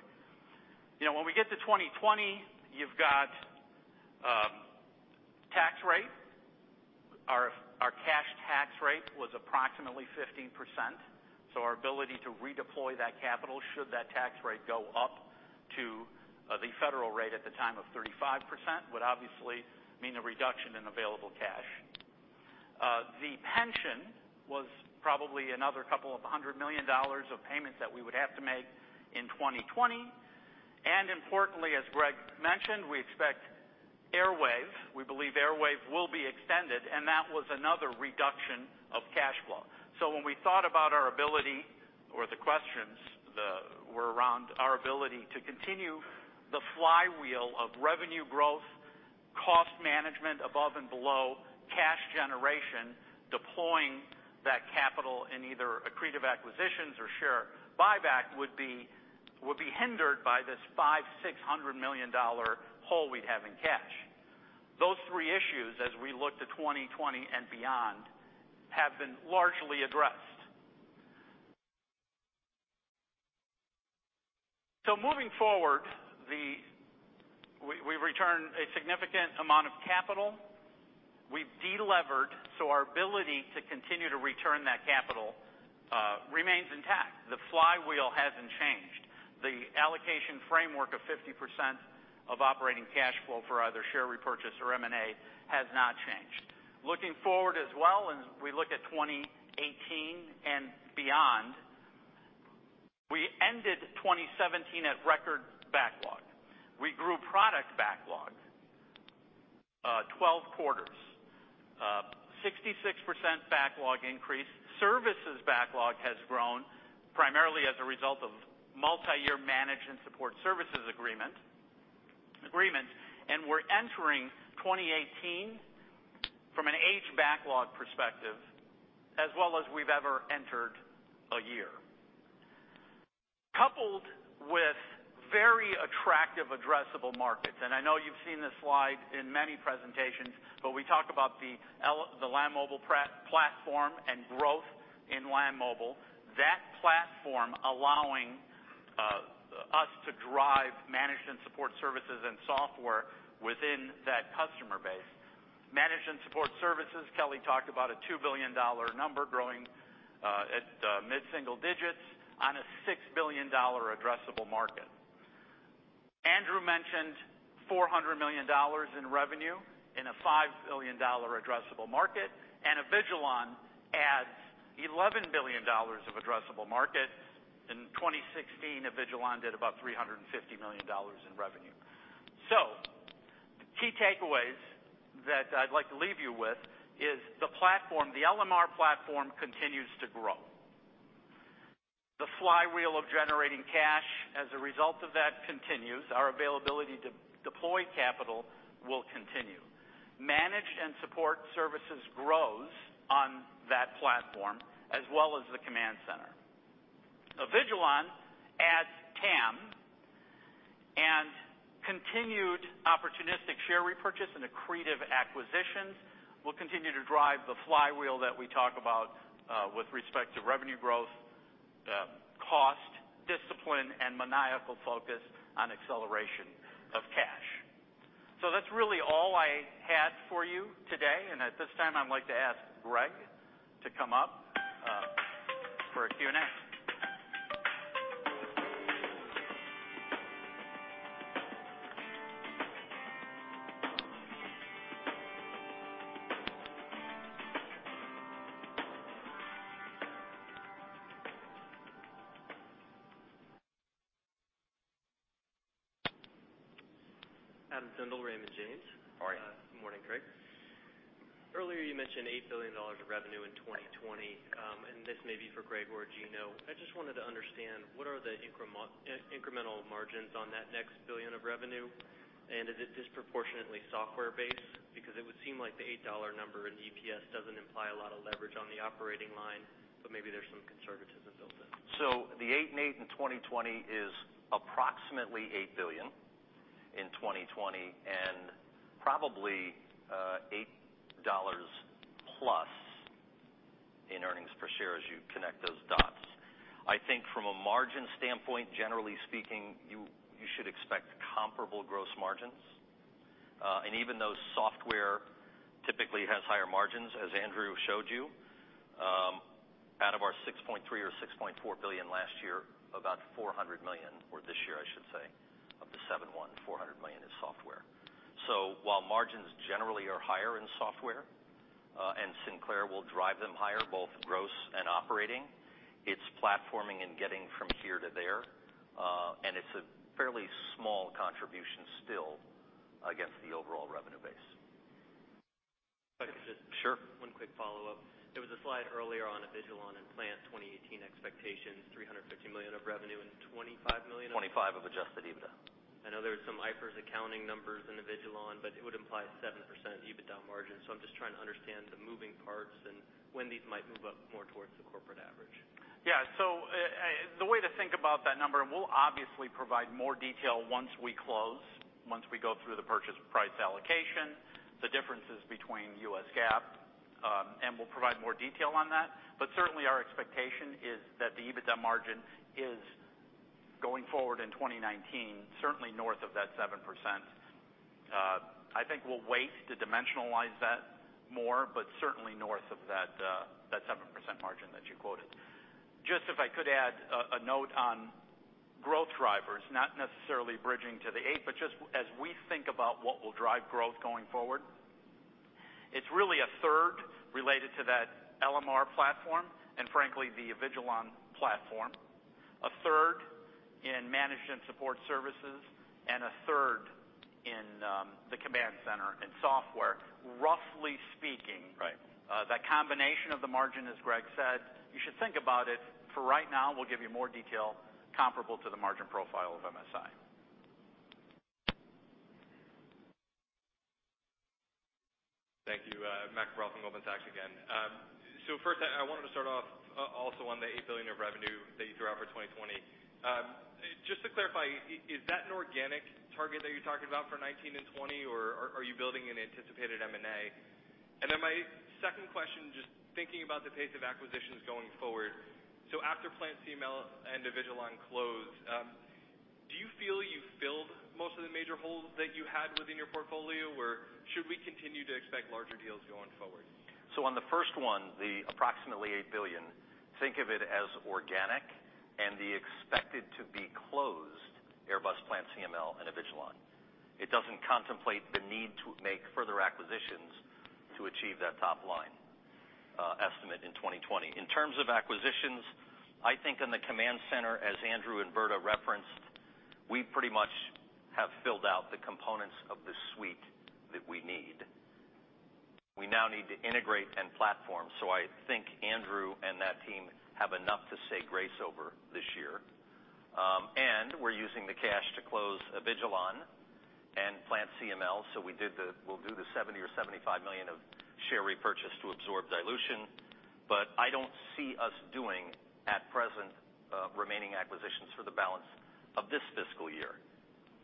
You know, when we get to 2020, you've got tax rate. Our cash tax rate was approximately 15%, so our ability to redeploy that capital, should that tax rate go up to the federal rate at the time of 35%, would obviously mean a reduction in available cash. The pension was probably another $200 million of payments that we would have to make in 2020. Importantly, as Greg mentioned, we expect Airwave, we believe Airwave will be extended, and that was another reduction of cash flow. So when we thought about our ability or the questions were around our ability to continue the flywheel of revenue growth, cost management, above and below cash generation, deploying that capital in either accretive acquisitions or share buyback, would be hindered by this $500 million-$600 million hole we'd have in cash. Those three issues, as we look to 2020 and beyond, have been largely addressed. So moving forward, we returned a significant amount of capital. We've delevered, so our ability to continue to return that capital remains intact. The flywheel hasn't changed. The allocation framework of 50% of operating cash flow for either share repurchase or M&A has not changed. Looking forward as well, and we look at 2018 and beyond, we ended 2017 at record backlog. We grew product backlog 12 quarters, 66% backlog increase. Services backlog has grown primarily as a result of multiyear Managed and Support Services agreement, and we're entering 2018 from an all-time backlog perspective, as well as we've ever entered a year. Coupled with very attractive addressable markets, and I know you've seen this slide in many presentations, but we talk about the LMR platform and growth in LMR, that platform allowing us to drive Managed and Support Services and software within that customer base. Managed and Support Services, Kelly talked about a $2 billion number growing at mid-single digits on a $6 billion addressable market. Andrew mentioned $400 million in revenue in a $5 billion addressable market, and Avigilon adds $11 billion of addressable market. In 2016, Avigilon did about $350 million in revenue. So the key takeaways that I'd like to leave you with is the platform, the LMR platform continues to grow. The flywheel of generating cash as a result of that continues, our availability to deploy capital will continue. Managed and Support Services grows on that platform, as well as the command center. Avigilon adds TAM, and continued opportunistic share repurchase and accretive acquisitions will continue to drive the flywheel that we talk about, with respect to revenue growth, cost discipline, and maniacal focus on acceleration of cash. So that's really all I had for you today, and at this time, I'd like to ask Greg to come up, for a Q&A. Adam Tindle, Raymond James. How are you? Good morning, Greg. Earlier, you mentioned $8 billion of revenue in 2020, and this may be for Greg or Gino. I just wanted to understand, what are the incremental margins on that next $1 billion of revenue? And is it disproportionately software-based? Because it would seem like the $8 number in EPS doesn't imply a lot of leverage on the operating line, but maybe there's some conservatism built in. So the 8.8 in 2020 is approximately $8 billion in 2020, and probably, $8+ in earnings per share, as you connect those dots. I think from a margin standpoint, generally speaking, you, you should expect comparable gross margins. And even though software typically has higher margins, as Andrew showed you, out of our $6.3 or $6.4 billion last year, about $400 million, or this year, I should say, of the $7.1, $400 million is software. So while margins generally are higher in software, and Sinclair will drive them higher, both gross and operating, it's platforming and getting from here to there. And it's a fairly small contribution still against the overall revenue base. If I could just- Sure. One quick follow-up. There was a slide earlier on Avigilon and plan 2018 expectations, $350 million of revenue and $25 million of- $25 million of adjusted EBITDA. I know there was some IFRS accounting numbers in Avigilon, but it would imply 7% EBITDA margin. So I'm just trying to understand the moving parts and when these might move up more towards the corporate average. Yeah. So, the way to think about that number, and we'll obviously provide more detail once we close, once we go through the purchase price allocation, the differences between U.S. GAAP, and we'll provide more detail on that. But certainly, our expectation is that the EBITDA margin is going forward in 2019, certainly north of that 7%. I think we'll wait to dimensionalize that more, but certainly north of that.... margin that you quoted. Just if I could add a, a note on growth drivers, not necessarily bridging to the 8%, but just as we think about what will drive growth going forward, it's really a third related to that LMR platform, and frankly, the Avigilon platform. A third in Managed and Support Services, and a third in, the command center and software, roughly speaking. Right. That combination of the margin, as Greg said, you should think about it, for right now, we'll give you more detail comparable to the margin profile of MSI. Thank you. Matt from Goldman Sachs again. So first, I wanted to start off, also on the $8 billion of revenue that you threw out for 2020. Just to clarify, is that an organic target that you're talking about for 2019 and 2020, or are you building an anticipated M&A? And then my second question, just thinking about the pace of acquisitions going forward. So after PlantCML and Avigilon close, do you feel you've filled most of the major holes that you had within your portfolio, or should we continue to expect larger deals going forward? So on the first one, the approximately $8 billion, think of it as organic and the expected to be closed, Airbus, PlantCML, and Avigilon. It doesn't contemplate the need to make further acquisitions to achieve that top line estimate in 2020. In terms of acquisitions, I think in the command center, as Andrew and Brda referenced, we pretty much have filled out the components of the suite that we need. We now need to integrate and platform, so I think Andrew and that team have enough to say grace over this year. And we're using the cash to close Avigilon and PlantCML, so we'll do the $70 million-$75 million of share repurchase to absorb dilution. But I don't see us doing, at present, remaining acquisitions for the balance of this fiscal year.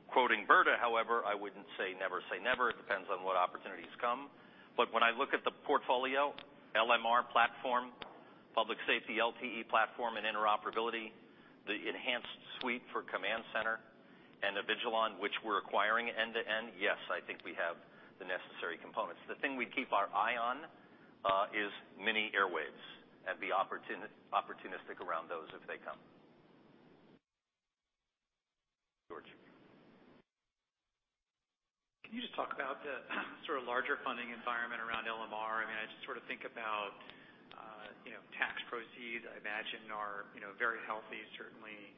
Quoting Brda, however, I wouldn't say, "Never say never." It depends on what opportunities come. But when I look at the portfolio, LMR platform, public safety, LTE platform, and interoperability, the enhanced suite for command center, and Avigilon, which we're acquiring end-to-end, yes, I think we have the necessary components. The thing we keep our eye on is mini Airwaves and be opportunistic around those as they come. George. Can you just talk about the, sort of, larger funding environment around LMR? I mean, I just sort of think about, you know, tax proceeds, I imagine are, you know, very healthy. Certainly,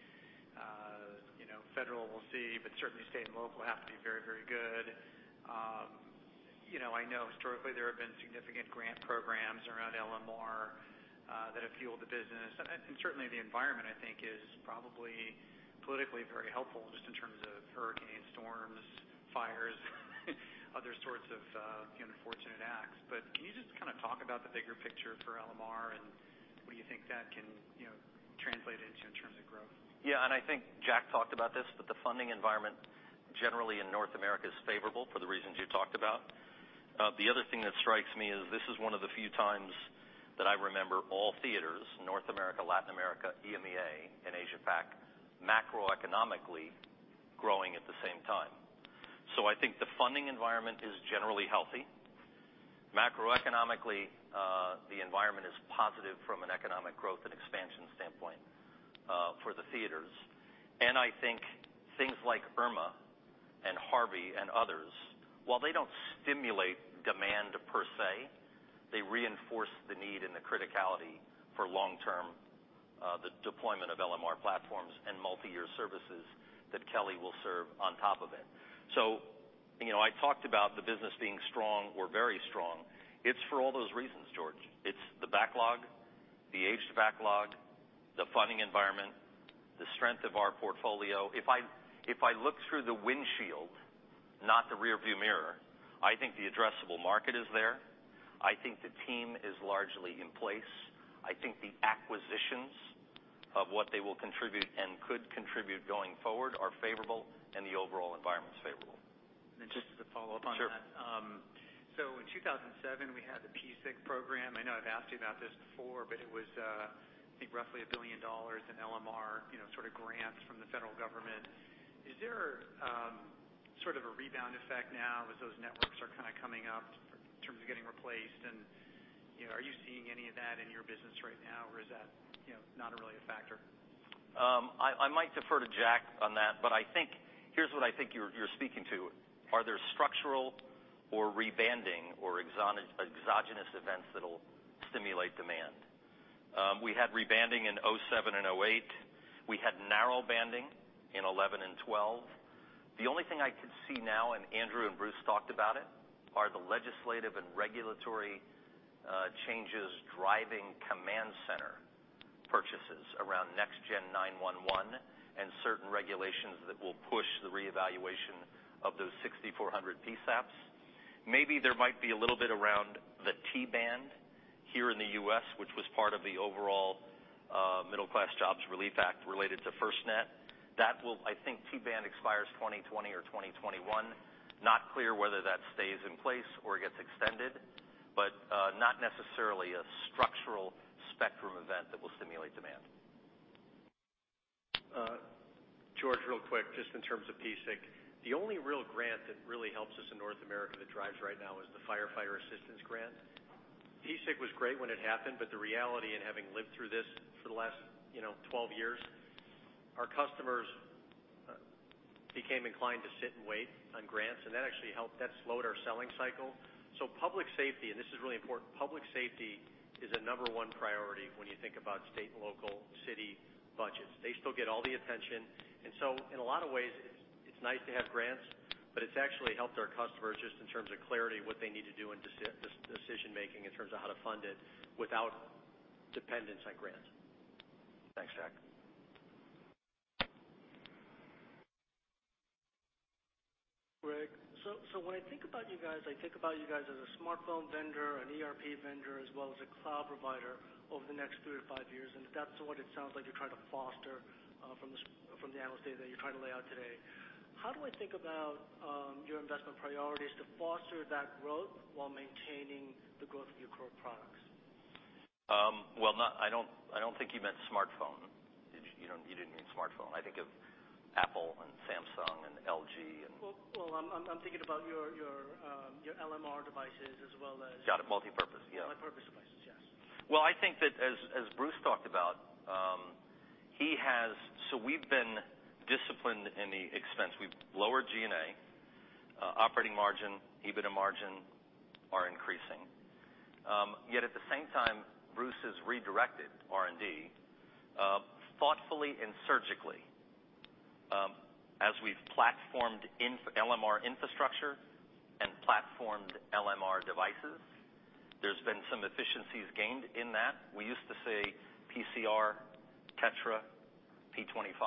federal we'll see, but certainly state and local have to be very, very good. You know, I know historically, there have been significant grant programs around LMR that have fueled the business. And certainly, the environment, I think, is probably politically very helpful just in terms of hurricane, storms, fires, other sorts of, you know, unfortunate acts. But can you just kind of talk about the bigger picture for LMR, and what do you think that can, you know, translate into in terms of growth? Yeah, and I think Jack talked about this, but the funding environment, generally in North America, is favorable for the reasons you talked about. The other thing that strikes me is this is one of the few times that I remember all theaters, North America, Latin America, EMEA, and AsiaPac, macroeconomically growing at the same time. So I think the funding environment is generally healthy. Macroeconomically, the environment is positive from an economic growth and expansion standpoint, for the theaters. And I think things like Irma and Harvey and others, while they don't stimulate demand per se, they reinforce the need and the criticality for long-term, the deployment of LMR platforms and multi-year services that Kelly will serve on top of it. So, you know, I talked about the business being strong or very strong. It's for all those reasons, George. It's the backlog, the aged backlog, the funding environment, the strength of our portfolio. If I, if I look through the windshield, not the rearview mirror, I think the addressable market is there. I think the team is largely in place. I think the acquisitions, of what they will contribute and could contribute going forward, are favorable, and the overall environment is favorable. Just as a follow-up on that. Sure. So in 2007, we had the PSIC program. I know I've asked you about this before, but it was, I think roughly $1 billion in LMR, you know, sort of grants from the federal government. Is there, sort of a rebound effect now as those networks are kind of coming up in terms of getting replaced and, you know, are you seeing any of that in your business right now, or is that, you know, not really a factor? I might defer to Jack on that, but I think... Here's what I think you're speaking to, are there structural or rebanding or exogenous events that'll stimulate demand? We had rebanding in 2007 and 2008. We had narrowbanding in 2011 and 2012. The only thing I could see now, and Andrew and Bruce talked about it, are the legislative and regulatory changes driving command center purchases around NextGen 911, and certain regulations that will push the reevaluation of those 6,400 PSAPs. Maybe there might be a little bit around the T-Band here in the U.S., which was part of the overall Middle Class Jobs Relief Act related to FirstNet. That will. I think T-Band expires 2020 or 2021. Not clear whether that stays in place or gets extended, but not necessarily a structural spectrum-. George, real quick, just in terms of PSIC. The only real grant that really helps us in North America that drives right now is the Firefighter Assistance Grant. PSIC was great when it happened, but the reality in having lived through this for the last, you know, 12 years, our customers became inclined to sit and wait on grants, and that actually slowed our selling cycle. So public safety, and this is really important, public safety is a number one priority when you think about state and local city budgets. They still get all the attention. And so in a lot of ways, it's, it's nice to have grants, but it's actually helped our customers just in terms of clarity, what they need to do, and decision making in terms of how to fund it without dependence on grants. Thanks, Jack. Greg, when I think about you guys, I think about you guys as a smartphone vendor, an ERP vendor, as well as a cloud provider over the next 3-5 years, and that's what it sounds like you're trying to foster, from the analyst data that you're trying to lay out today. How do I think about your investment priorities to foster that growth while maintaining the growth of your core products? Well, not—I don't, I don't think you meant smartphone. Did you? You don't—you didn't mean smartphone. I think of Apple and Samsung and LG and- Well, I'm thinking about your LMR devices as well as- Got it. Multipurpose, yeah. Multipurpose devices, yes. Well, I think that as, as Bruce talked about, he has... So we've been disciplined in the expense. We've lowered G&A, operating margin, EBITDA margin are increasing. Yet at the same time, Bruce has redirected R&D, thoughtfully and surgically. As we've platformed LMR infrastructure and platformed LMR devices, there's been some efficiencies gained in that. We used to say, PCR, TETRA, P25,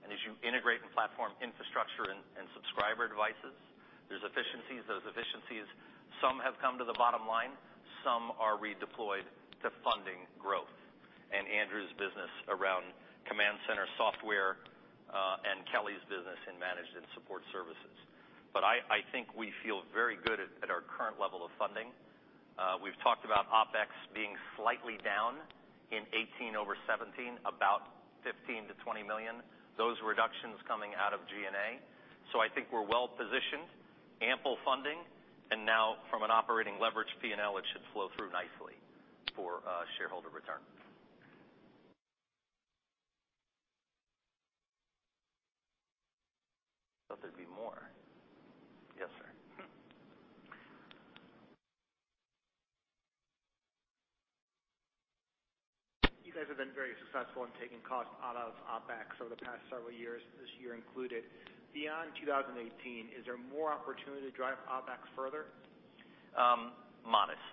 and as you integrate the platform infrastructure and subscriber devices, there's efficiencies. Those efficiencies, some have come to the bottom line, some are redeployed to funding growth, and Andrew's business around command center software, and Kelly's business in Managed and Support Services. But I think we feel very good at our current level of funding. We've talked about OpEx being slightly down in 2018 over 2017, about $15 million-$20 million. Those reductions coming out of G&A. So I think we're well positioned, ample funding, and now from an operating leverage P&L, it should flow through nicely for shareholder return. Thought there'd be more. Yes, sir. You guys have been very successful in taking costs out of OpEx over the past several years, this year included. Beyond 2018, is there more opportunity to drive OpEx further? Modest.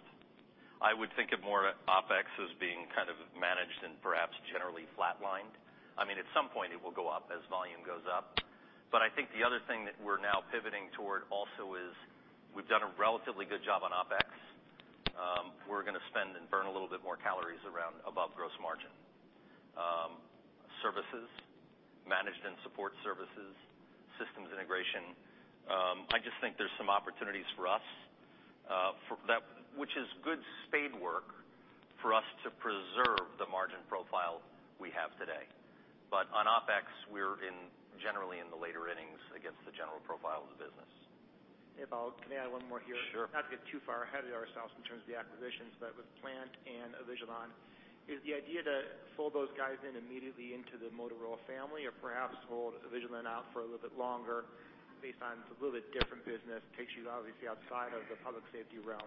I would think of more OpEx as being kind of managed and perhaps generally flatlined. I mean, at some point, it will go up as volume goes up. But I think the other thing that we're now pivoting toward also is we've done a relatively good job on OpEx. We're going to spend and burn a little bit more calories around above gross margin. Services, Managed and Support Services, systems integration, I just think there's some opportunities for us, for that, which is good spade work for us to preserve the margin profile we have today. But on OpEx, we're in, generally in the later innings against the general profile of the business. If I'll, can I add one more here? Sure. Not to get too far ahead of ourselves in terms of the acquisitions, but with Plant and Avigilon, is the idea to fold those guys in immediately into the Motorola family, or perhaps hold Avigilon out for a little bit longer based on it's a little bit different business, takes you obviously outside of the public safety realm?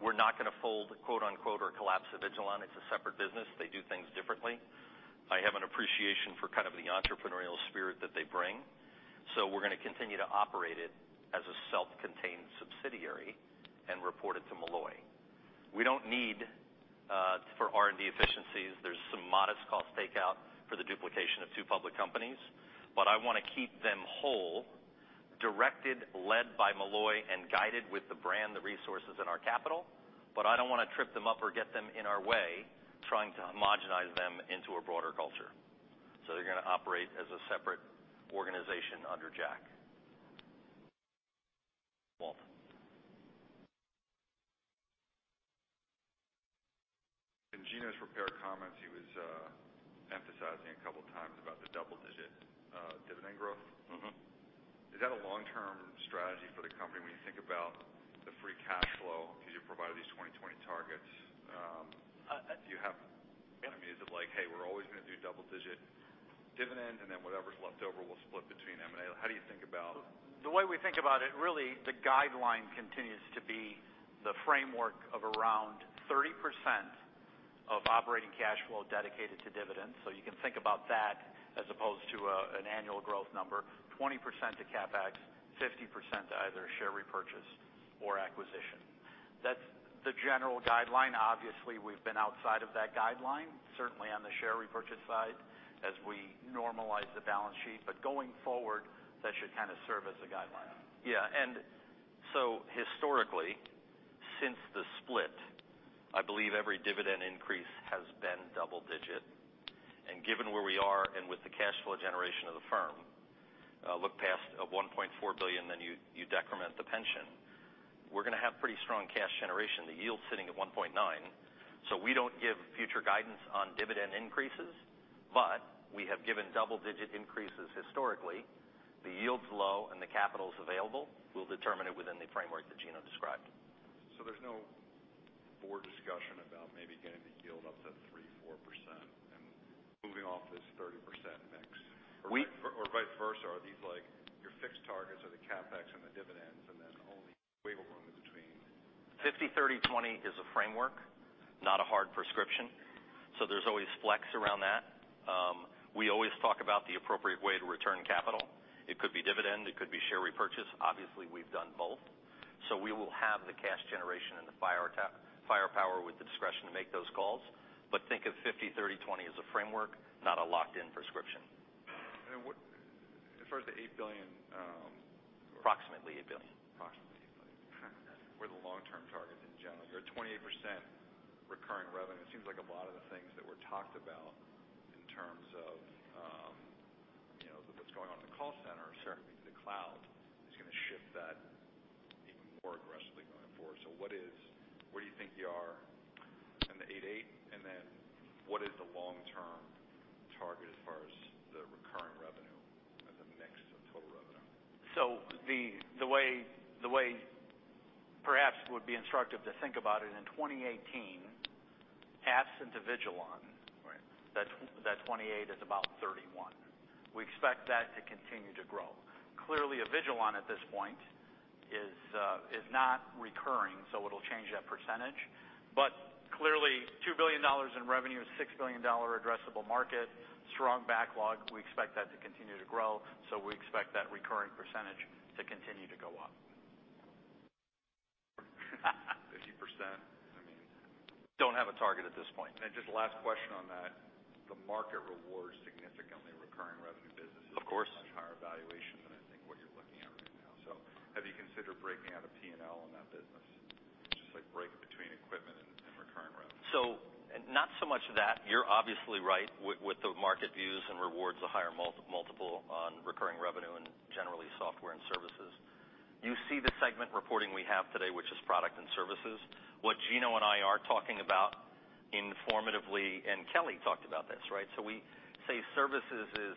We're not going to fold, quote-unquote, or collapse Avigilon. It's a separate business. They do things differently. I have an appreciation for kind of the entrepreneurial spirit that they bring, so we're going to continue to operate it as a self-contained subsidiary and report it to Molloy. We don't need for R&D efficiencies. There's some modest cost takeout for the duplication of two public companies. But I want to keep them whole, directed, led by Molloy, and guided with the brand, the resources, and our capital. But I don't want to trip them up or get them in our way, trying to homogenize them into a broader culture. So they're going to operate as a separate organization under Jack. Walter. In Gino's prepared comments, he was emphasizing a couple of times about the double-digit dividend growth. Mm-hmm. Is that a long-term strategy for the company when you think about the free cash flow, because you provided these 2020 targets? I mean, is it like: Hey, we're always going to do double-digit dividend, and then whatever's left over, we'll split between M&A. How do you think about- The way we think about it, really, the guideline continues to be the framework of around 30% of operating cash flow dedicated to dividends. So you can think about that as opposed to, an annual growth number, 20% to CapEx, 50% to either share repurchase or acquisition. That's the general guideline. Obviously, we've been outside of that guideline, certainly on the share repurchase side, as we normalize the balance sheet. But going forward, that should kind of serve as a guideline. Yeah, and so historically, since the split, I believe every dividend increase has been double-digit. And given where we are and with the cash flow generation of the firm of $1.4 billion, then you decrement the pension. We're gonna have pretty strong cash generation. The yield's sitting at 1.9%, so we don't give future guidance on dividend increases, but we have given double-digit increases historically. The yield's low and the capital's available, we'll determine it within the framework that Gino described. So there's no board discussion about maybe getting the yield up to 3%-4% and moving off this 30% mix? We- Or vice versa, are these, like, your fixed targets are the CapEx and the dividends, and then only wiggle room in between? 50, 30, 20 is a framework, not a hard prescription, so there's always Flex around that. We always talk about the appropriate way to return capital. It could be dividend, it could be share repurchase. Obviously, we've done both. So we will have the cash generation and the firepower with the discretion to make those calls. But think of 50, 30, 20 as a framework, not a locked-in prescription. What, as far as the $8 billion- Approximately $8 billion. Approximately $8 billion. Where are the long-term targets in general? You're at 28% recurring revenue. It seems like a lot of the things that were talked about in terms of, you know, what's going on in the call center- Sure. Moving to the cloud, is gonna shift that even more aggressively going forward. So where do you think you are in the 8 and 8, and then what is the long-term target as far as the recurring revenue as a mix of total revenue? So the way perhaps it would be instructive to think about it, in 2018, absent Avigilon- Right. That's that 28 is about 31. We expect that to continue to grow. Clearly, Avigilon, at this point, is not recurring, so it'll change that percentage. But clearly, $2 billion in revenue, $6 billion addressable market, strong backlog, we expect that to continue to grow, so we expect that recurring percentage to continue to go up. 50%, I mean. Don't have a target at this point. Just last question on that, the market rewards significantly recurring revenue businesses- Of course. with much higher valuation than I think what you're looking at right now. So have you considered breaking out a P&L on that business, just like break it between equipment and recurring revenue? So not so much that. You're obviously right with the market views and rewards a higher multiple on recurring revenue and generally software and services. You see the segment reporting we have today, which is product and services. What Gino and I are talking about informally, and Kelly talked about this, right? So we say services is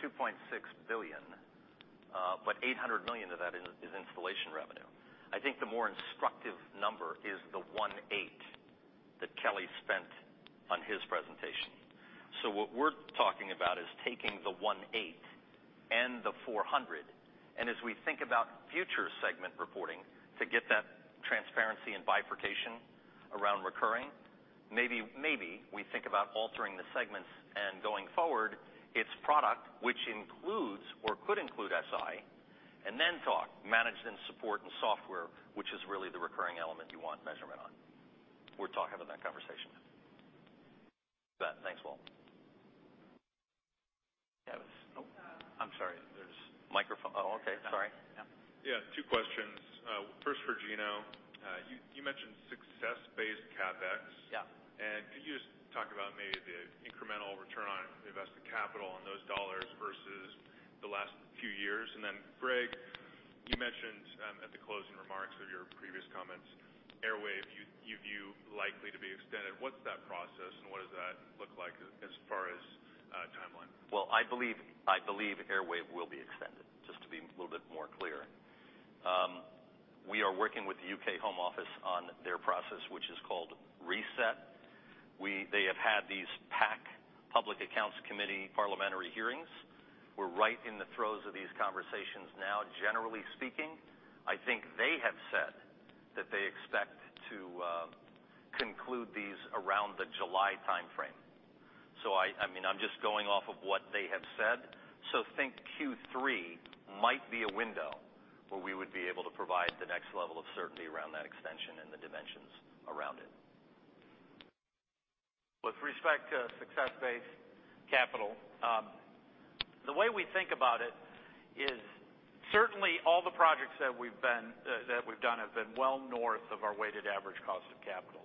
$2.6 billion, but $800 million of that is installation revenue. I think the more instructive number is the $1.8 billion that Kelly spent on his presentation. So what we're talking about is taking the 18 and the 400, and as we think about future segment reporting, to get that transparency and bifurcation around recurring, maybe, maybe we think about altering the segments, and going forward, it's product, which includes or could include SI, and then talk managed and support and software, which is really the recurring element you want measurement on. We're talking to that conversation. Thanks, Walt. Tavis? Oh. Uh- I'm sorry, there's microphone. Oh, okay, sorry. Yeah. Yeah, two questions. First for Gino. You mentioned success-based CapEx. Yeah. Can you just talk about maybe the incremental return on invested capital on those dollars versus the last few years? Then, Greg, you mentioned at the closing remarks of your previous comments, Airwave, you view likely to be extended. What's that process, and what does that look like as far as timeline? Well, I believe, I believe Airwave will be extended, just to be a little bit more clear. We are working with the U.K. Home Office on their process, which is called Reset. They have had these PAC, Public Accounts Committee, parliamentary hearings. We're right in the throes of these conversations now. Generally speaking, I think they have said that they expect to conclude these around the July timeframe. So I, I mean, I'm just going off of what they have said. So think Q3 might be a window where we would be able to provide the next level of certainty around that extension and the dimensions around it. With respect to success-based capital, the way we think about it is certainly all the projects that we've done have been well north of our weighted average cost of capital.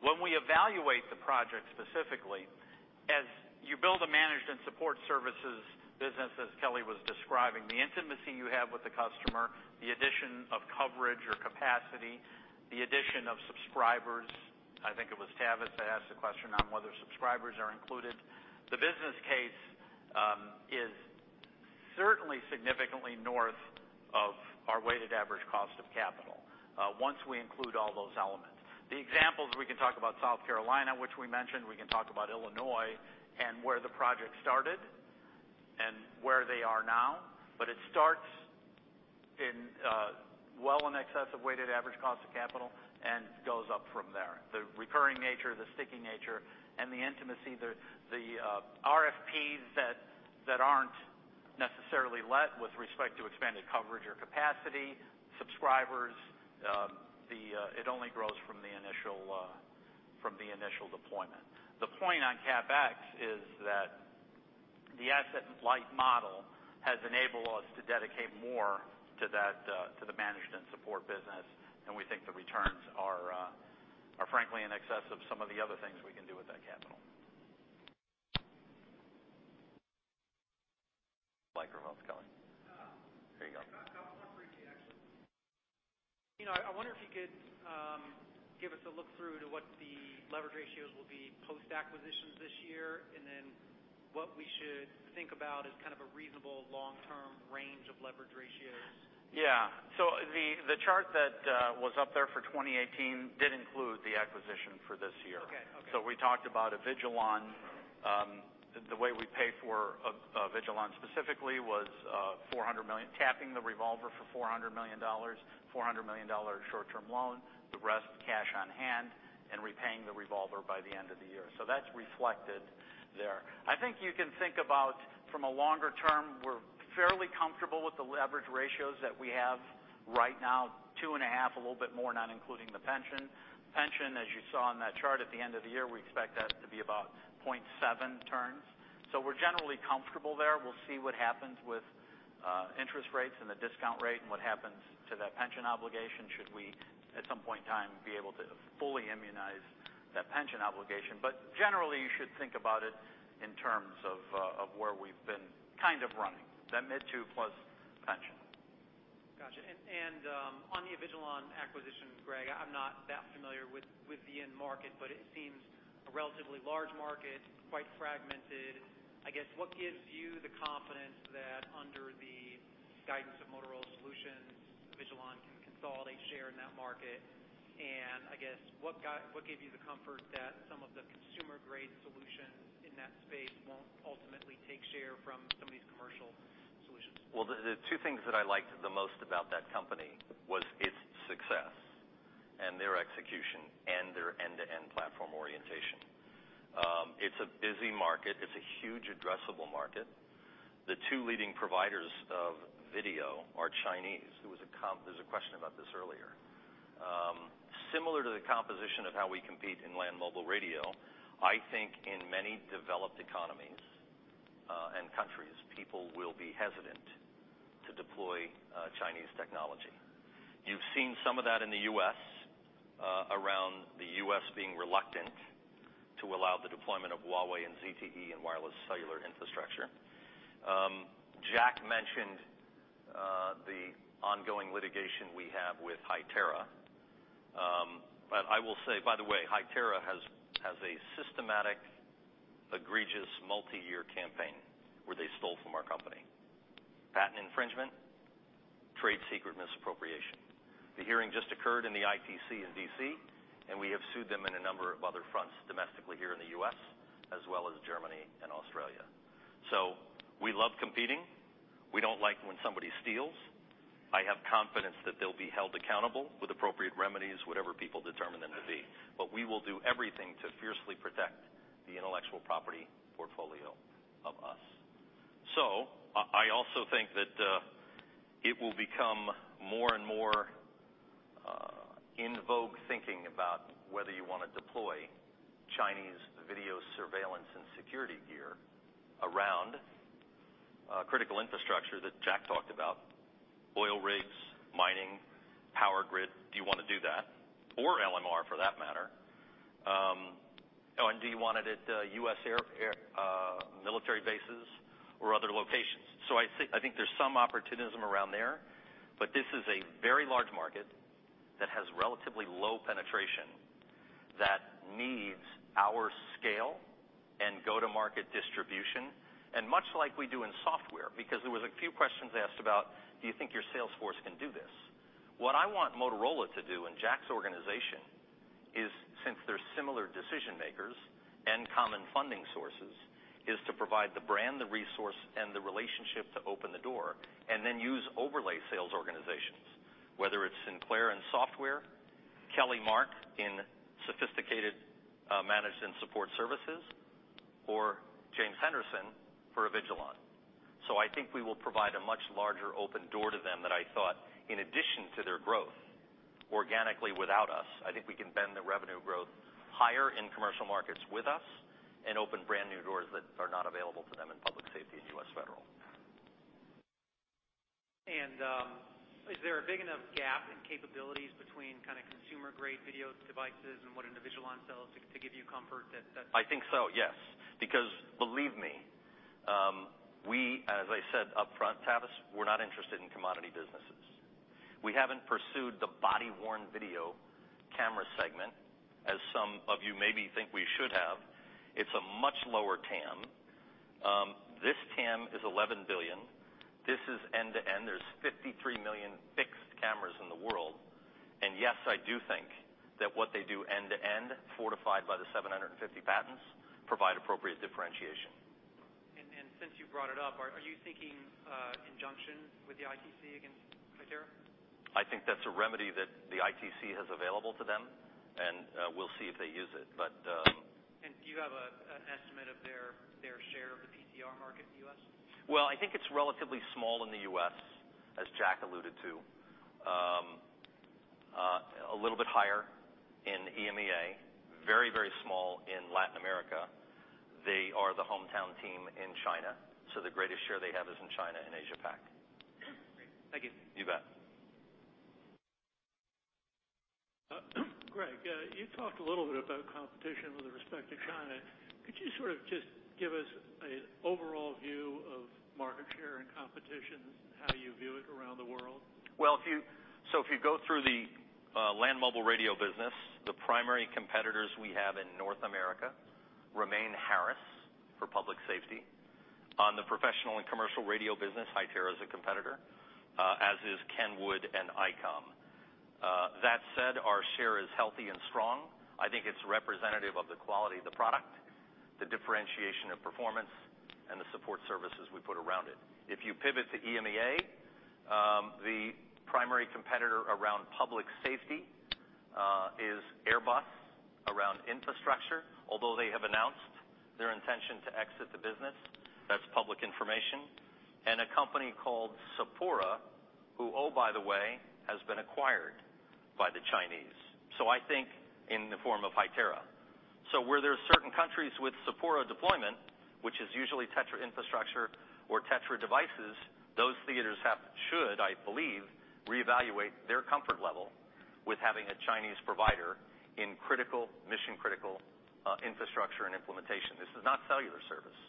When we evaluate the project specifically, as you build a Managed and Support Services business, as Kelly was describing, the intimacy you have with the customer, the addition of coverage or capacity, the addition of subscribers, I think it was Tavis that asked the question on whether subscribers are included. The business case is certainly significantly north of our weighted average cost of capital, once we include all those elements. The examples, we can talk about South Carolina, which we mentioned, we can talk about Illinois, and where the project started and where they are now, but it starts in, well, in excess of weighted average cost of capital and goes up from there. The recurring nature, the sticking nature, and the intimacy, the RFPs that aren't necessarily let with respect to expanded coverage or capacity, subscribers. It only grows from the initial, from the initial deployment. The point on CapEx is that the asset light model has enabled us to dedicate more to that, to the managed and support business, and we think the returns are, are frankly in excess of some of the other things we can do with that capital. Microphone's coming. There you go. That's much appreciated, actually. You know, I wonder if you could give us a look through to what the leverage ratios will be post-acquisitions this year, and then what we should think about as kind of a reasonable long-term range of leverage ratios? Yeah. So the chart that was up there for 2018 did include the acquisition for this year. Okay, okay. So we talked about Avigilon, the way we paid for Avigilon specifically was $400 million, tapping the revolver for $400 million dollars, $400 million dollar short-term loan, the rest, cash on hand, and repaying the revolver by the end of the year. So that's reflected there. I think you can think about from a longer term, we're fairly comfortable with the leverage ratios that we have right now, 2.5, a little bit more, not including the pension. Pension, as you saw on that chart at the end of the year, we expect that to be about 0.7 turns. So we're generally comfortable there. We'll see what happens with interest rates and the discount rate, and what happens to that pension obligation, should we, at some point in time, be able to fully immunize that pension obligation. Generally, you should think about it in terms of where we've been kind of running, that mid-2+ pension. Got you. And on the Avigilon acquisition, Greg, I'm not that familiar with the end market, but it seems a relatively large market, quite fragmented. I guess, what gives you the confidence that under the guidance of Motorola Solutions, Avigilon can consolidate, share in that market? And I guess, what gave you the comfort that some of the consumer-grade solutions in that space won't ultimately take share from some of these commercial solutions? Well, the two things that I liked the most about that company was its success, and their execution, and their end-to-end platform orientation. It's a busy market. It's a huge addressable market. The two leading providers of video are Chinese. There was a question about this earlier. Similar to the composition of how we compete in Land Mobile Radio, I think in many developed economies, and countries, people will be hesitant to deploy Chinese technology. You've seen some of that in the U.S., around the U.S. being reluctant to allow the deployment of Huawei and ZTE in wireless cellular infrastructure. Jack mentioned the ongoing litigation we have with Hytera. But I will say, by the way, Hytera has a systematic, egregious, multi-year campaign where they stole from our company. Patent infringement, trade secret misappropriation. The hearing just occurred in the ITC in D.C., and we have sued them in a number of other fronts, domestically here in the U.S., as well as Germany and Australia. So we love competing. We don't like when somebody steals. I have confidence that they'll be held accountable with appropriate remedies, whatever people determine them to be. But we will do everything to fiercely protect the intellectual property portfolio of us. So I also think that it will become more and more in vogue thinking about whether you wanna deploy Chinese video surveillance and security gear around critical infrastructure that Jack talked about: oil rigs, mining, power grid. Do you wanna do that, or LMR, for that matter? And do you want it at U.S. air military bases or other locations? So I think, I think there's some opportunism around there, but this is a very large market that has relatively low penetration, that needs our scale and go-to-market distribution, and much like we do in software, because there was a few questions asked about: "Do you think your sales force can do this?" What I want Motorola to do, and Jack's organization, is since they're similar decision makers and common funding sources, is to provide the brand, the resource, and the relationship to open the door, and then use overlay sales organizations, whether it's Sinclair in software, Kelly Mark in sophisticated, Managed and Support Services, or James Henderson for Avigilon. So I think we will provide a much larger open door to them than I thought, in addition to their growth. Organically, without us, I think we can bend the revenue growth higher in commercial markets with us, and open brand-new doors that are not available to them in public safety and U.S. federal. Is there a big enough gap in capabilities between kind of consumer-grade video devices and what Avigilon sells to give you comfort that? I think so, yes. Because believe me, we, as I said up front, Tavis, we're not interested in commodity businesses. We haven't pursued the body-worn video camera segment, as some of you maybe think we should have. It's a much lower TAM. This TAM is $11 billion. This is end-to-end. There's 53 million fixed cameras in the world, and yes, I do think that what they do end-to-end, fortified by the 750 patents, provide appropriate differentiation. Since you brought it up, are you seeking injunction with the ITC against Hytera? I think that's a remedy that the ITC has available to them, and we'll see if they use it, but... Do you have an estimate of their share of the PCR market in the U.S.? Well, I think it's relatively small in the U.S., as Jack alluded to. A little bit higher in EMEA. Very, very small in Latin America. They are the hometown team in China, so the greatest share they have is in China and AsiaPac. Greg, you talked a little bit about competition with respect to China. Could you sort of just give us an overall view of market share and competition, how you view it around the world? If you go through the Land Mobile Radio business, the primary competitors we have in North America remain Harris for public safety. On the professional and commercial radio business, Hytera is a competitor, as is Kenwood and Icom. That said, our share is healthy and strong. I think it's representative of the quality of the product, the differentiation of performance, and the support services we put around it. If you pivot to EMEA, the primary competitor around public safety is Airbus, around infrastructure, although they have announced their intention to exit the business, that's public information, and a company called Sepura, who, oh, by the way, has been acquired by the Chinese. So I think in the form of Hytera. So where there are certain countries with Sepura deployment, which is usually TETRA infrastructure or TETRA devices, those theaters have, should, I believe, reevaluate their comfort level with having a Chinese provider in critical, mission-critical, infrastructure and implementation. This is not cellular service.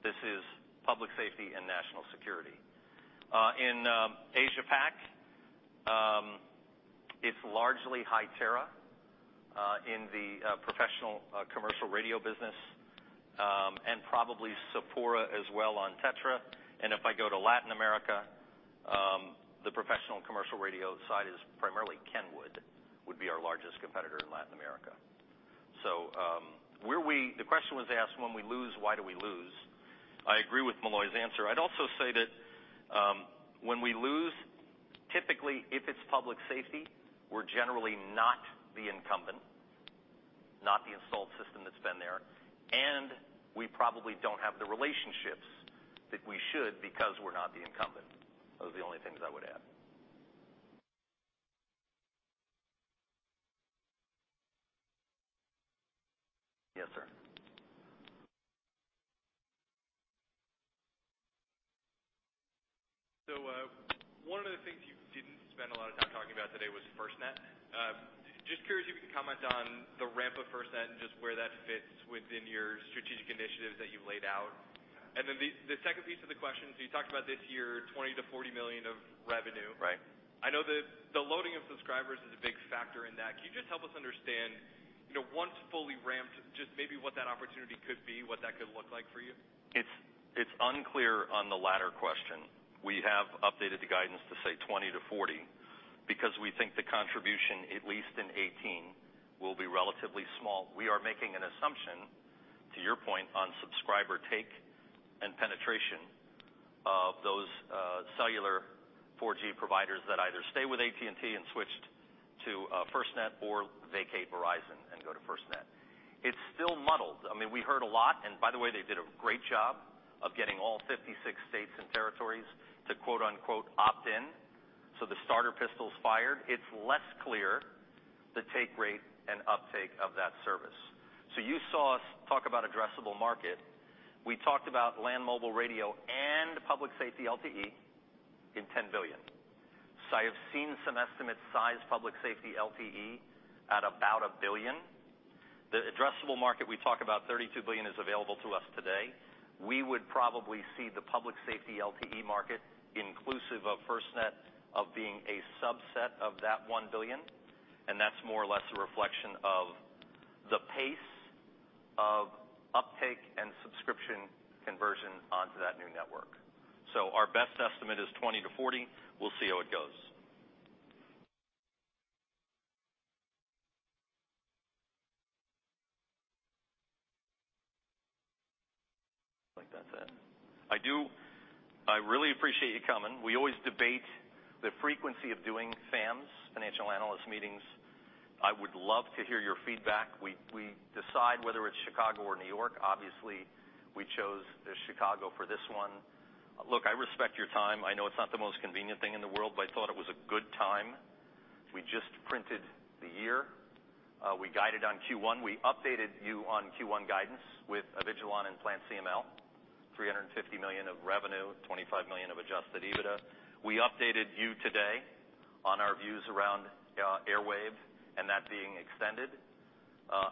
This is public safety and national security. In AsiaPac, it's largely Hytera in the professional commercial radio business, and probably Sepura as well on TETRA. And if I go to Latin America, the professional and commercial radio side is primarily Kenwood, would be our largest competitor in Latin America. So, where we, the question was asked, when we lose, why do we lose? I agree with Molloy's answer. I'd also say that, when we lose, typically, if it's public safety, we're generally not the incumbent, not the installed system that's been there, and we probably don't have the relationships that we should because we're not the incumbent. Those are the only things I would add. Yes, sir. One of the things you didn't spend a lot of time talking about today was FirstNet. Just curious if you could comment on the ramp of FirstNet and just where that fits within your strategic initiatives that you've laid out. And then the second piece of the question, so you talked about this year, $20 million-$40 million of revenue. Right. I know that the loading of subscribers is a big factor in that. Can you just help us understand, you know, once fully ramped, just maybe what that opportunity could be, what that could look like for you? It's unclear on the latter question. We have updated the guidance to say $20 million-$40 million, because we think the contribution, at least in 2018, will be relatively small. We are making an assumption, to your point, on subscriber take and penetration of those cellular 4G providers that either stay with AT&T and switched to FirstNet, or vacate Verizon and go to FirstNet. It's still muddled. I mean, we heard a lot, and by the way, they did a great job of getting all 56 states and territories to quote-unquote opt in, so the starter pistol is fired. It's less clear the take rate and uptake of that service. So you saw us talk about addressable market. We talked about Land Mobile Radio and public safety LTE in $10 billion. So I have seen some estimates size public safety LTE at about $1 billion. The addressable market, we talk about $32 billion is available to us today. We would probably see the public safety LTE market, inclusive of FirstNet, of being a subset of that $1 billion, and that's more or less a reflection of the pace of uptake and subscription conversion onto that new network. So our best estimate is $20 million-$40 million. We'll see how it goes. I think that's it. I do—I really appreciate you coming. We always debate the frequency of doing FAMs, financial analyst meetings. I would love to hear your feedback. We, we decide whether it's Chicago or New York. Obviously, we chose Chicago for this one. Look, I respect your time. I know it's not the most convenient thing in the world, but I thought it was a good time. We just printed the year. We guided on Q1. We updated you on Q1 guidance with Avigilon and PlantCML, $350 million of revenue, $25 million of adjusted EBITDA. We updated you today on our views around Airwave and that being extended,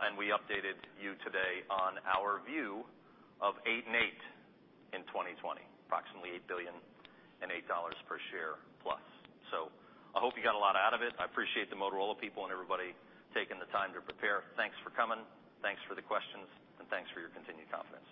and we updated you today on our view of 8 and 8 in 2020, approximately $8 billion and $8+ per share. So I hope you got a lot out of it. I appreciate the Motorola people and everybody taking the time to prepare. Thanks for coming, thanks for the questions, and thanks for your continued confidence.